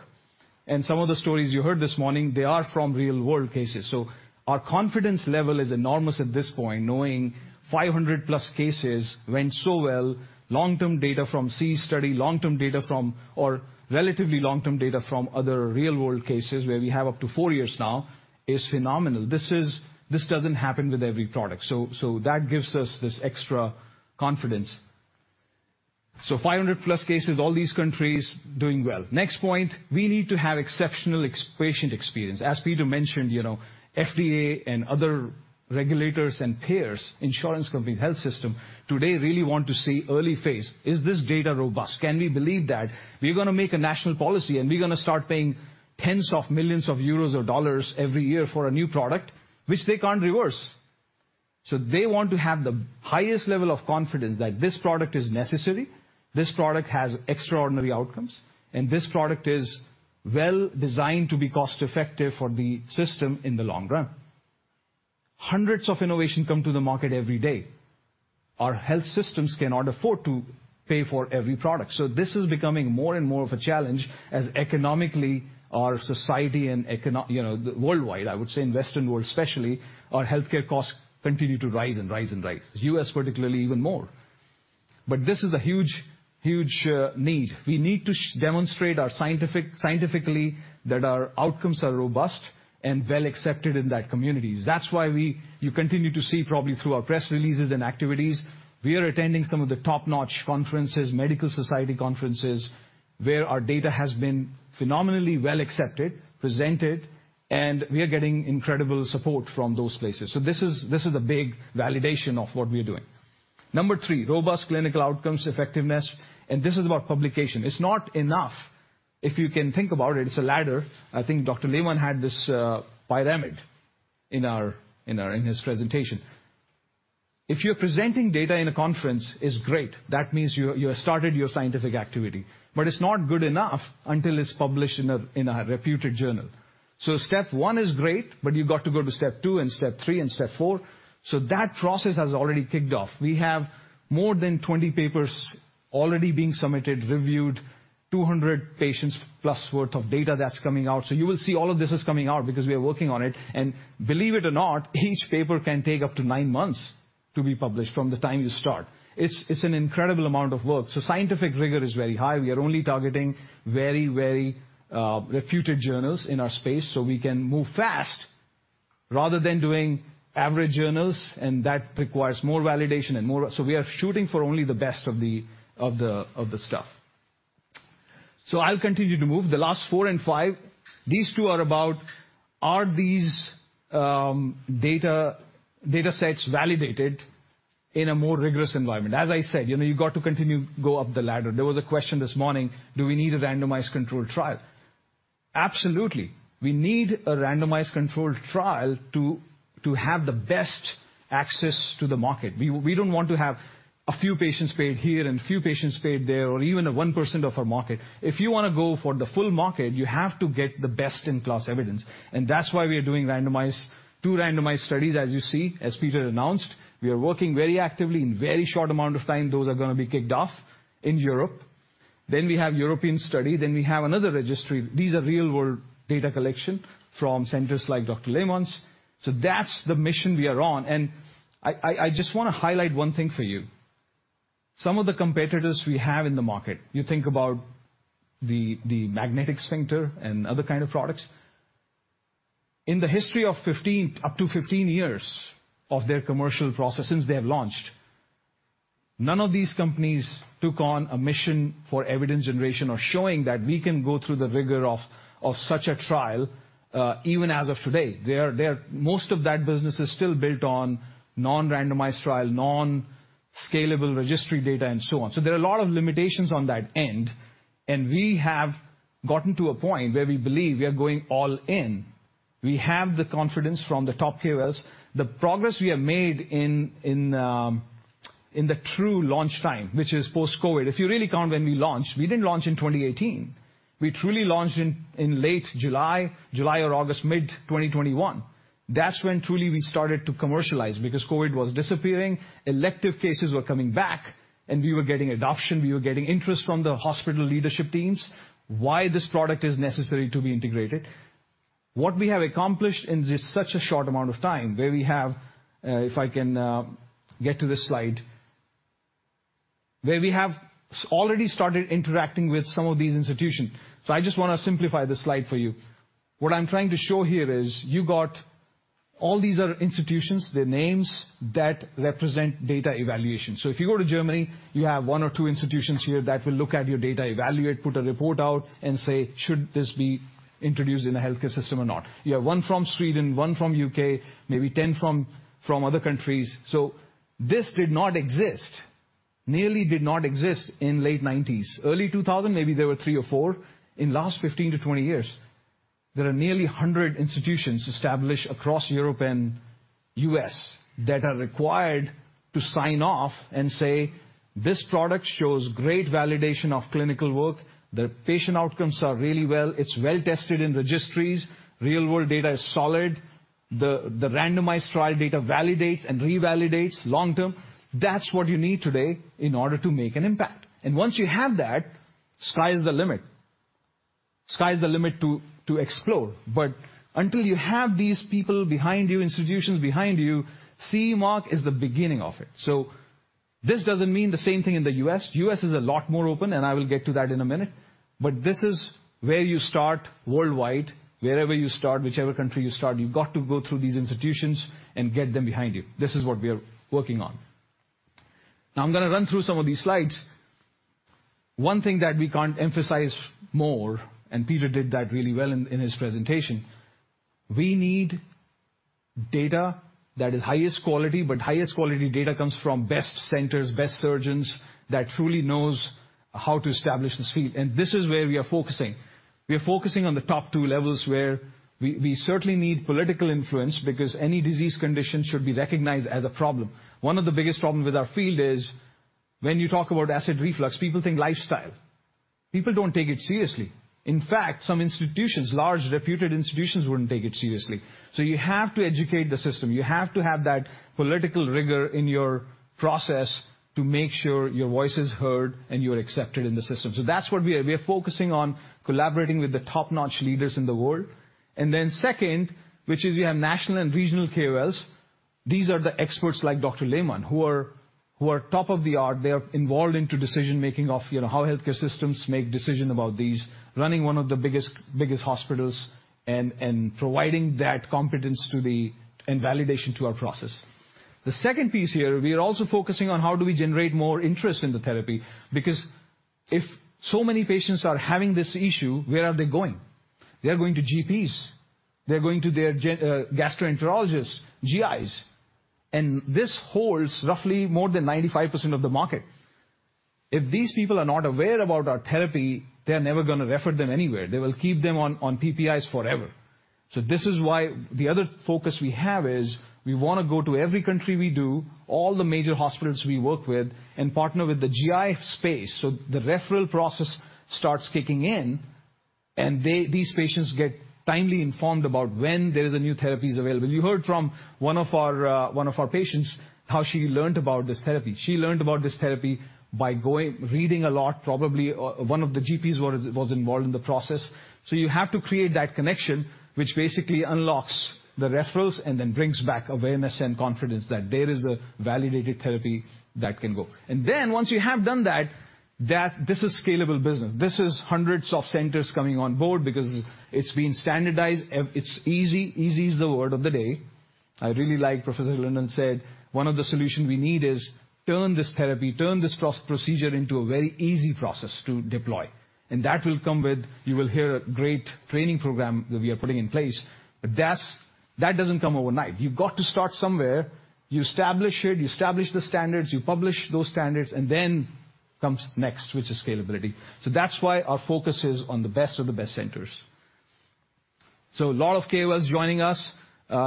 And some of the stories you heard this morning, they are from real-world cases. So our confidence level is enormous at this point, knowing 500+ cases went so well. Long-term data from C study, long-term data from or relatively long-term data from other real-world cases, where we have up to four years now, is phenomenal. This- this doesn't happen with every product, so, so that gives us this extra confidence. So 500+ cases, all these countries doing well. Next point, we need to have exceptional patient experience. As Peter mentioned, you know, FDA and other regulators and payers, insurance companies, health systems today really want to see early phase data. Is this data robust? Can we believe that? We're gonna make a national policy, and we're gonna start paying tens of millions EUR or USD every year for a new product, which they can't reverse. So they want to have the highest level of confidence that this product is necessary, this product has extraordinary outcomes, and this product is well designed to be cost-effective for the system in the long run. Hundreds of innovations come to the market every day. Our health systems cannot afford to pay for every product, so this is becoming more and more of a challenge as economically, our society and you know, worldwide, I would say in Western world especially, our healthcare costs continue to rise and rise and rise. U.S., particularly, even more. But this is a huge, huge, need. We need to demonstrate scientifically, that our outcomes are robust and well accepted in that community. That's why we... You continue to see, probably through our press releases and activities, we are attending some of the top-notch conferences, medical society conferences, where our data has been phenomenally well accepted, presented, and we are getting incredible support from those places. So this is, this is a big validation of what we are doing. Number three, robust clinical outcomes, effectiveness, and this is about publication. It's not enough, if you can think about it, it's a ladder. I think Dr. Lehmann had this pyramid in his presentation. If you're presenting data in a conference, it's great. That means you have started your scientific activity. But it's not good enough until it's published in a reputed journal. So step one is great, but you've got to go to step two and step three and step four. So that process has already kicked off. We have more than 20 papers already being submitted, reviewed, 200 patients-plus worth of data that's coming out. So you will see all of this is coming out because we are working on it, and believe it or not, each paper can take up to nine months to be published from the time you start. It's an incredible amount of work. So scientific rigor is very high. We are only targeting very, very reputed journals in our space, so we can move fast rather than doing average journals, and that requires more validation and more... So we are shooting for only the best of the stuff. So I'll continue to move. The last 4 and 5, these two are about, are these data sets validated in a more rigorous environment? As I said, you know, you've got to continue go up the ladder. There was a question this morning: Do we need a randomized controlled trial? Absolutely. We need a randomized controlled trial to have the best access to the market. We don't want to have a few patients paid here and few patients paid there, or even a 1% of our market. If you wanna go for the full market, you have to get the best-in-class evidence, and that's why we are doing two randomized studies, as you see, as Peter announced. We are working very actively in very short amount of time; those are gonna be kicked off in Europe. Then we have European study, then we have another registry. These are real-world data collection from centers like Dr. Lehmann's. So that's the mission we are on, and I just wanna highlight one thing for you. Some of the competitors we have in the market, you think about the magnetic sphincter and other kind of products. In the history of 15, up to 15 years of their commercial process since they have launched, none of these companies took on a mission for evidence generation or showing that we can go through the rigor of such a trial, even as of today. They are... Most of that business is still built on non-randomized trial, non-scalable registry data, and so on. So there are a lot of limitations on that end, and we have gotten to a point where we believe we are going all in. We have the confidence from the top KOLs. The progress we have made in the true launch time, which is post-COVID. If you really count when we launched, we didn't launch in 2018. We truly launched in late July, July or August, mid-2021. That's when truly we started to commercialize, because COVID was disappearing, elective cases were coming back, and we were getting adoption, we were getting interest from the hospital leadership teams, why this product is necessary to be integrated. What we have accomplished in just such a short amount of time, where we have, if I can, get to this slide, where we have already started interacting with some of these institutions. So I just wanna simplify this slide for you. What I'm trying to show here is, you got... All these are institutions, their names, that represent data evaluation. So if you go to Germany, you have 1 or 2 institutions here that will look at your data, evaluate, put a report out, and say, "Should this be introduced in the healthcare system or not?" You have 1 from Sweden, 1 from U.K., maybe 10 from other countries. So this did not exist, nearly did not exist in late 1990s. Early 2000s, maybe there were 3 or 4. In last 15-20 years, there are nearly 100 institutions established across Europe and U.S., that are required to sign off and say, "This product shows great validation of clinical work. The patient outcomes are really well. It's well-tested in registries. Real-world data is solid. The randomized trial data validates and revalidates long term." That's what you need today in order to make an impact. And once you have that, sky's the limit. Sky's the limit to explore. But until you have these people behind you, institutions behind you, CE Mark is the beginning of it. So this doesn't mean the same thing in the U.S. U.S. is a lot more open, and I will get to that in a minute, but this is where you start worldwide. Wherever you start, whichever country you start, you've got to go through these institutions and get them behind you. This is what we are working on. Now, I'm gonna run through some of these slides. One thing that we can't emphasize more, and Peter did that really well in his presentation, we need data that is highest quality, but highest quality data comes from best centers, best surgeons, that truly knows how to establish this field. And this is where we are focusing. We are focusing on the top two levels, where we certainly need political influence, because any disease condition should be recognized as a problem. One of the biggest problem with our field is, when you talk about acid reflux, people think lifestyle. People don't take it seriously. In fact, some institutions, large, reputed institutions, wouldn't take it seriously. So you have to educate the system. You have to have that political rigor in your process to make sure your voice is heard and you are accepted in the system. So that's what we are. We are focusing on collaborating with the top-notch leaders in the world. And then second, which is we have national and regional KOLs. These are the experts like Dr. Lehmann, who are top of the art. They are involved into decision-making of, you know, how healthcare systems make decision about these, running one of the biggest, biggest hospitals and, and providing that competence to the... and validation to our process. The second piece here, we are also focusing on how do we generate more interest in the therapy, because if so many patients are having this issue, where are they going? They are going to GPs. They are going to their gastroenterologist, GIs, and this holds roughly more than 95% of the market. If these people are not aware about our therapy, they are never gonna refer them anywhere. They will keep them on, on PPIs forever. So this is why the other focus we have is, we wanna go to every country we do, all the major hospitals we work with, and partner with the GI space, so the referral process starts kicking in. And they, these patients get timely informed about when there is a new therapies available. You heard from one of our patients, how she learned about this therapy. She learned about this therapy by going, reading a lot, probably, one of the GPs was involved in the process. So you have to create that connection, which basically unlocks the referrals and then brings back awareness and confidence that there is a validated therapy that can go. And then once you have done that, that this is scalable business. This is hundreds of centers coming on board because it's been standardized, it's easy. Easy is the word of the day. I really like Professor Linden said, "One of the solutions we need is turn this therapy, turn this pros- procedure into a very easy process to deploy." And that will come with... You will hear a great training program that we are putting in place, but that's, that doesn't come overnight. You've got to start somewhere. You establish it, you establish the standards, you publish those standards, and then comes next, which is scalability. So that's why our focus is on the best of the best centers. So a lot of KOLs joining us.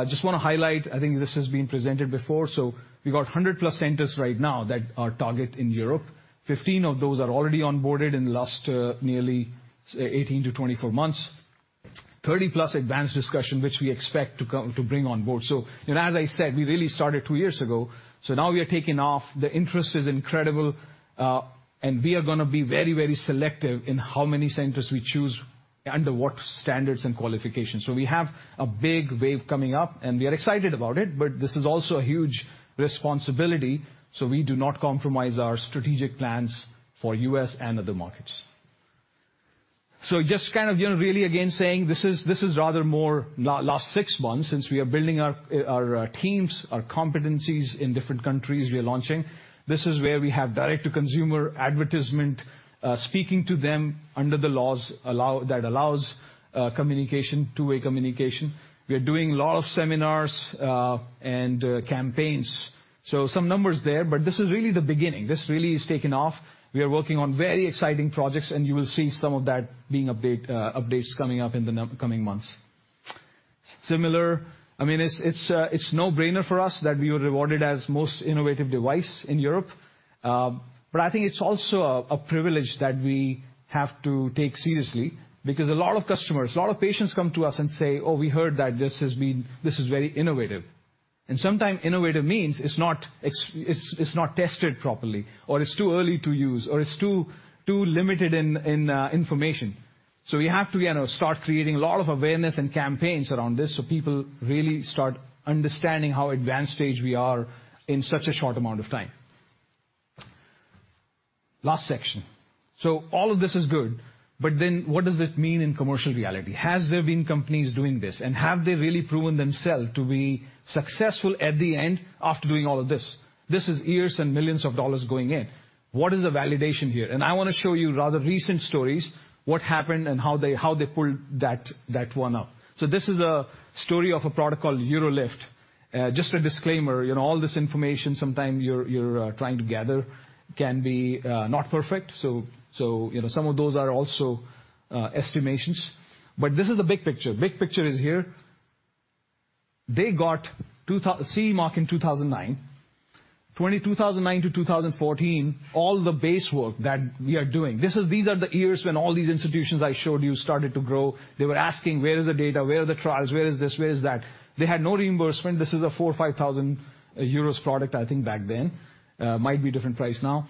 Just want to highlight, I think this has been presented before, so we've got 100+ centers right now that are target in Europe. Fifteen of those are already onboarded in the last nearly 18-24 months. 30+ advanced discussions, which we expect to come—to bring on board. So, and as I said, we really started two years ago, so now we are taking off. The interest is incredible, and we are gonna be very, very selective in how many centers we choose, under what standards and qualifications. So we have a big wave coming up, and we are excited about it, but this is also a huge responsibility, so we do not compromise our strategic plans for U.S. and other markets. So just kind of, you know, really, again, saying this is, this is rather more last six months since we are building our, our, teams, our competencies in different countries we are launching. This is where we have direct-to-consumer advertisement, speaking to them under the laws allow, that allows, communication, two-way communication. We are doing a lot of seminars and campaigns. So some numbers there, but this is really the beginning. This really is taking off. We are working on very exciting projects, and you will see some of that, updates coming up in the coming months. Similar, I mean, it's a no-brainer for us that we were rewarded as most innovative device in Europe, but I think it's also a privilege that we have to take seriously because a lot of customers, a lot of patients come to us and say, "Oh, we heard that this has been... This is very innovative." And sometimes innovative means it's not tested properly, or it's too early to use, or it's too limited in information. So we have to, you know, start creating a lot of awareness and campaigns around this so people really start understanding how advanced stage we are in such a short amount of time. Last section. So all of this is good, but then what does it mean in commercial reality? Has there been companies doing this, and have they really proven themselves to be successful at the end after doing all of this? This is years and millions of dollars going in. What is the validation here? And I want to show you rather recent stories, what happened and how they pulled that one up. So this is a story of a product called UroLift. Just a disclaimer, you know, all this information, sometimes you're trying to gather can be not perfect. So, you know, some of those are also estimations, but this is the big picture. Big picture is here. They got CE Mark in 2009. 2009 to 2014, all the base work that we are doing. This is. These are the years when all these institutions I showed you started to grow. They were asking: Where is the data? Where are the trials? Where is this? Where is that? They had no reimbursement. This is a 4 thousand or 5 thousand euros product, I think back then. Might be a different price now.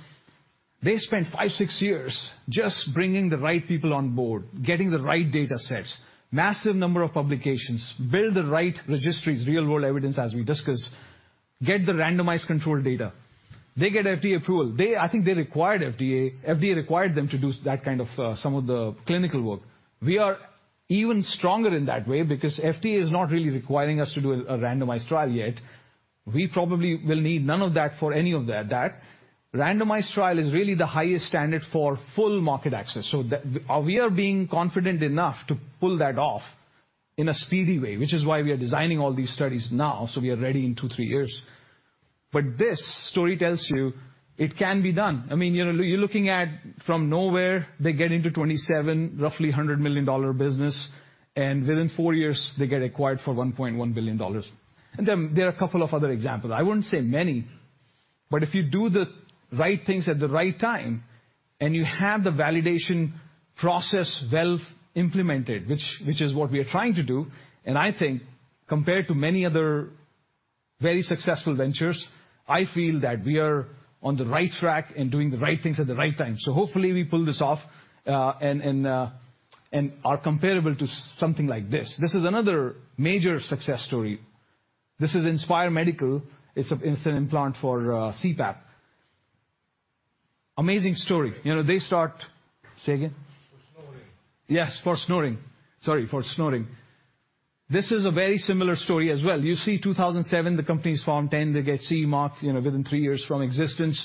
They spent 5-6 years just bringing the right people on board, getting the right data sets, massive number of publications, build the right registries, real-world evidence, as we discussed, get the randomized controlled data. They get FDA approval. They, I think they required FDA... FDA required them to do that kind of some of the clinical work. We are even stronger in that way because FDA is not really requiring us to do a randomized trial yet. We probably will need none of that for any of that. That randomized trial is really the highest standard for full market access, so that... We are being confident enough to pull that off in a speedy way, which is why we are designing all these studies now, so we are ready in 2-3 years. But this story tells you it can be done. I mean, you're, you're looking at from nowhere, they get into 27, roughly $100 million business, and within 4 years, they get acquired for $1.1 billion. And there, there are a couple of other examples. I wouldn't say many, but if you do the right things at the right time and you have the validation process well implemented, which is what we are trying to do, and I think compared to many other very successful ventures, I feel that we are on the right track and doing the right things at the right time. So hopefully, we pull this off and are comparable to something like this. This is another major success story. This is Inspire Medical. It's an instant implant for CPAP. Amazing story. You know, they start... Say again? For snoring. Yes, for snoring. Sorry, for snoring. This is a very similar story as well. You see, 2007, the company is formed, then they get CE Mark, you know, within three years from existence.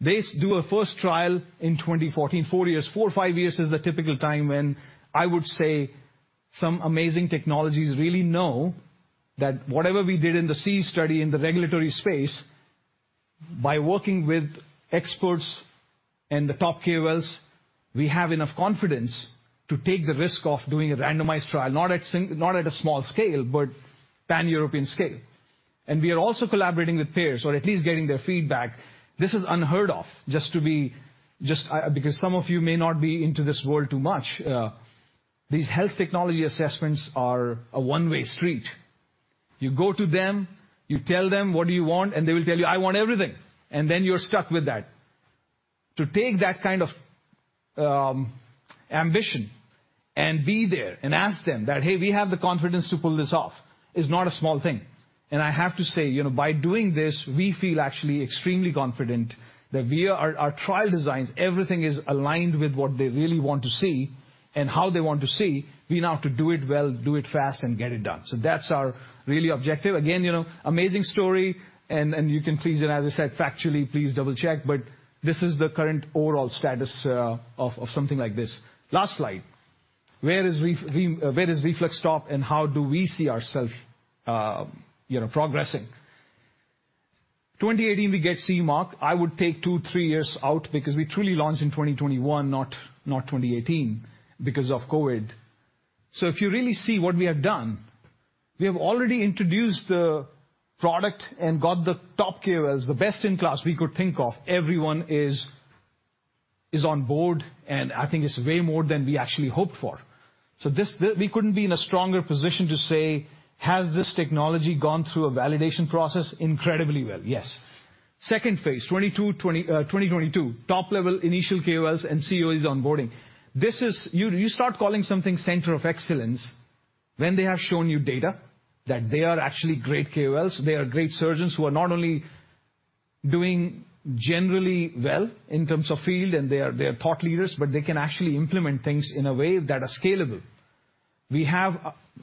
They do a first trial in 2014. Four years, four, five years is the typical time when I would say some amazing technologies really know that whatever we did in the CE study, in the regulatory space, by working with experts and the top KOLs, we have enough confidence to take the risk of doing a randomized trial, not at a small scale, but pan-European scale. And we are also collaborating with payers, or at least getting their feedback. This is unheard of, just, because some of you may not be into this world too much, these health technology assessments are a one-way street. You go to them, you tell them what do you want, and they will tell you, "I want everything," and then you're stuck with that. To take that kind of ambition and be there and ask them that, "Hey, we have the confidence to pull this off," is not a small thing. And I have to say, you know, by doing this, we feel actually extremely confident that we are our trial designs, everything is aligned with what they really want to see and how they want to see. We now have to do it well, do it fast, and get it done. So that's our really objective. Again, you know, amazing story, and you can please, and as I said, factually, please double-check, but this is the current overall status of something like this. Last slide. Where is RefluxStop, and how do we see ourselves, you know, progressing? 2018, we get CE mark. I would take 2, 3 years out because we truly launched in 2021, not, not 2018, because of COVID. So if you really see what we have done, we have already introduced the product and got the top KOLs, the best in class we could think of. Everyone is, is on board, and I think it's way more than we actually hoped for. So this, this... We couldn't be in a stronger position to say: Has this technology gone through a validation process incredibly well? Yes. Second phase, 2022, top-level initial KOLs and COEs onboarding. This is. You start calling something center of excellence when they have shown you data that they are actually great KOLs. They are great surgeons who are not only doing generally well in terms of field, and they are, they are thought leaders, but they can actually implement things in a way that are scalable. We have...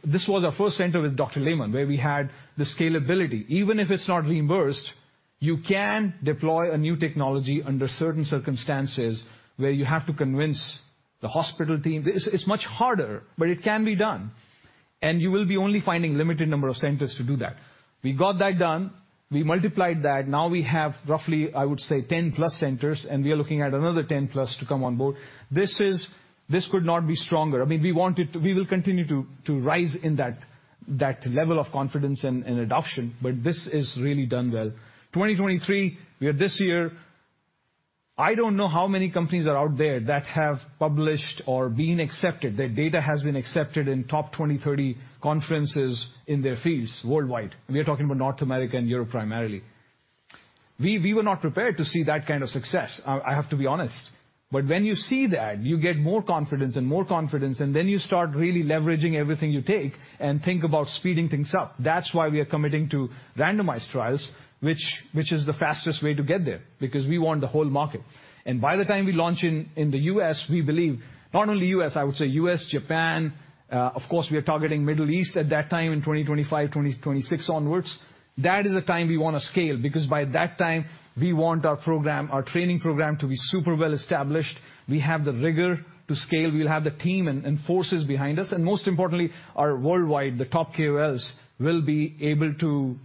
This was our first center with Dr. Lehmann, where we had the scalability. Even if it's not reimbursed, you can deploy a new technology under certain circumstances where you have to convince the hospital team. It's, it's much harder, but it can be done, and you will be only finding limited number of centers to do that. We got that done. We multiplied that. Now we have roughly, I would say, 10 plus centers, and we are looking at another 10 plus to come on board. This is- this could not be stronger. I mean, we wanted to... We will continue to rise in that level of confidence and adoption, but this is really done well. 2023, we are this year. I don't know how many companies are out there that have published or been accepted, their data has been accepted in top 20-30 conferences in their fields worldwide, and we are talking about North America and Europe primarily. We were not prepared to see that kind of success. I have to be honest. But when you see that, you get more confidence and more confidence, and then you start really leveraging everything you take and think about speeding things up. That's why we are committing to randomized trials, which is the fastest way to get there, because we want the whole market. And by the time we launch in the U.S., we believe, not only U.S., I would say U.S., Japan, of course, we are targeting Middle East at that time, in 2025, 2026 onwards. That is the time we want to scale, because by that time, we want our program, our training program, to be super well-established. We have the rigor to scale. We'll have the team and forces behind us, and most importantly, our worldwide, the top KOLs, will be able to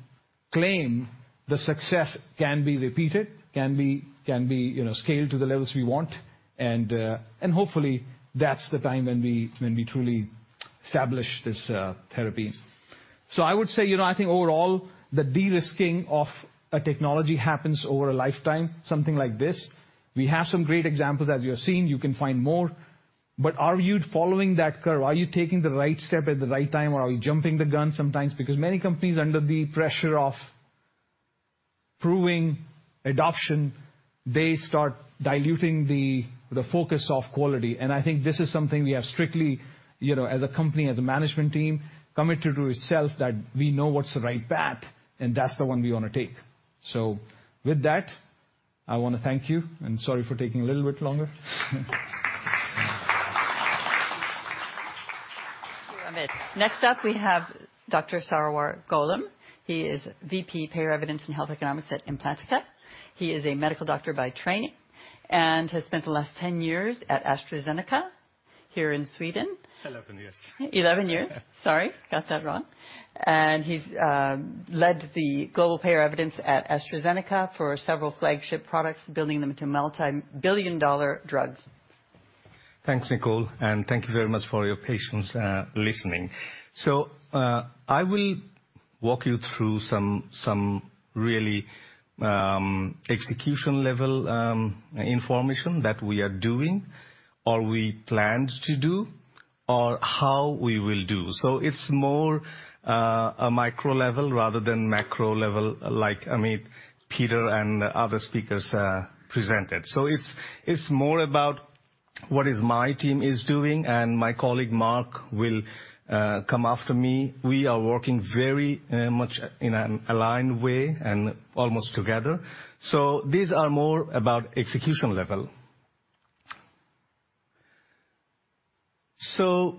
claim the success can be repeated, can be, can be, you know, scaled to the levels we want, and hopefully, that's the time when we, when we truly establish this therapy. So I would say, you know, I think overall, the de-risking of a technology happens over a lifetime, something like this. We have some great examples, as you have seen. You can find more. But are you following that curve? Are you taking the right step at the right time, or are you jumping the gun sometimes? Because many companies, under the pressure of proving adoption, they start diluting the focus of quality. And I think this is something we have strictly, you know, as a company, as a management team, committed to itself that we know what's the right path, and that's the one we want to take. So with that, I want to thank you, and sorry for taking a little bit longer. Thank you, Amit. Next up, we have Dr. Sarovar Golam. He is VP Payer Evidence and Health Economics at Implantica. He is a medical doctor by training and has spent the last 10 years at AstraZeneca here in Sweden. Eleven years. 11 years. Sorry, got that wrong. And he's led the global payer evidence at AstraZeneca for several flagship products, building them into multibillion-dollar drugs. Thanks, Nicole, and thank you very much for your patience, listening. So, I will walk you through some, some really, execution-level, information that we are doing or we plan to do or how we will do. So it's more, a micro level rather than macro level, like Amit, Peter, and other speakers, presented. So it's, it's more about what is my team is doing, and my colleague, Mark, will, come after me. We are working very, much in an aligned way and almost together. So these are more about execution level. So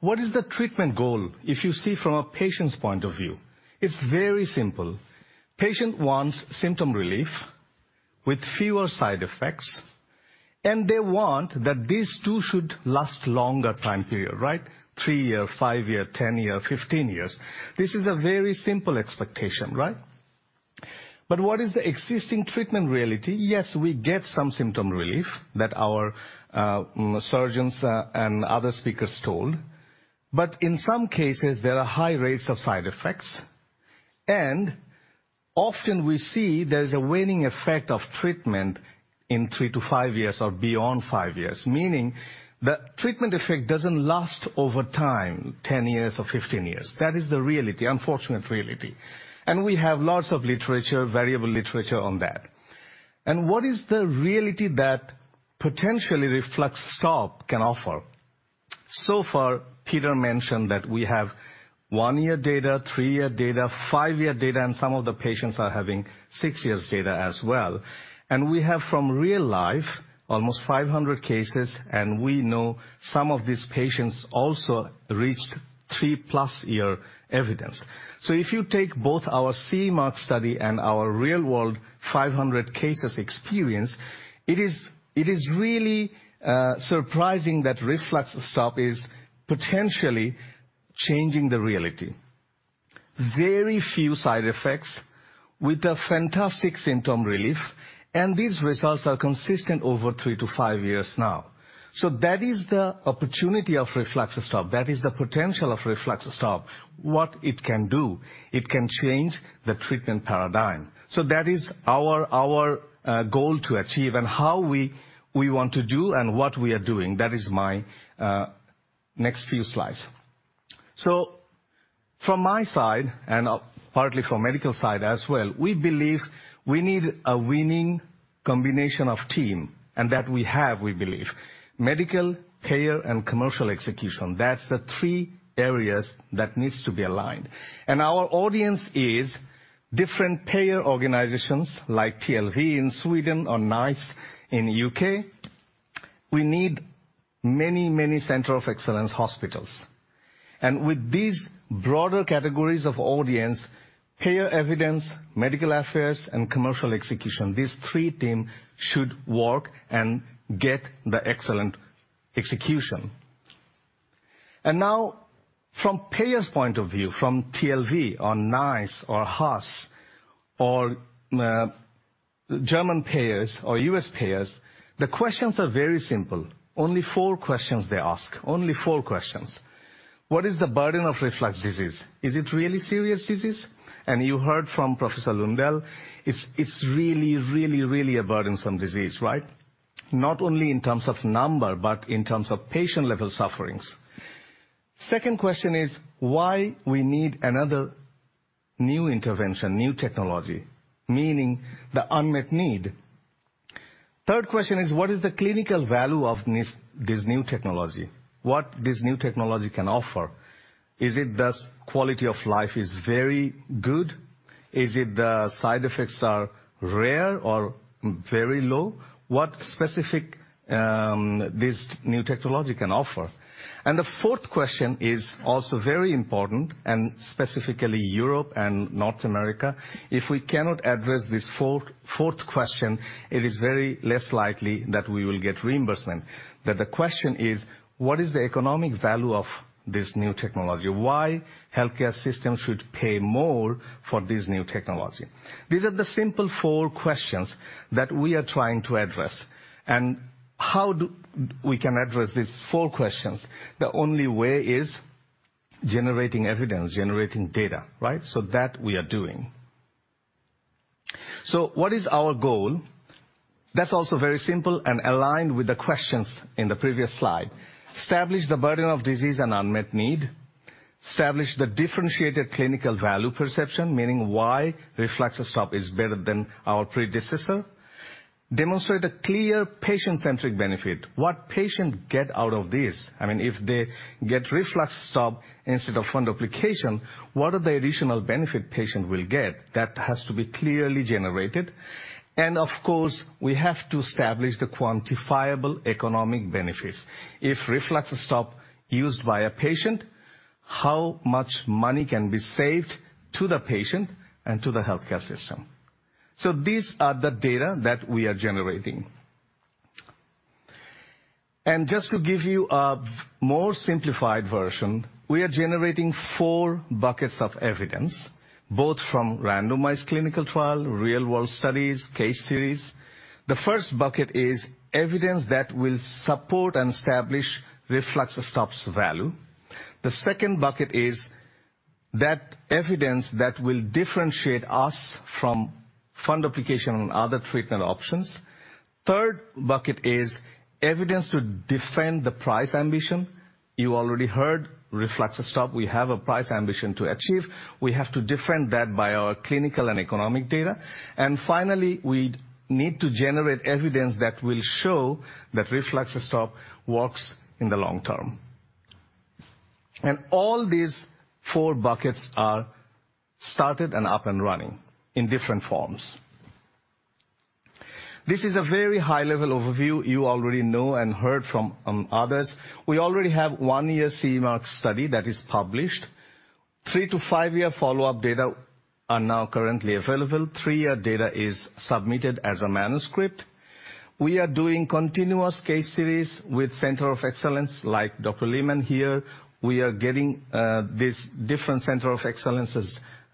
what is the treatment goal if you see from a patient's point of view? It's very simple. Patient wants symptom relief with fewer side effects, and they want that these two should last longer time period, right? 3 year, 5 year, 10 year, 15 years. This is a very simple expectation, right?... But what is the existing treatment reality? Yes, we get some symptom relief that our surgeons and other speakers told. But in some cases, there are high rates of side effects. And often we see there is a waning effect of treatment in 3-5 years or beyond 5 years, meaning the treatment effect doesn't last over time, 10 years or 15 years. That is the reality, unfortunate reality. And we have lots of literature, variable literature, on that. And what is the reality that potentially RefluxStop can offer? So far, Peter mentioned that we have 1-year data, 3-year data, 5-year data, and some of the patients are having 6 years data as well. And we have, from real life, almost 500 cases, and we know some of these patients also reached 3+ year evidence. So if you take both our CE Mark study and our real-world 500 cases experience, it is, it is really, surprising that RefluxStop is potentially changing the reality. Very few side effects with a fantastic symptom relief, and these results are consistent over 3-5 years now. So that is the opportunity of RefluxStop. That is the potential of RefluxStop, what it can do. It can change the treatment paradigm. So that is our, our, goal to achieve and how we, we want to do and what we are doing. That is my, next few slides. So from my side, and, partly from medical side as well, we believe we need a winning combination of team, and that we have, we believe. Medical, payer, and commercial execution. That's the three areas that needs to be aligned. Our audience is different payer organizations like TLV in Sweden or NICE in U.K. We need many, many center of excellence hospitals. With these broader categories of audience, payer evidence, medical affairs, and commercial execution, these three team should work and get the excellent execution. Now, from payer's point of view, from TLV or NICE or HASS or German payers or U.S. payers, the questions are very simple. Only four questions they ask. Only four questions. What is the burden of reflux disease? Is it really serious disease? And you heard from Professor Lundell, it's, it's really, really, really a burdensome disease, right? Not only in terms of number, but in terms of patient level sufferings. Second question is, why we need another new intervention, new technology, meaning the unmet need. Third question is, what is the clinical value of this, this new technology? What this new technology can offer? Is it the quality of life is very good? Is it the side effects are rare or very low? What specific this new technology can offer? And the fourth question is also very important, and specifically Europe and North America. If we cannot address this fourth question, it is very less likely that we will get reimbursement. That the question is, what is the economic value of this new technology? Why healthcare system should pay more for this new technology? These are the simple four questions that we are trying to address. And how do we can address these four questions? The only way is generating evidence, generating data, right? So that we are doing. So what is our goal? That's also very simple and aligned with the questions in the previous slide. Establish the burden of disease and unmet need. Establish the differentiated clinical value perception, meaning why RefluxStop is better than our predecessor. Demonstrate a clear patient-centric benefit. What patient get out of this? I mean, if they get RefluxStop instead of fundoplication, what are the additional benefit patient will get? That has to be clearly generated. And of course, we have to establish the quantifiable economic benefits. If RefluxStop used by a patient, how much money can be saved to the patient and to the healthcare system? So these are the data that we are generating. And just to give you a more simplified version, we are generating four buckets of evidence, both from randomized clinical trial, real-world studies, case series. The first bucket is evidence that will support and establish RefluxStop's value. The second bucket is that evidence that will differentiate us from fundoplication and other treatment options. Third bucket is evidence to defend the price ambition. You already heard, RefluxStop, we have a price ambition to achieve. We have to defend that by our clinical and economic data. And finally, we need to generate evidence that will show that RefluxStop works in the long term. And all these four buckets are started and up and running in different forms. This is a very high level overview you already know and heard from, others. We already have 1-year CE mark study that is published. 3-5-year follow-up data are now currently available. 3-year data is submitted as a manuscript. We are doing continuous case series with center of excellence, like Dr. Lehmann here. We are getting this different centers of excellence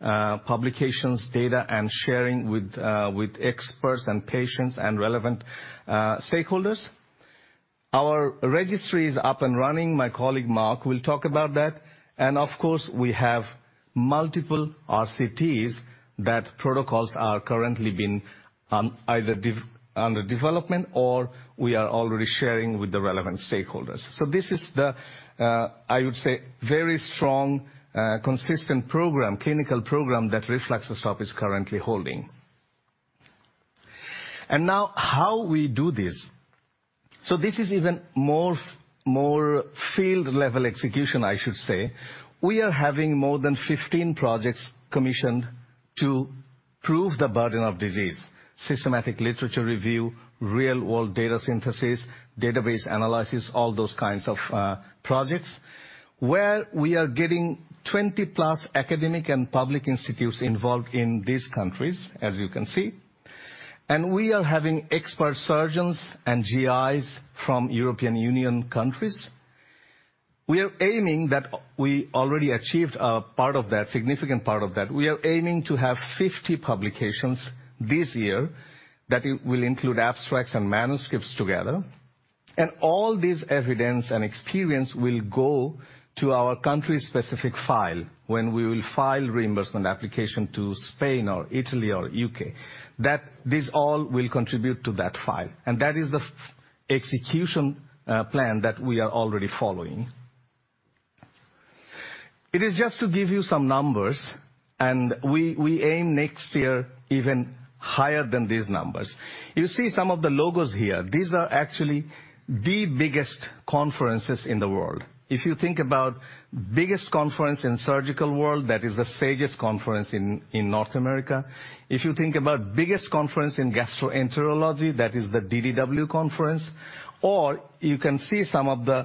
publications, data, and sharing with experts and patients and relevant stakeholders. Our registry is up and running. My colleague, Mark, will talk about that. Of course, we have multiple RCTs that protocols are currently being either under development or we are already sharing with the relevant stakeholders. So this is the, I would say, very strong, consistent program, clinical program, that RefluxStop is currently holding. And now, how we do this. So this is even more field-level execution, I should say. We are having more than 15 projects commissioned to prove the burden of disease, systematic literature review, real-world data synthesis, database analysis, all those kinds of projects, where we are getting 20+ academic and public institutes involved in these countries, as you can see, and we are having expert surgeons and GIs from European Union countries. We are aiming that we already achieved part of that, significant part of that. We are aiming to have 50 publications this year, that it will include abstracts and manuscripts together. And all this evidence and experience will go to our country-specific file when we will file reimbursement application to Spain or Italy or UK, that this all will contribute to that file. And that is the execution plan that we are already following. It is just to give you some numbers, and we aim next year, even higher than these numbers. You see some of the logos here. These are actually the biggest conferences in the world. If you think about biggest conference in surgical world, that is the SAGES conference in North America. If you think about biggest conference in gastroenterology, that is the DDW conference, or you can see some of the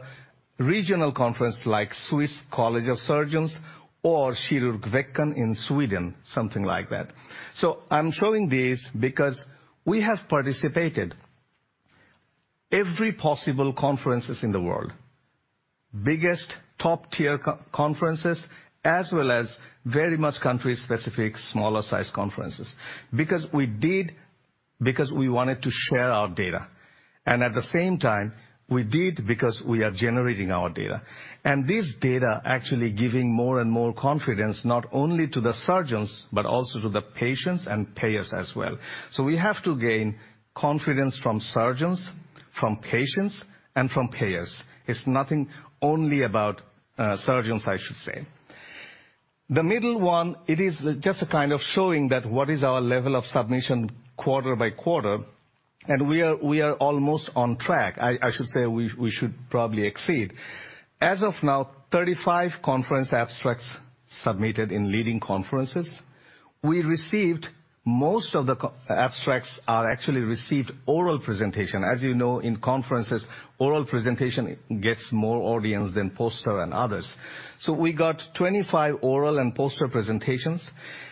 regional conference, like Swiss College of Surgeons or Kirurgvecken in Sweden, something like that. So I'm showing this because we have participated every possible conferences in the world, biggest top-tier conferences, as well as very much country-specific, smaller-sized conferences. Because we did, because we wanted to share our data, and at the same time, we did because we are generating our data. And this data actually giving more and more confidence not only to the surgeons, but also to the patients and payers as well. So we have to gain confidence from surgeons, from patients, and from payers. It's nothing only about surgeons, I should say. The middle one, it is just a kind of showing that what is our level of submission quarter by quarter, and we are almost on track. I should say we should probably exceed. As of now, 35 conference abstracts submitted in leading conferences. We received... Most of the abstracts are actually received oral presentation. As you know, in conferences, oral presentation gets more audience than poster and others. So we got 25 oral and poster presentations,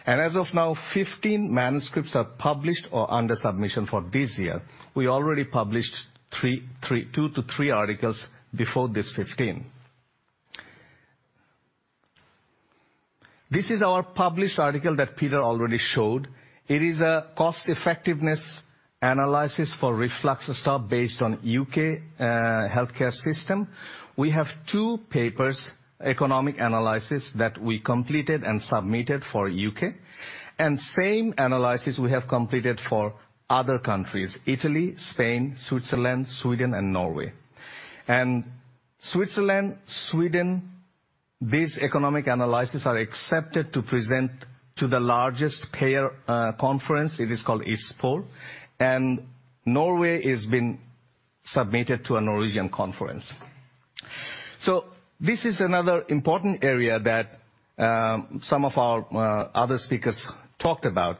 and as of now, 15 manuscripts are published or under submission for this year. We already published 3, 3, 2-3 articles before this 15. This is our published article that Peter already showed. It is a cost effectiveness analysis for RefluxStop, based on UK healthcare system. We have two papers, economic analysis, that we completed and submitted for UK. And same analysis we have completed for other countries, Italy, Spain, Switzerland, Sweden and Norway. And Switzerland, Sweden, these economic analysis are accepted to present to the largest payer conference. It is called ISPOR, and Norway is being submitted to a Norwegian conference. This is another important area that, some of our, other speakers talked about.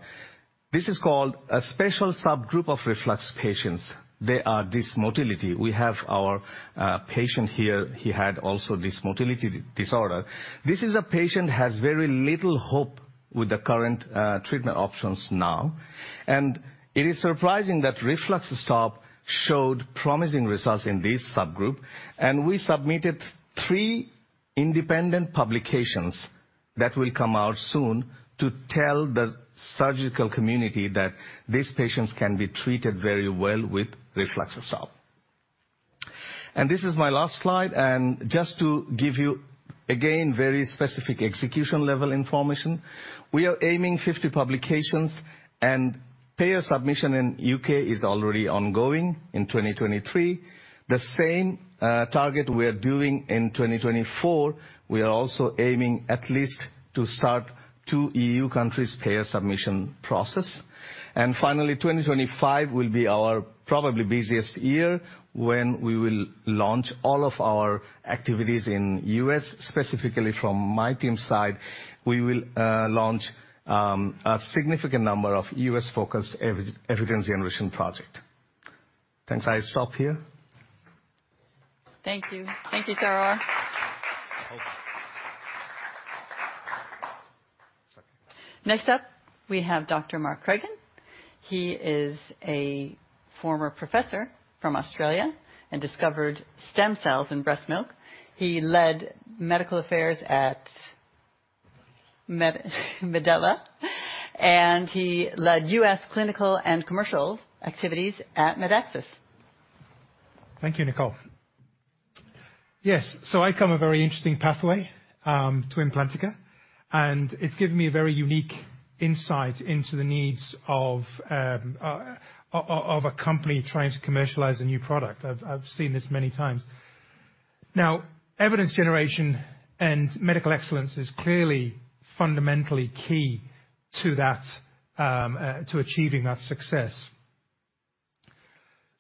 This is called a special subgroup of reflux patients. They are dysmotility. We have our, patient here. He had also dysmotility disorder. This is a patient has very little hope with the current, treatment options now, and it is surprising that RefluxStop showed promising results in this subgroup. We submitted 3 independent publications that will come out soon to tell the surgical community that these patients can to be treated very well with RefluxStop. This is my last slide, and just to give you, again, very specific execution-level information. We are aiming 50 publications, and payer submission in UK is already ongoing in 2023. The same, target we are doing in 2024, we are also aiming at least to start 2 EU countries payer submission process. And finally, 2025 will be our probably busiest year, when we will launch all of our activities in U.S. Specifically from my team's side, we will launch a significant number of U.S.-focused evidence generation project. Thanks. I stop here. Thank you. Thank you, Tarar. ...Next up, we have Dr. Mark Cregan. He is a former professor from Australia and discovered stem cells in breast milk. He led medical affairs at Medela, and he led US clinical and commercial activities at MedAxos. Thank you, Nicole. Yes, so I come a very interesting pathway to Implantica, and it's given me a very unique insight into the needs of a company trying to commercialize a new product. I've seen this many times. Now, evidence generation and medical excellence is clearly fundamentally key to that, to achieving that success.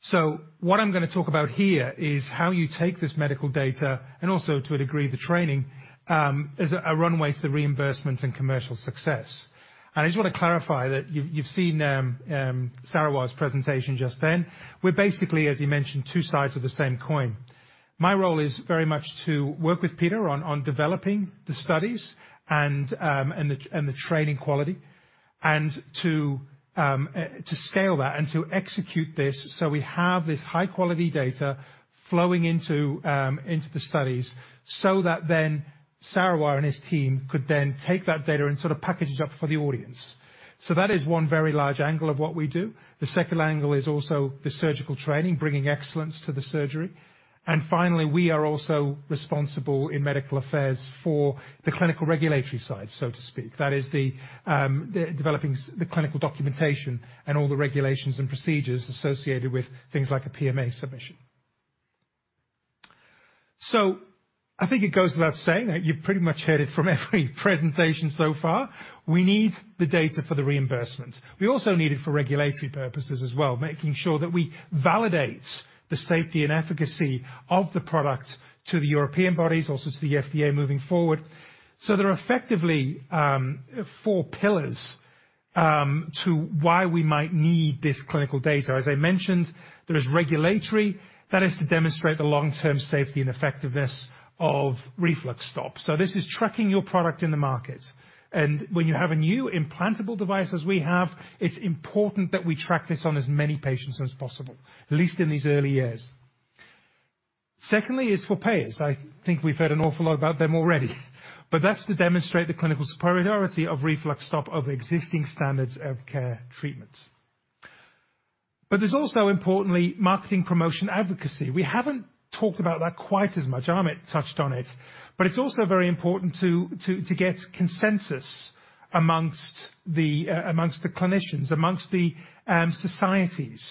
So what I'm gonna talk about here is how you take this medical data, and also, to a degree, the training, as a runway to reimbursement and commercial success. I just want to clarify that you've seen Sarovar's presentation just then. We're basically, as he mentioned, two sides of the same coin. My role is very much to work with Peter on developing the studies and the training quality, and to scale that and to execute this, so we have this high quality data flowing into the studies, so that then Sarovar and his team could then take that data and sort of package it up for the audience. So that is one very large angle of what we do. The second angle is also the surgical training, bringing excellence to the surgery. And finally, we are also responsible in medical affairs for the clinical regulatory side, so to speak. That is the developing the clinical documentation and all the regulations and procedures associated with things like a PMA submission. So I think it goes without saying that you've pretty much heard it from every presentation so far, we need the data for the reimbursements. We also need it for regulatory purposes as well, making sure that we validate the safety and efficacy of the product to the European bodies, also to the FDA moving forward. So there are effectively four pillars to why we might need this clinical data. As I mentioned, there is regulatory. That is to demonstrate the long-term safety and effectiveness of RefluxStop. So this is tracking your product in the market, and when you have a new implantable device, as we have, it's important that we track this on as many patients as possible, at least in these early years. Secondly, is for payers. I think we've heard an awful lot about them already, but that's to demonstrate the clinical superiority of RefluxStop over existing standards of care treatments. But there's also, importantly, marketing promotion advocacy. We haven't talked about that quite as much. Amit touched on it, but it's also very important to get consensus amongst the clinicians, amongst the societies.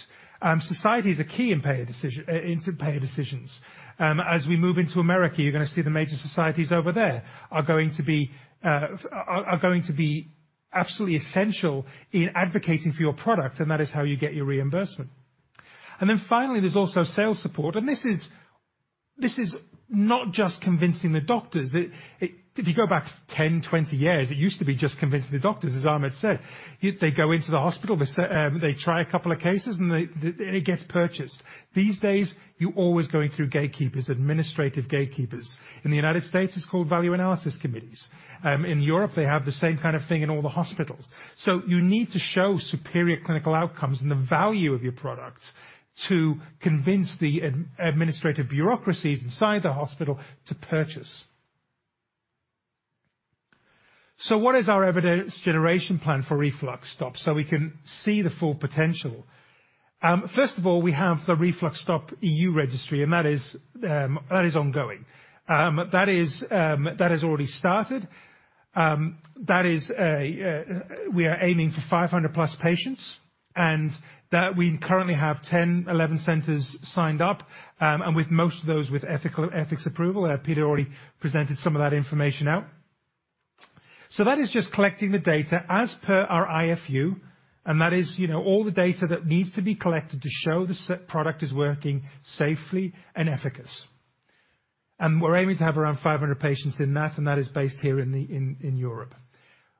Societies are key in payer decision into payer decisions. As we move into America, you're gonna see the major societies over there are going to be absolutely essential in advocating for your product, and that is how you get your reimbursement. Then finally, there's also sales support, and this is... This is not just convincing the doctors. If you go back 10, 20 years, it used to be just convincing the doctors, as Amit said. They go into the hospital, they try a couple of cases, and they, then it gets purchased. These days, you're always going through gatekeepers, administrative gatekeepers. In the United States, it's called value analysis committees. In Europe, they have the same kind of thing in all the hospitals. So you need to show superior clinical outcomes and the value of your product to convince the administrative bureaucracies inside the hospital to purchase. So what is our evidence generation plan for RefluxStop so we can see the full potential? First of all, we have the RefluxStop EU registry, and that is, that is ongoing. That is, that has already started. That is, we are aiming for 500 plus patients, and that we currently have 10, 11 centers signed up, and with most of those with ethics approval, and Peter already presented some of that information out. So that is just collecting the data as per our IFU, and that is, you know, all the data that needs to be collected to show the safety and efficacy. And we're aiming to have around 500 patients in that, and that is based here in Europe.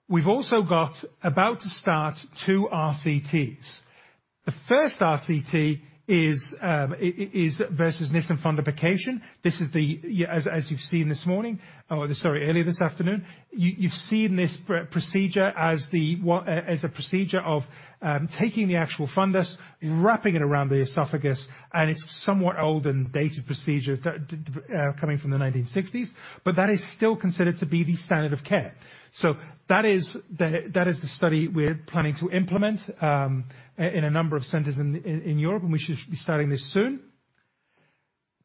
We've also got about to start 2 RCTs. The first RCT is, is versus Nissen fundoplication. This is the, as you've seen this morning, or sorry, earlier this afternoon, you've seen this procedure as the what... As a procedure of taking the actual fundus, wrapping it around the esophagus, and it's somewhat old and dated procedure, coming from the 1960s, but that is still considered to be the standard of care. So that is the, that is the study we're planning to implement, in a number of centers in Europe, and we should be starting this soon.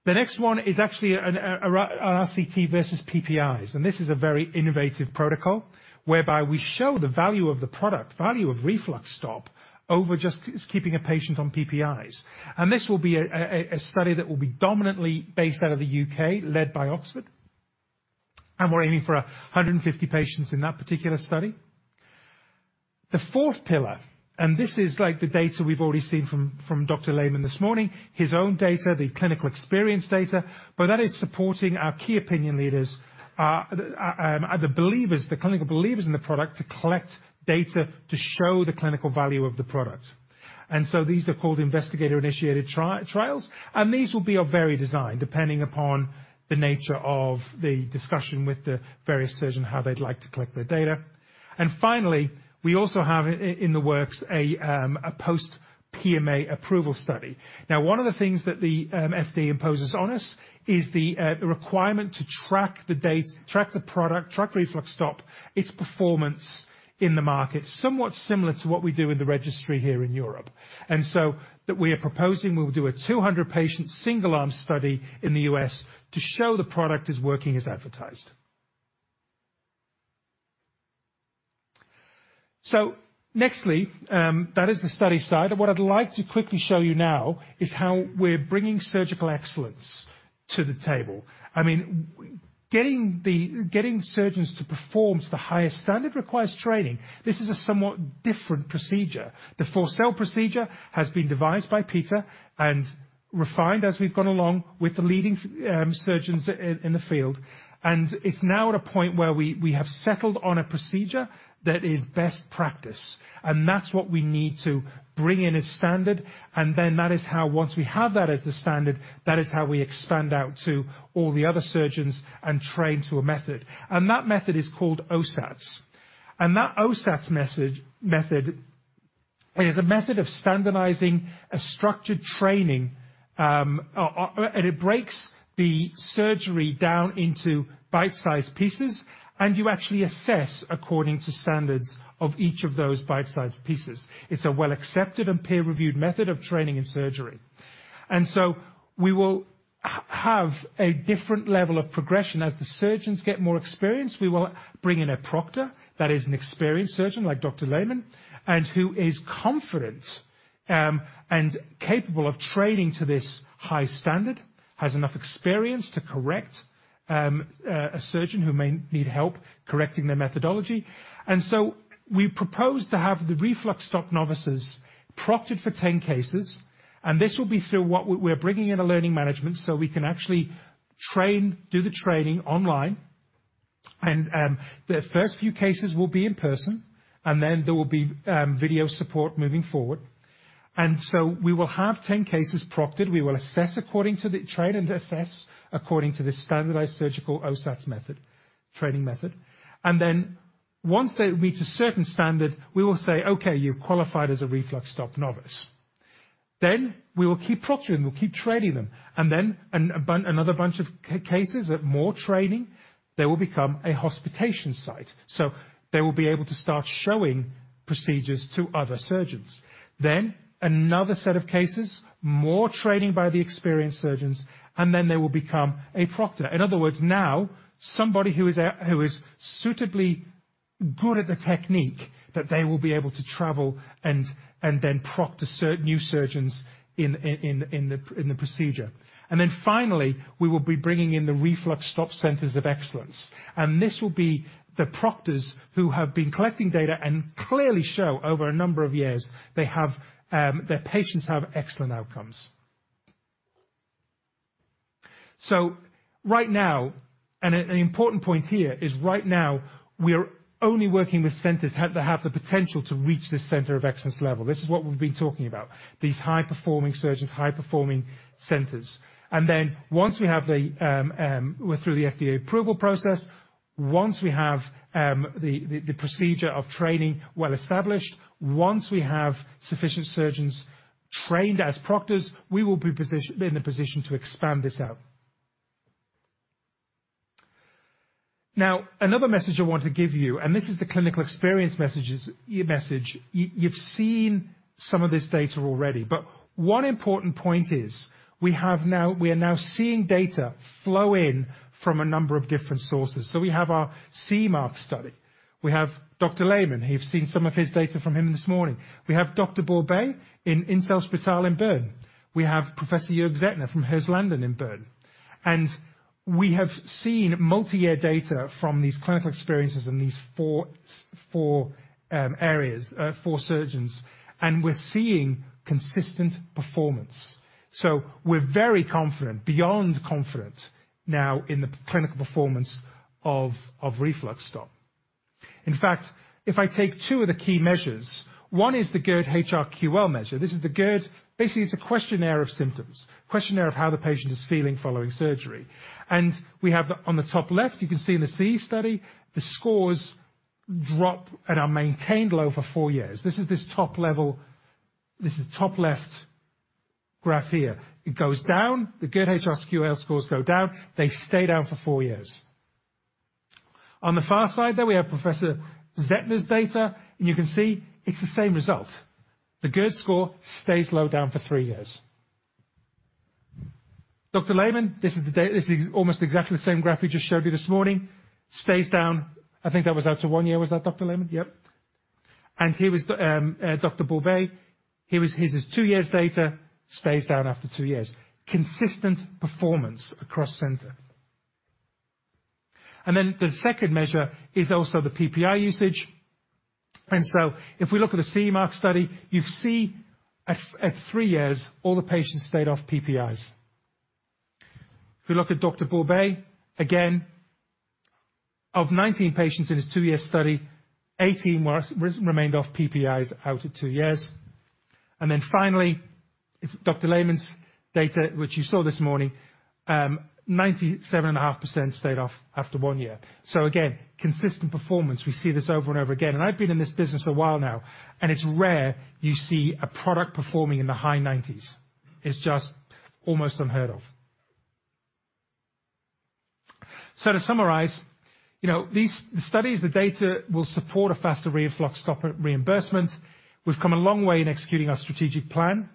The next one is actually an RCT versus PPIs, and this is a very innovative protocol whereby we show the value of the product, value of RefluxStop over just keeping a patient on PPIs. And this will be a study that will be dominantly based out of the U.K., led by Oxford, and we're aiming for 150 patients in that particular study.... The fourth pillar, and this is like the data we've already seen from, from Dr. Lehmann this morning. His own data, the clinical experience data, but that is supporting our key opinion leaders, the believers, the clinical believers in the product, to collect data to show the clinical value of the product. And so these are called investigator-initiated trial, trials, and these will be of very design, depending upon the nature of the discussion with the various surgeon, how they'd like to collect their data. And finally, we also have in the works, a post PMA approval study. Now, one of the things that the FDA imposes on us is the requirement to track the data, track the product, track RefluxStop, its performance in the market, somewhat similar to what we do in the registry here in Europe. What we are proposing, we will do a 200-patient, single-arm study in the US to show the product is working as advertised. Nextly, that is the study side. What I'd like to quickly show you now is how we're bringing surgical excellence to the table. I mean, getting surgeons to perform to the highest standard requires training. This is a somewhat different procedure. The Forsell procedure has been devised by Peter and refined as we've gone along with the leading surgeons in the field. And it's now at a point where we have settled on a procedure that is best practice, and that's what we need to bring in as standard. And then that is how once we have that as the standard, that is how we expand out to all the other surgeons and train to a method. That method is called OSATS. And that OSATS method is a method of standardizing a structured training. It breaks the surgery down into bite-sized pieces, and you actually assess according to standards of each of those bite-sized pieces. It's a well-accepted and peer-reviewed method of training in surgery. And so we will have a different level of progression. As the surgeons get more experienced, we will bring in a proctor, that is an experienced surgeon, like Dr. Lehmann, and who is confident and capable of training to this high standard, has enough experience to correct a surgeon who may need help correcting their methodology. And so we propose to have the RefluxStop novices proctored for 10 cases, and this will be through what... We're bringing in a learning management, so we can actually train, do the training online, and the first few cases will be in person, and then there will be video support moving forward. And so we will have 10 cases proctored. We will assess according to the standardized surgical OSATS method, training method. And then, once they reach a certain standard, we will say, "Okay, you've qualified as a RefluxStop novice." Then we will keep proctoring, we'll keep training them. And then, another bunch of cases and more training, they will become a hosting site, so they will be able to start showing procedures to other surgeons. Then, another set of cases, more training by the experienced surgeons, and then they will become a proctor. In other words, now, somebody who is suitably good at the technique, that they will be able to travel and then proctor new surgeons in the procedure. And then finally, we will be bringing in the RefluxStop Centers of Excellence, and this will be the proctors who have been collecting data and clearly show over a number of years, they have their patients have excellent outcomes. So right now, and an important point here is right now, we are only working with centers that have the potential to reach this center of excellence level. This is what we've been talking about, these high-performing surgeons, high-performing centers. And then, once we have the... We're through the FDA approval process, once we have the procedure of training well-established, once we have sufficient surgeons trained as proctors, we will be in a position to expand this out. Now, another message I want to give you, and this is the clinical experience message. You've seen some of this data already, but one important point is, we are now seeing data flow in from a number of different sources. So we have our CE-mark study. We have Dr. Lehmann. We've seen some of his data from him this morning. We have Dr. Borbély in Inselspital in Bern. We have Professor Jürg Zehetner from Inselspital in Bern. And we have seen multi-year data from these clinical experiences in these four areas, four surgeons, and we're seeing consistent performance. So we're very confident, beyond confident, now in the clinical performance of, of RefluxStop. In fact, if I take two of the key measures, one is the GERD HR QL measure. This is the GERD... Basically, it's a questionnaire of symptoms, questionnaire of how the patient is feeling following surgery. And we have, on the top left, you can see in the C study, the scores drop and are maintained low for four years. This is this top level, this is top left graph here. It goes down, the GERD HR QL scores go down. They stay down for four years. On the far side, there we have Professor Zehetner's data, and you can see it's the same result. The GERD score stays low down for three years. Dr. Lehmann, this is almost exactly the same graph we just showed you this morning. Stays down, I think that was out to 1 year. Was that, Dr. Lehmann? Yep. And here is Dr. Borbély. Here is his 2 years data, stays down after 2 years. Consistent performance across centers. And then the second measure is also the PPI usage. And so if we look at the CE Mark study, you see at 3 years, all the patients stayed off PPIs. If you look at Dr. Borbély, again, of 19 patients in his 2-year study, 18 remained off PPIs out at 2 years. And then finally, In Dr. Lehmann's data, which you saw this morning, 97.5% stayed off after 1 year. So again, consistent performance. We see this over and over again. And I've been in this business a while now, and it's rare you see a product performing in the high 90s. It's just almost unheard of. So to summarize, you know, the studies, the data will support a faster RefluxStop reimbursement. We've come a long way in executing our strategic plan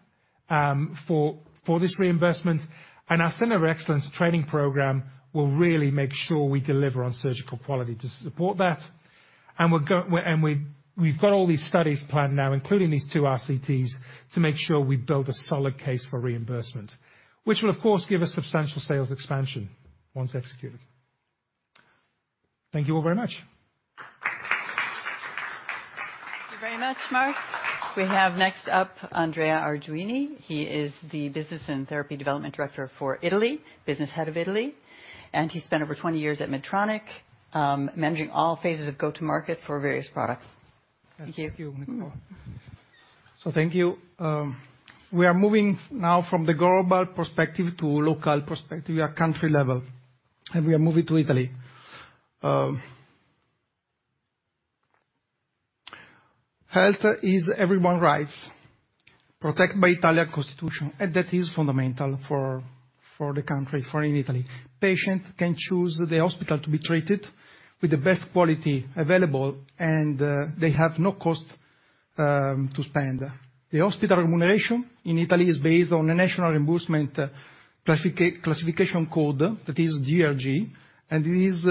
for this reimbursement, and our Center of Excellence training program will really make sure we deliver on surgical quality to support that. And we, we've got all these studies planned now, including these two RCTs, to make sure we build a solid case for reimbursement. Which will, of course, give us substantial sales expansion once executed. Thank you all very much. Thank you very much, Mark. We have next up, Andrea Arguini. He is the Business and Therapy Development Director for Italy, Business Head of Italy, and he spent over 20 years at Medtronic, managing all phases of go-to-market for various products. Thank you. Thank you, Nicole. So thank you. We are moving now from the global perspective to local perspective, your country level, and we are moving to Italy. Health is everyone's rights, protected by Italian constitution, and that is fundamental for the country, in Italy. Patient can choose the hospital to be treated with the best quality available, and they have no cost to spend. The hospital remuneration in Italy is based on a national reimbursement classification code, that is DRG, and it is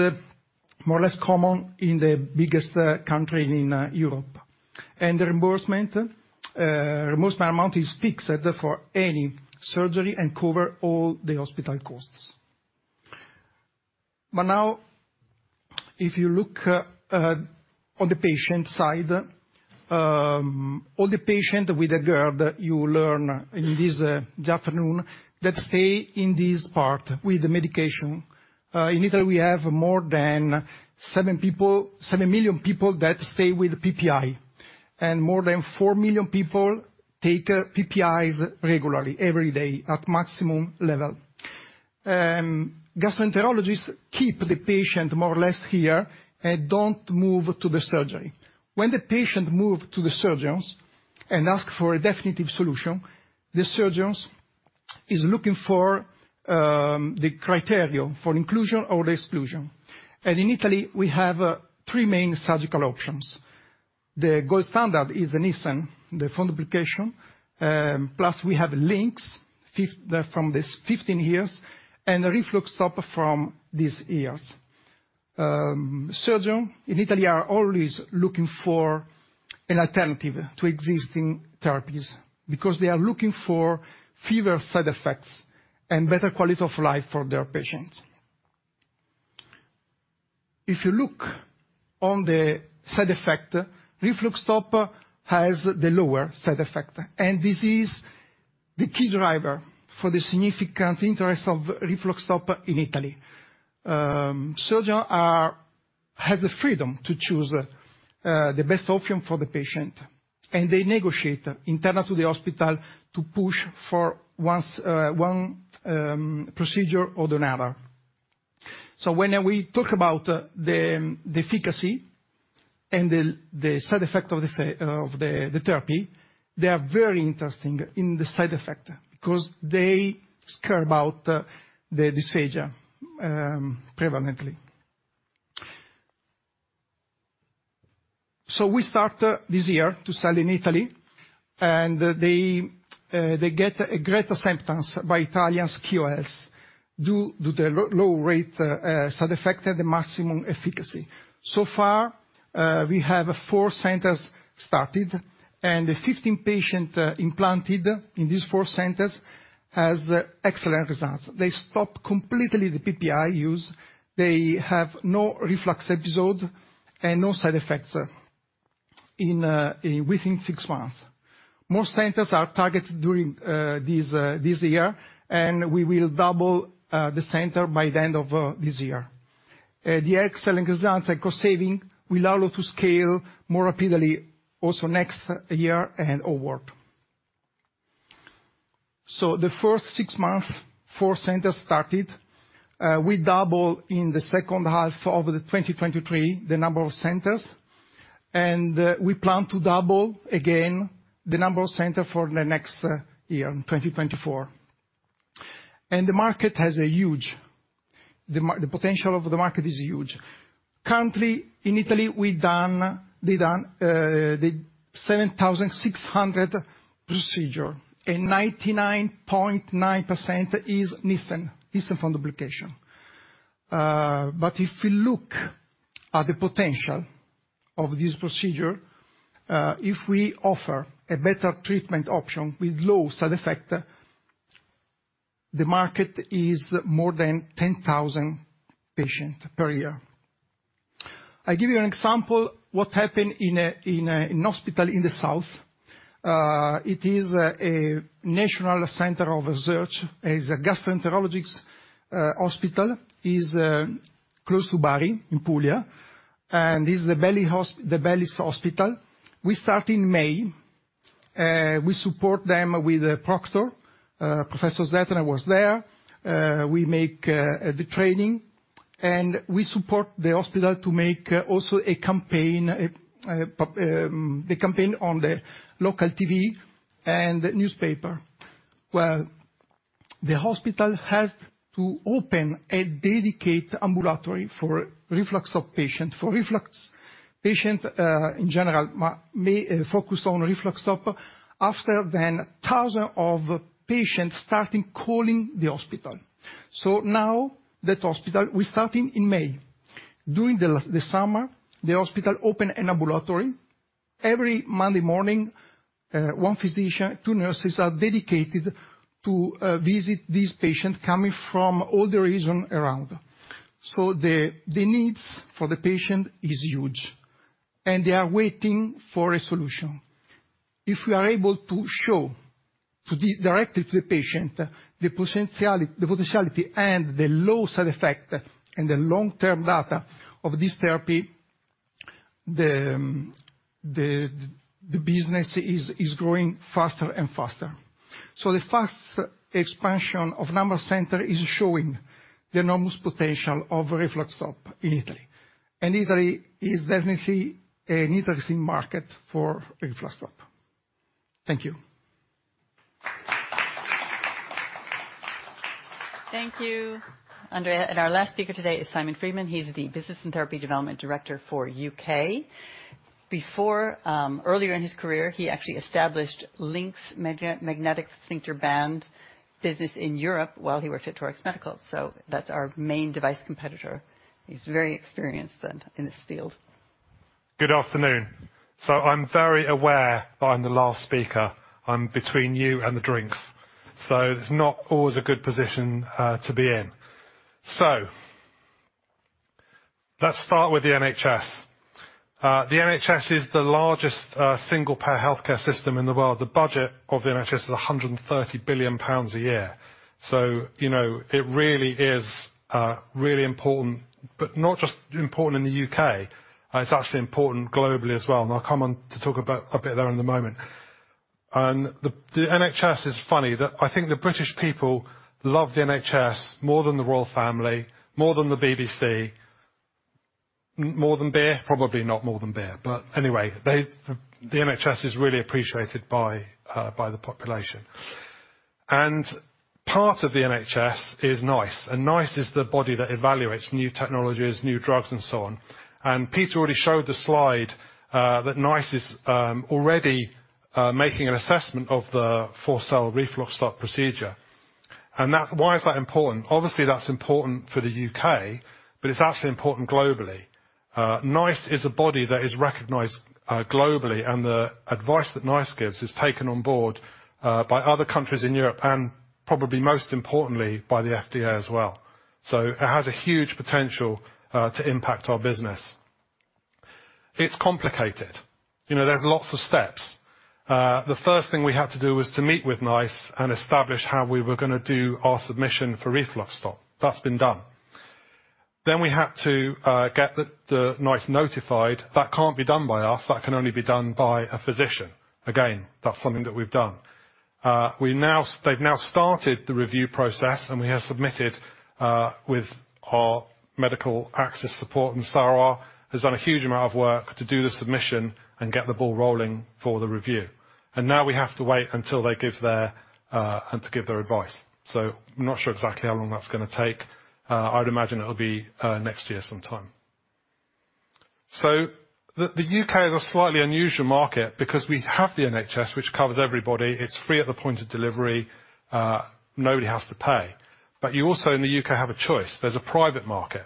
more or less common in the biggest country in Europe. And the reimbursement amount is fixed for any surgery and cover all the hospital costs. But now, if you look on the patient side, all the patient with a GERD, you learn in this afternoon, that stay in this part with the medication. In Italy, we have more than 7 million people that stay with PPI, and more than 4 million people take PPIs regularly, every day, at maximum level. Gastroenterologists keep the patient more or less here and don't move to the surgery. When the patient move to the surgeons and ask for a definitive solution, the surgeons is looking for the criteria for inclusion or exclusion. In Italy, we have 3 main surgical options. The gold standard is the Nissen fundoplication, plus we have LINX from this 15 years, and the RefluxStop from these years. Surgeon in Italy are always looking for an alternative to existing therapies because they are looking for fewer side effects and better quality of life for their patients. If you look on the side effect, RefluxStop has the lower side effect, and this is the key driver for the significant interest of RefluxStop in Italy. Surgeons have the freedom to choose the best option for the patient, and they negotiate internal to the hospital to push for one procedure or another. So when we talk about the efficacy and the side effect of the therapy, they are very interested in the side effect because they care about the dysphagia prevalently. So we start this year to sell in Italy, and they get a great acceptance by Italian KOLs, due to the low rate side effect and the maximum efficacy. So far, we have four centers started, and the 15 patients implanted in these four centers have excellent results. They stop completely the PPI use, they have no reflux episode and no side effects within six months. More centers are targeted during this year, and we will double the center by the end of this year. The excellent results and cost saving will allow us to scale more rapidly also next year and onward. So the first six months, four centers started. We double in the second half of 2023, the number of centers, and we plan to double again the number of centers for the next year, in 2024. And the market has a huge... The potential of the market is huge. Currently, in Italy, we've done, they done the 7,600 procedure, and 99.9% is Nissen fundoplication. But if you look at the potential of this procedure, if we offer a better treatment option with low side effect. The market is more than 10,000 patients per year. I give you an example what happened in a hospital in the south. It is a national center of research, is a gastroenterological hospital, is close to Bari, in Puglia, and this is the De Bellis Hospital. We start in May, we support them with a proctor. Professor Zehetner was there. We make the training, and we support the hospital to make also a campaign, the campaign on the local TV and newspaper, where the hospital had to open a dedicated ambulatory for RefluxStop patients. For reflux patient, in general, may focus on RefluxStop after 10,000 of patients starting calling the hospital. So now that hospital, we starting in May. During the last, the summer, the hospital opened an ambulatory. Every Monday morning, one physician, two nurses, are dedicated to visit these patients coming from all the region around. So the needs for the patient is huge, and they are waiting for a solution. If we are able to show directly to the patient, the potentiality, the potentiality, and the low side effect, and the long-term data of this therapy, the business is growing faster and faster. So the fast expansion of number center is showing the enormous potential of RefluxStop in Italy. And Italy is definitely an interesting market for RefluxStop. Thank you. Thank you, Andrea. Our last speaker today is Simon Freeman. He's the Business and Therapy Development Director for UK. Before, earlier in his career, he actually established LINX Magnetic Sphincter Band business in Europe while he worked at Torax Medical, so that's our main device competitor. He's very experienced in this field. Good afternoon. I'm very aware that I'm the last speaker. I'm between you and the drinks, so it's not always a good position to be in. Let's start with the NHS. The NHS is the largest single-payer healthcare system in the world. The budget of the NHS is 130 billion pounds a year. You know, it really is really important, but not just important in the UK, it's actually important globally as well. I'll come on to talk about a bit there in a moment. The NHS is funny, that I think the British people love the NHS more than the Royal Family, more than the BBC, more than beer? Probably not more than beer, but anyway, the NHS is really appreciated by the population. Part of the NHS is NICE, and NICE is the body that evaluates new technologies, new drugs, and so on. Peter already showed the slide that NICE is already making an assessment of the Forsell RefluxStop procedure. And that... Why is that important? Obviously, that's important for the UK, but it's actually important globally. NICE is a body that is recognized globally, and the advice that NICE gives is taken on board by other countries in Europe, and probably most importantly, by the FDA as well. So it has a huge potential to impact our business. It's complicated. You know, there's lots of steps. The first thing we had to do was to meet with NICE and establish how we were gonna do our submission for RefluxStop. That's been done. Then we had to get the NICE notified. That can't be done by us. That can only be done by a physician. Again, that's something that we've done. They've now started the review process, and we have submitted with our medical access support, and Sara has done a huge amount of work to do the submission and get the ball rolling for the review. And now we have to wait until they give their advice. So I'm not sure exactly how long that's gonna take. I'd imagine it'll be next year sometime. So the U.K. is a slightly unusual market because we have the NHS, which covers everybody. It's free at the point of delivery, nobody has to pay. But you also, in the U.K., have a choice. There's a private market,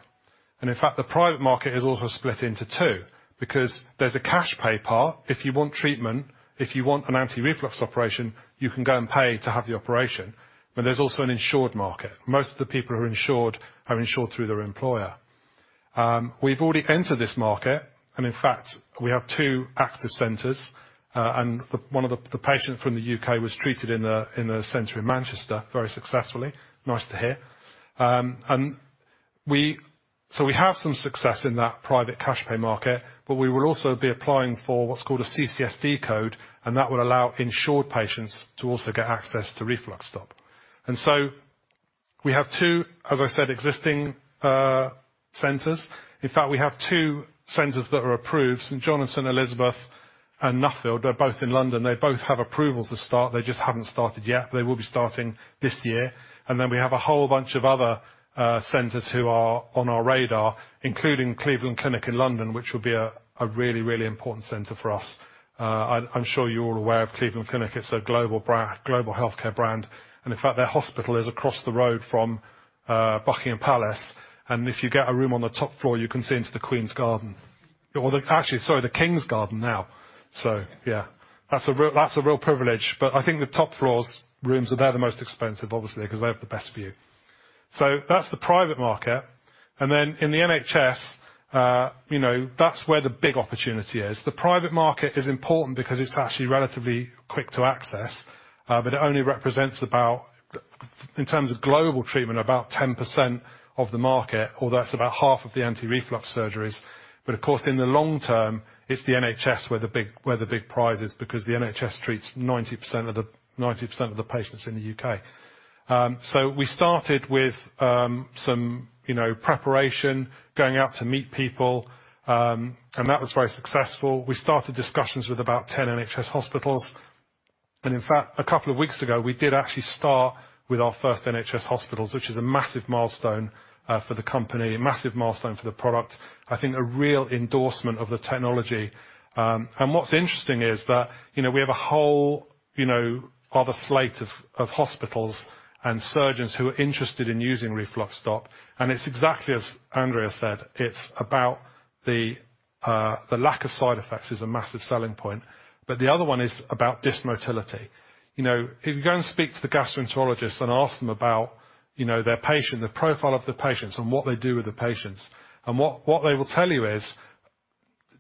and in fact, the private market is also split into two, because there's a cash pay part. If you want treatment, if you want an anti-reflux operation, you can go and pay to have the operation, but there's also an insured market. Most of the people who are insured are insured through their employer. We've already entered this market, and in fact, we have two active centers, and one of the patients from the UK was treated in a center in Manchester, very successfully. Nice to hear. And we have some success in that private cash pay market, but we will also be applying for what's called a CCSD code, and that will allow insured patients to also get access to RefluxStop. So we have two, as I said, existing centers. In fact, we have two centers that are approved, St. Jonathan, Elizabeth, and Nuffield. They're both in London. They both have approval to start. They just haven't started yet. They will be starting this year. And then we have a whole bunch of other centers who are on our radar, including Cleveland Clinic in London, which will be a really, really important center for us. I'm sure you're all aware of Cleveland Clinic. It's a global healthcare brand, and in fact, their hospital is across the road from Buckingham Palace, and if you get a room on the top floor, you can see into the Queen's garden. Well, actually, sorry, the King's Garden now. So yeah, that's a real privilege. But I think the top floors, rooms are there, the most expensive, obviously, because they have the best view. That's the private market. Then in the NHS, you know, that's where the big opportunity is. The private market is important because it's actually relatively quick to access, but it only represents about, in terms of global treatment, about 10% of the market, although that's about half of the anti-reflux surgeries. But of course, in the long term, it's the NHS where the big, where the big prize is, because the NHS treats 90% of the, 90% of the patients in the UK. We started with some, you know, preparation, going out to meet people, and that was very successful. We started discussions with about 10 NHS hospitals, and in fact, a couple of weeks ago, we did actually start with our first NHS hospitals, which is a massive milestone for the company, a massive milestone for the product. I think a real endorsement of the technology. And what's interesting is that, you know, we have a whole, you know, other slate of hospitals and surgeons who are interested in using RefluxStop, and it's exactly as Andrea said, it's about the lack of side effects is a massive selling point, but the other one is about dysmotility. You know, if you go and speak to the gastroenterologist and ask them about, you know, their patient, the profile of the patients and what they do with the patients, and what they will tell you is,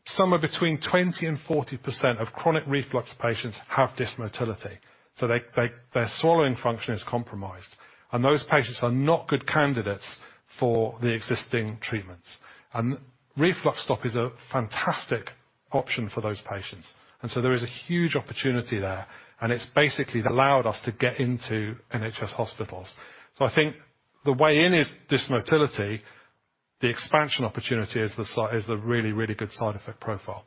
somewhere between 20% and 40% of chronic reflux patients have dysmotility, so they, their swallowing function is compromised, and those patients are not good candidates for the existing treatments. And RefluxStop is a fantastic option for those patients, and so there is a huge opportunity there, and it's basically allowed us to get into NHS hospitals. So I think the way in is dysmotility. The expansion opportunity is the really, really good side effect profile.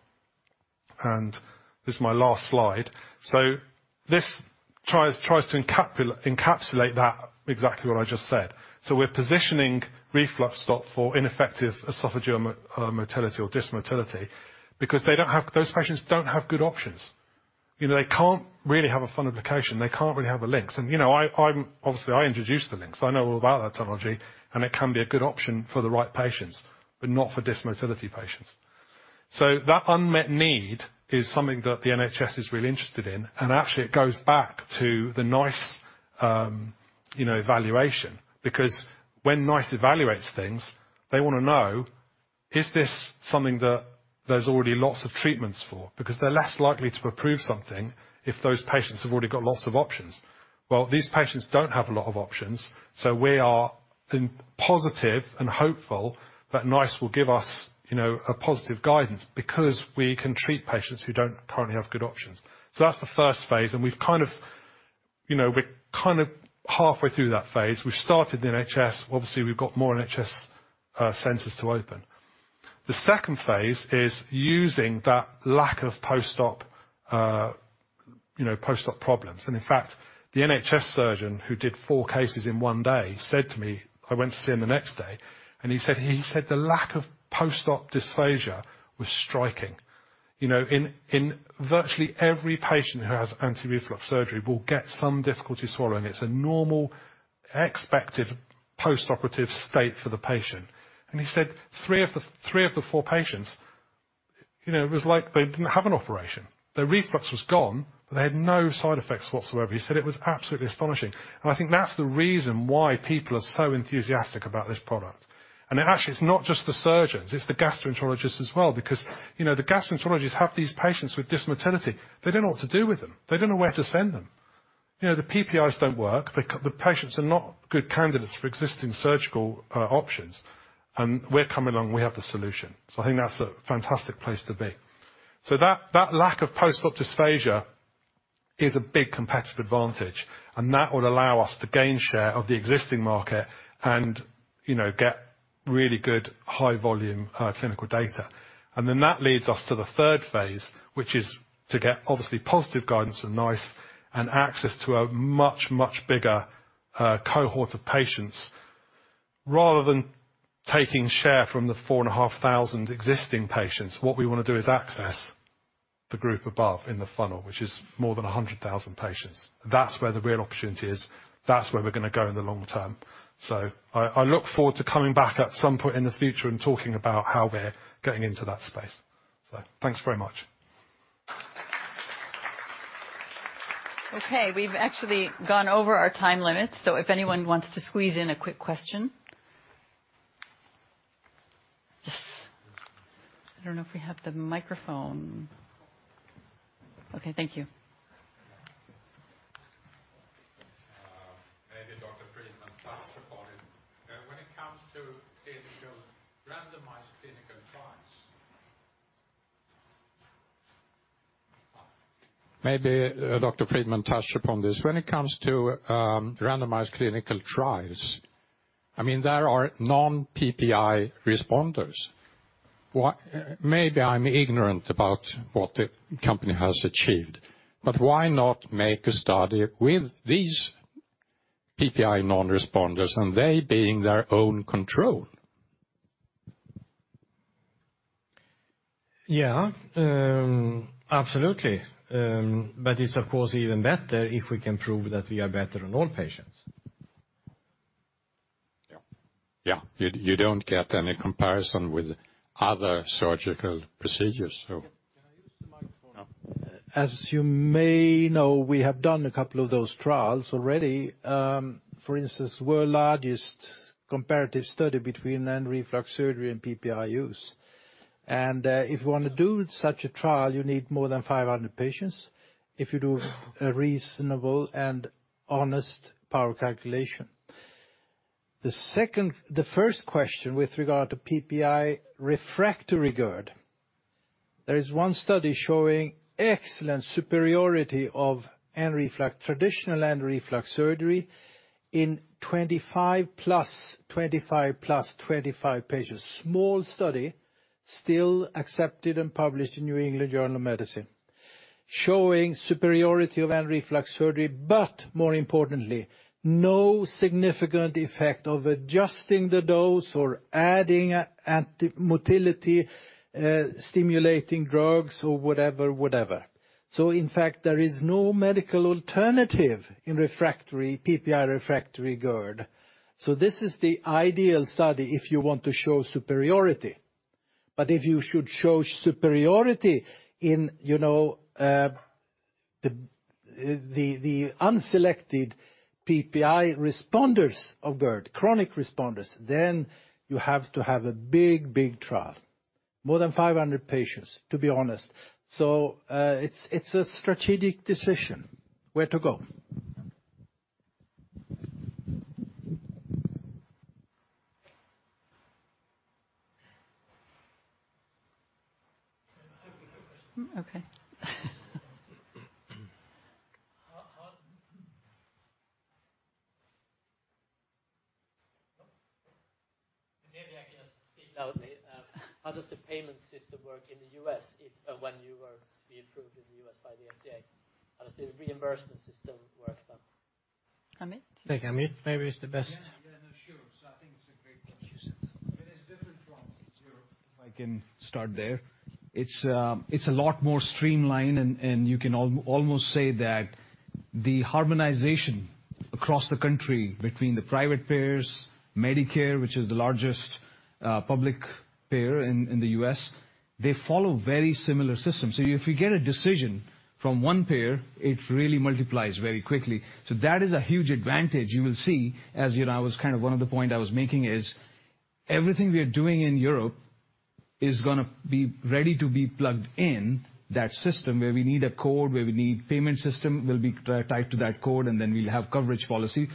And this is my last slide. So this tries to encapsulate that exactly what I just said. So we're positioning RefluxStop for ineffective esophageal motility or dysmotility, because they don't have-- those patients don't have good options. You know, they can't really have a fundoplication. They can't really have a LINX. And you know, obviously, I introduced the LINX. I know all about that technology, and it can be a good option for the right patients, but not for dysmotility patients. So that unmet need is something that the NHS is really interested in, and actually, it goes back to the NICE evaluation. Because when NICE evaluates things, they wanna know, is this something that there's already lots of treatments for? Because they're less likely to approve something if those patients have already got lots of options. Well, these patients don't have a lot of options, so we are positive and hopeful that NICE will give us, you know, a positive guidance because we can treat patients who don't currently have good options. So that's the first phase, and we've kind of, you know, we're kind of halfway through that phase. We've started the NHS. Obviously, we've got more NHS centers to open. The second phase is using that lack of postop, you know, postop problems. And in fact, the NHS surgeon, who did 4 cases in one day, said to me, I went to see him the next day, and he said, he said the lack of postop dysphagia was striking. You know, in virtually every patient who has anti-reflux surgery will get some difficulty swallowing. It's a normal, expected post-operative state for the patient. And he said, "3 of the, 3 of the 4 patients, you know, it was like they didn't have an operation. Their reflux was gone, but they had no side effects whatsoever." He said it was absolutely astonishing, and I think that's the reason why people are so enthusiastic about this product. And actually, it's not just the surgeons, it's the gastroenterologists as well, because, you know, the gastroenterologists have these patients with dysmotility. They don't know what to do with them. They don't know where to send them. You know, the PPIs don't work. The patients are not good candidates for existing surgical options, and we're coming along, we have the solution. So I think that's a fantastic place to be. So that, that lack of postop dysphagia is a big competitive advantage, and that will allow us to gain share of the existing market and, you know, get really good, high volume, clinical data. And then that leads us to the third phase, which is to get, obviously, positive guidance from NICE and access to a much, much bigger, cohort of patients. Rather than taking share from the 4,500 existing patients, what we wanna do is access the group above in the funnel, which is more than 100,000 patients. That's where the real opportunity is. That's where we're gonna go in the long term. So I, I look forward to coming back at some point in the future and talking about how we're getting into that space. So thanks very much. Okay, we've actually gone over our time limit, so if anyone wants to squeeze in a quick question? Yes. I don't know if we have the microphone. Okay, thank you. Maybe Dr. Fridman touched upon it. When it comes to randomized clinical trials. Maybe Dr. Fridman touched upon this. When it comes to randomized clinical trials, I mean, there are non-PPI responders. Why maybe I'm ignorant about what the company has achieved, but why not make a study with these PPI non-responders, and they being their own control? Yeah, absolutely. But it's, of course, even better if we can prove that we are better than all patients.... Yeah, you don't get any comparison with other surgical procedures, so- Can I use the microphone? As you may know, we have done a couple of those trials already. For instance, world's largest comparative study between Nissen reflux surgery and PPI use. And, if you wanna do such a trial, you need more than 500 patients, if you do a reasonable and honest power calculation. The second—the first question with regard to PPI refractory GERD, there is one study showing excellent superiority of Nissen reflux, traditional Nissen reflux surgery in 25+25+25 patients. Small study, still accepted and published in New England Journal of Medicine, showing superiority of Nissen reflux surgery, but more importantly, no significant effect of adjusting the dose or adding an anti-motility stimulating drugs or whatever. So in fact, there is no medical alternative in refractory, PPI refractory GERD. So this is the ideal study if you want to show superiority. But if you should show superiority in, you know, the unselected PPI responders of GERD, chronic responders, then you have to have a big, big trial. More than 500 patients, to be honest. So, it's a strategic decision, where to go. Okay. Maybe I can just speak out. How does the payment system work in the U.S., if, when you are being approved in the U.S. by the FDA? How does the reimbursement system work then? Amit? I think, Amit, maybe it's the best- Yeah, yeah, no, sure. So I think it's a great question. But it's different from Europe, if I can start there. It's, it's a lot more streamlined, and, and you can almost say that the harmonization across the country between the private payers, Medicare, which is the largest public payer in the U.S., they follow very similar systems. So if you get a decision from one payer, it really multiplies very quickly. So that is a huge advantage. You will see, as you know, I was kind of... One of the point I was making is, everything we are doing in Europe is gonna be ready to be plugged in that system, where we need a code, where we need payment system, will be tied to that code, and then we'll have coverage policy.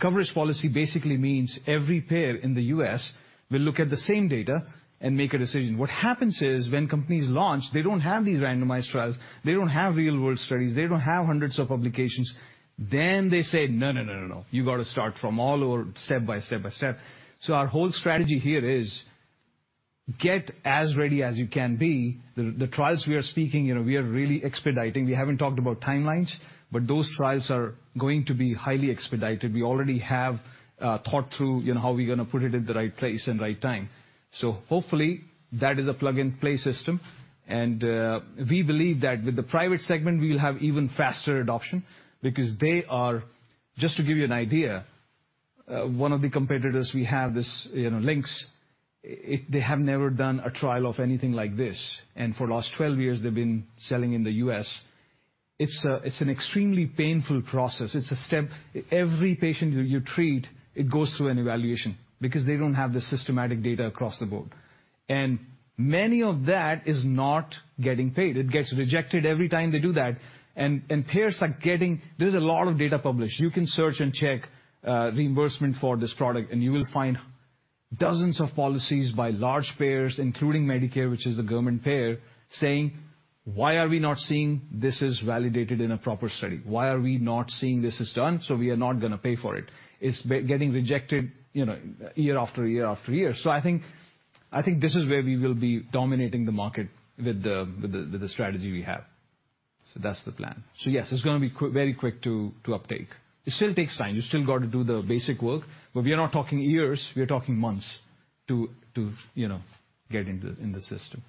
Coverage policy basically means every payer in the US will look at the same data and make a decision. What happens is, when companies launch, they don't have these randomized trials, they don't have real-world studies, they don't have hundreds of publications. Then they say, "No, no, no, no, no, you got to start from all over, step by step by step." So our whole strategy here is get as ready as you can be. The trials we are speaking, you know, we are really expediting. We haven't talked about timelines, but those trials are going to be highly expedited. We already have, thought through, you know, how we're gonna put it in the right place and right time. So hopefully, that is a plug-in play system. And, we believe that with the private segment, we will have even faster adoption because they are... Just to give you an idea, one of the competitors, we have this, you know, LINX. They have never done a trial of anything like this, and for the last 12 years, they've been selling in the U.S. It's an extremely painful process. It's a step. Every patient who you treat, it goes through an evaluation because they don't have the systematic data across the board. And many of that is not getting paid. It gets rejected every time they do that, and payers are getting-- there's a lot of data published. You can search and check reimbursement for this product, and you will find dozens of policies by large payers, including Medicare, which is the government payer, saying, "Why are we not seeing this is validated in a proper study? Why are we not seeing this is done, so we are not gonna pay for it?" It's being rejected, you know, year after year after year. So I think this is where we will be dominating the market with the strategy we have. So that's the plan. So yes, it's gonna be quite very quick to uptake. It still takes time. You still got to do the basic work, but we are not talking years, we are talking months to, you know, get into the system.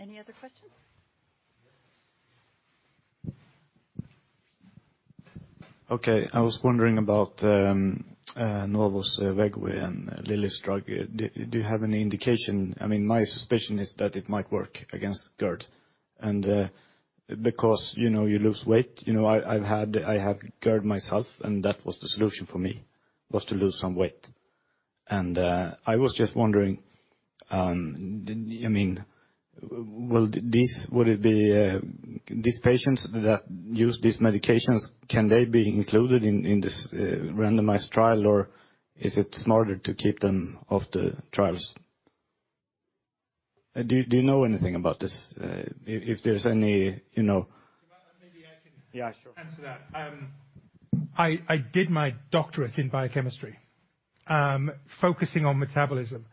Any other questions? Yes. Okay. I was wondering about Novo's Wegovy and Lilly's drug. Do you have any indication? I mean, my suspicion is that it might work against GERD, and because, you know, you lose weight. You know, I have GERD myself, and that was the solution for me, was to lose some weight. And I was just wondering, I mean, will this, would it be these patients that use these medications, can they be included in this randomized trial, or is it smarter to keep them off the trials? Do you know anything about this? If there's any, you know- Maybe I can- Yeah, sure. Answer that. I did my doctorate in biochemistry, focusing on metabolism.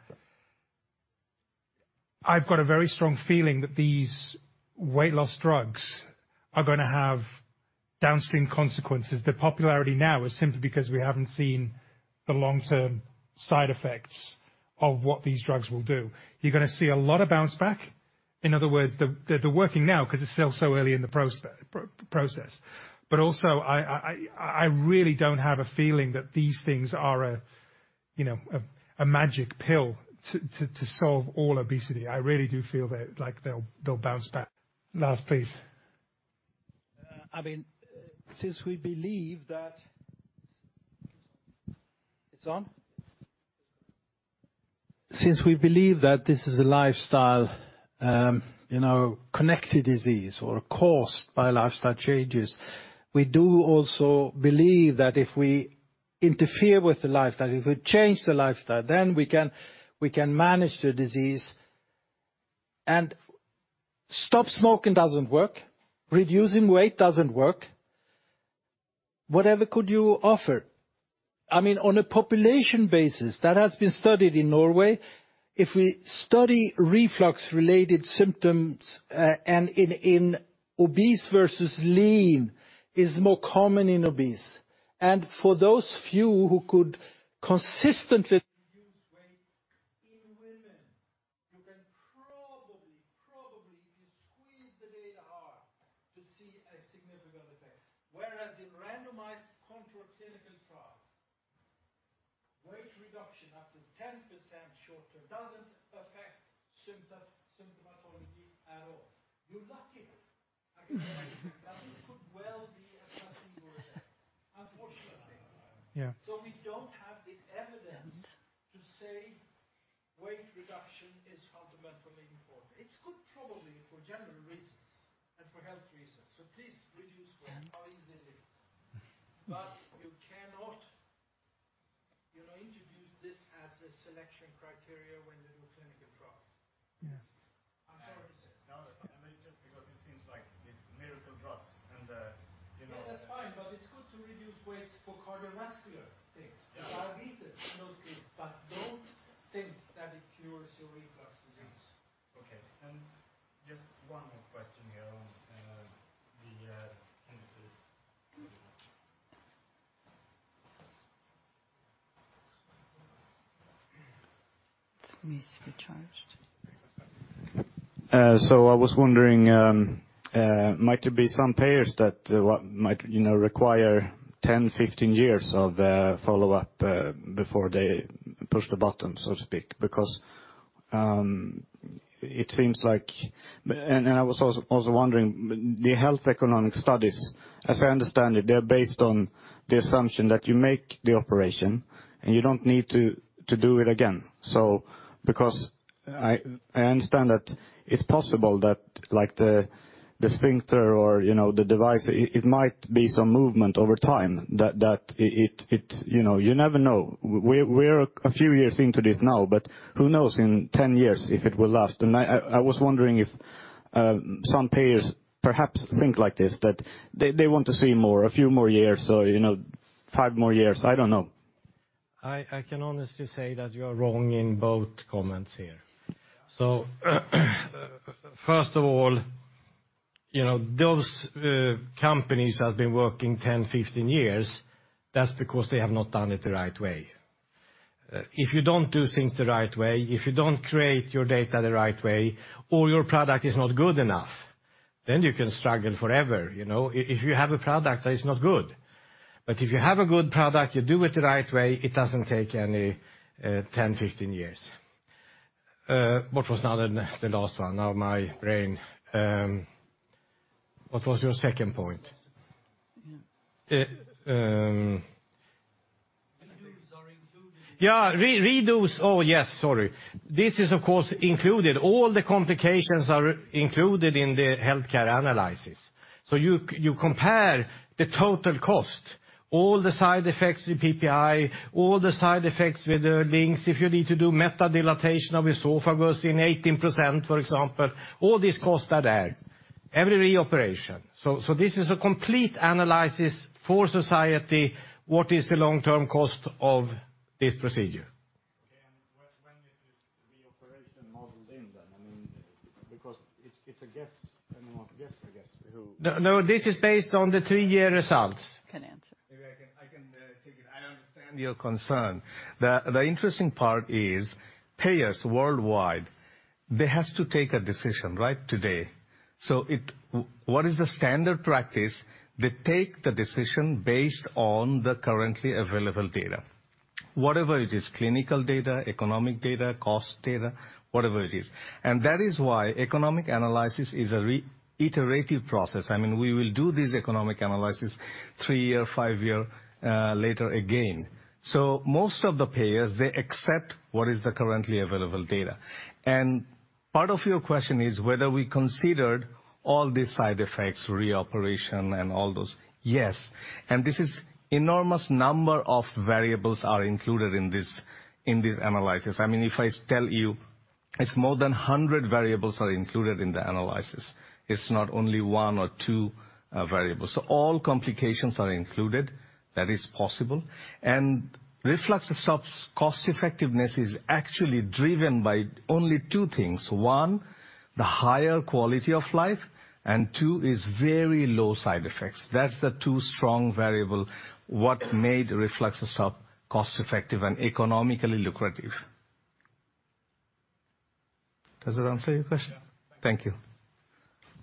I've got a very strong feeling that these weight loss drugs are gonna have downstream consequences. The popularity now is simply because we haven't seen the long-term side effects of what these drugs will do. You're gonna see a lot of bounce back. In other words, they're working now because it's still so early in the process. But also, I really don't have a feeling that these things are a, you know, a magic pill to solve all obesity. I really do feel that like, they'll bounce back. Last, please. I mean, since we believe that this is a lifestyle, you know, connected disease or caused by lifestyle changes, we do also believe that if we interfere with the lifestyle, if we change the lifestyle, then we can, we can manage the disease. And stop smoking doesn't work, reducing weight doesn't work. Whatever could you offer? I mean, on a population basis, that has been studied in Norway. If we study reflux-related symptoms, and in obese versus lean, is more common in obese, and for those few who could consistently lose weight in women, you can probably, if you squeeze the data hard, to see a significant effect. Whereas in randomized controlled clinical trials, weight reduction up to 10% shorter doesn't affect symptom, symptomatology at all. You're lucky! But it could well be a single event, unfortunately. Yeah. So we don't have the evidence to say weight reduction is fundamentally important. It's good, probably, for general reasons and for health reasons, so please reduce weight- Yeah. How easy it is. But you cannot, you know, introduce this as a selection criteria when you do clinical trials. Yeah. I'm sorry to say. No, it's fine. Just because it seems like it's miracle drugs, and, you know- Yeah, that's fine, but it's good to reduce weight for cardiovascular things. Yeah. Diabetes, mostly, but don't think that it cures your reflux disease. Okay, and just one more question here on the indices. Needs to be charged. So I was wondering, might there be some payers that might, you know, require 10, 15 years of follow-up before they push the button, so to speak? Because it seems like... And I was also wondering, the health economic studies, as I understand it, they're based on the assumption that you make the operation, and you don't need to do it again. So because I understand that it's possible that like the sphincter or, you know, the device, it might be some movement over time, that it, you know, you never know. We're a few years into this now, but who knows in 10 years if it will last? I was wondering if some payers perhaps think like this, that they want to see more, a few more years or, you know, five more years. I don't know. I can honestly say that you are wrong in both comments here. So, first of all, you know, those companies that have been working 10, 15 years, that's because they have not done it the right way. If you don't do things the right way, if you don't create your data the right way, or your product is not good enough, then you can struggle forever, you know? If you have a product that is not good. But if you have a good product, you do it the right way, it doesn't take any 10, 15 years. What was now the, the last one? Now my brain... What was your second point? Redos are included. Yeah. Oh, yes, sorry. This is, of course, included. All the complications are included in the healthcare analysis. So you compare the total cost, all the side effects, the PPI, all the side effects with the LINX. If you need to do meta dilatation of esophagus in 18%, for example, all these costs are there. Every reoperation. So this is a complete analysis for society, what is the long-term cost of this procedure? Okay, and when is this reoperation modeled in then? I mean, because it's a guess. Anyone's guess, I guess, who- No, no, this is based on the 3-year results. Can answer. Maybe I can take it. I understand your concern. The interesting part is payers worldwide, they have to take a decision right today. So what is the standard practice? They take the decision based on the currently available data. Whatever it is, clinical data, economic data, cost data, whatever it is. And that is why economic analysis is a reiterative process. I mean, we will do this economic analysis 3-year, 5-year later again. So most of the payers, they accept what is the currently available data. And part of your question is whether we considered all these side effects, reoperation and all those. Yes, and this is enormous number of variables are included in this analysis. I mean, if I tell you, it's more than 100 variables are included in the analysis. It's not only one or two variables. So all complications are included, that is possible. And RefluxStop cost-effectiveness is actually driven by only two things: one, the higher quality of life, and two, is very low side effects. That's the two strong variable, what made RefluxStop cost-effective and economically lucrative.... Does that answer your question? Yeah. Thank you.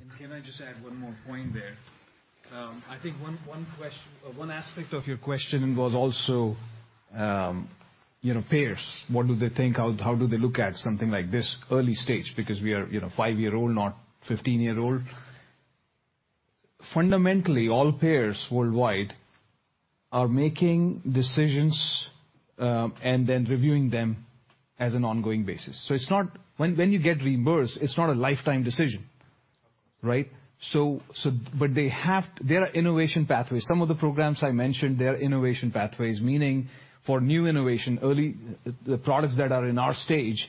And can I just add one more point there? I think one question-- or one aspect of your question was also, you know, payers. What do they think, how do they look at something like this early stage? Because we are, you know, five-year-old, not fifteen-year-old. Fundamentally, all payers worldwide are making decisions, and then reviewing them as an ongoing basis. So it's not... When you get reimbursed, it's not a lifetime decision, right? So but they have-- there are innovation pathways. Some of the programs I mentioned, they're innovation pathways, meaning for new innovation, early, the products that are in our stage,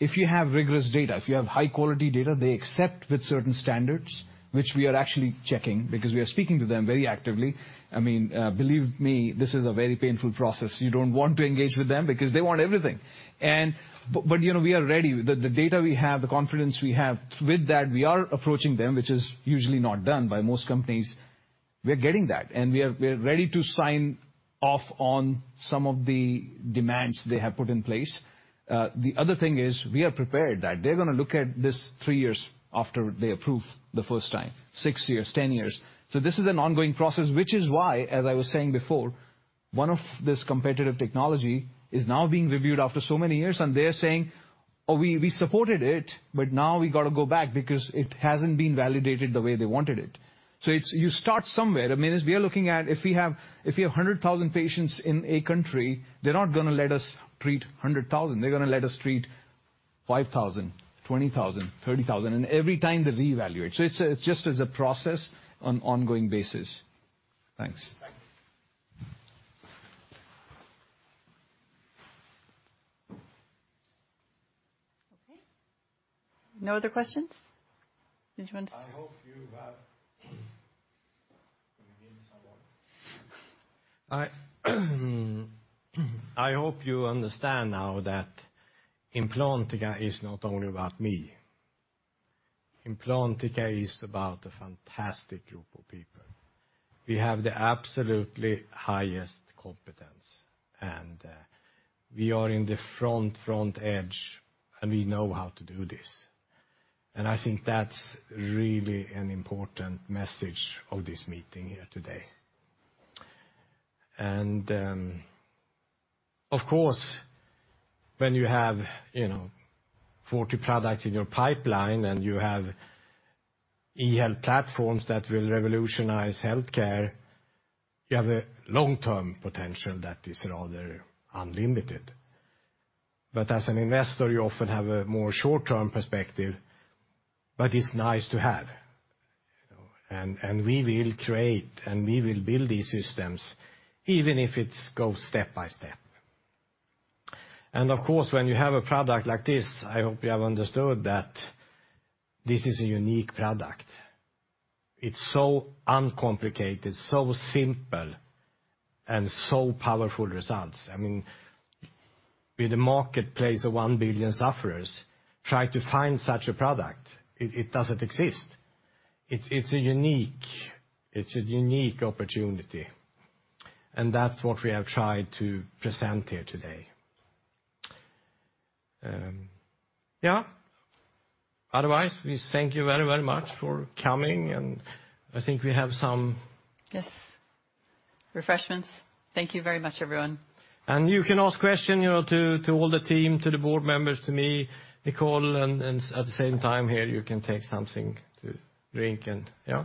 if you have rigorous data, if you have high-quality data, they accept with certain standards, which we are actually checking because we are speaking to them very actively. I mean, believe me, this is a very painful process. You don't want to engage with them because they want everything. But, you know, we are ready. The data we have, the confidence we have, with that, we are approaching them, which is usually not done by most companies. We're getting that, and we are ready to sign off on some of the demands they have put in place. The other thing is, we are prepared that they're gonna look at this three years after they approve the first time, six years, 10 years. So this is an ongoing process, which is why, as I was saying before, one of this competitive technology is now being reviewed after so many years, and they're saying: "Oh, we supported it, but now we got to go back because it hasn't been validated the way they wanted it." So it's. You start somewhere. I mean, as we are looking at if we have 100,000 patients in a country, they're not gonna let us treat 100,000. They're gonna let us treat 5,000, 20,000, 30,000, and every time they reevaluate. So it's just a process on an ongoing basis. Thanks. Thanks. Okay. No other questions? Did you want- I hope you understand now that Implantica is not only about me. Implantica is about a fantastic group of people. We have the absolutely highest competence, and we are in the front edge, and we know how to do this. And I think that's really an important message of this meeting here today. Of course, when you have, you know, 40 products in your pipeline, and you have e-health platforms that will revolutionize healthcare, you have a long-term potential that is rather unlimited. But as an investor, you often have a more short-term perspective, but it's nice to have. We will create, and we will build these systems, even if it's go step by step. Of course, when you have a product like this, I hope you have understood that this is a unique product. It's so uncomplicated, so simple, and so powerful results. I mean, with a marketplace of 1 billion sufferers, try to find such a product. It doesn't exist. It's a unique opportunity, and that's what we have tried to present here today. Yeah. Otherwise, we thank you very, very much for coming, and I think we have some- Yes. Refreshments. Thank you very much, everyone. You can ask questions, you know, to all the team, to the board members, to me, Nicole, and at the same time here, you can take something to drink and... Yeah.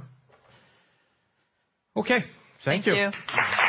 Okay, thank you. Thank you.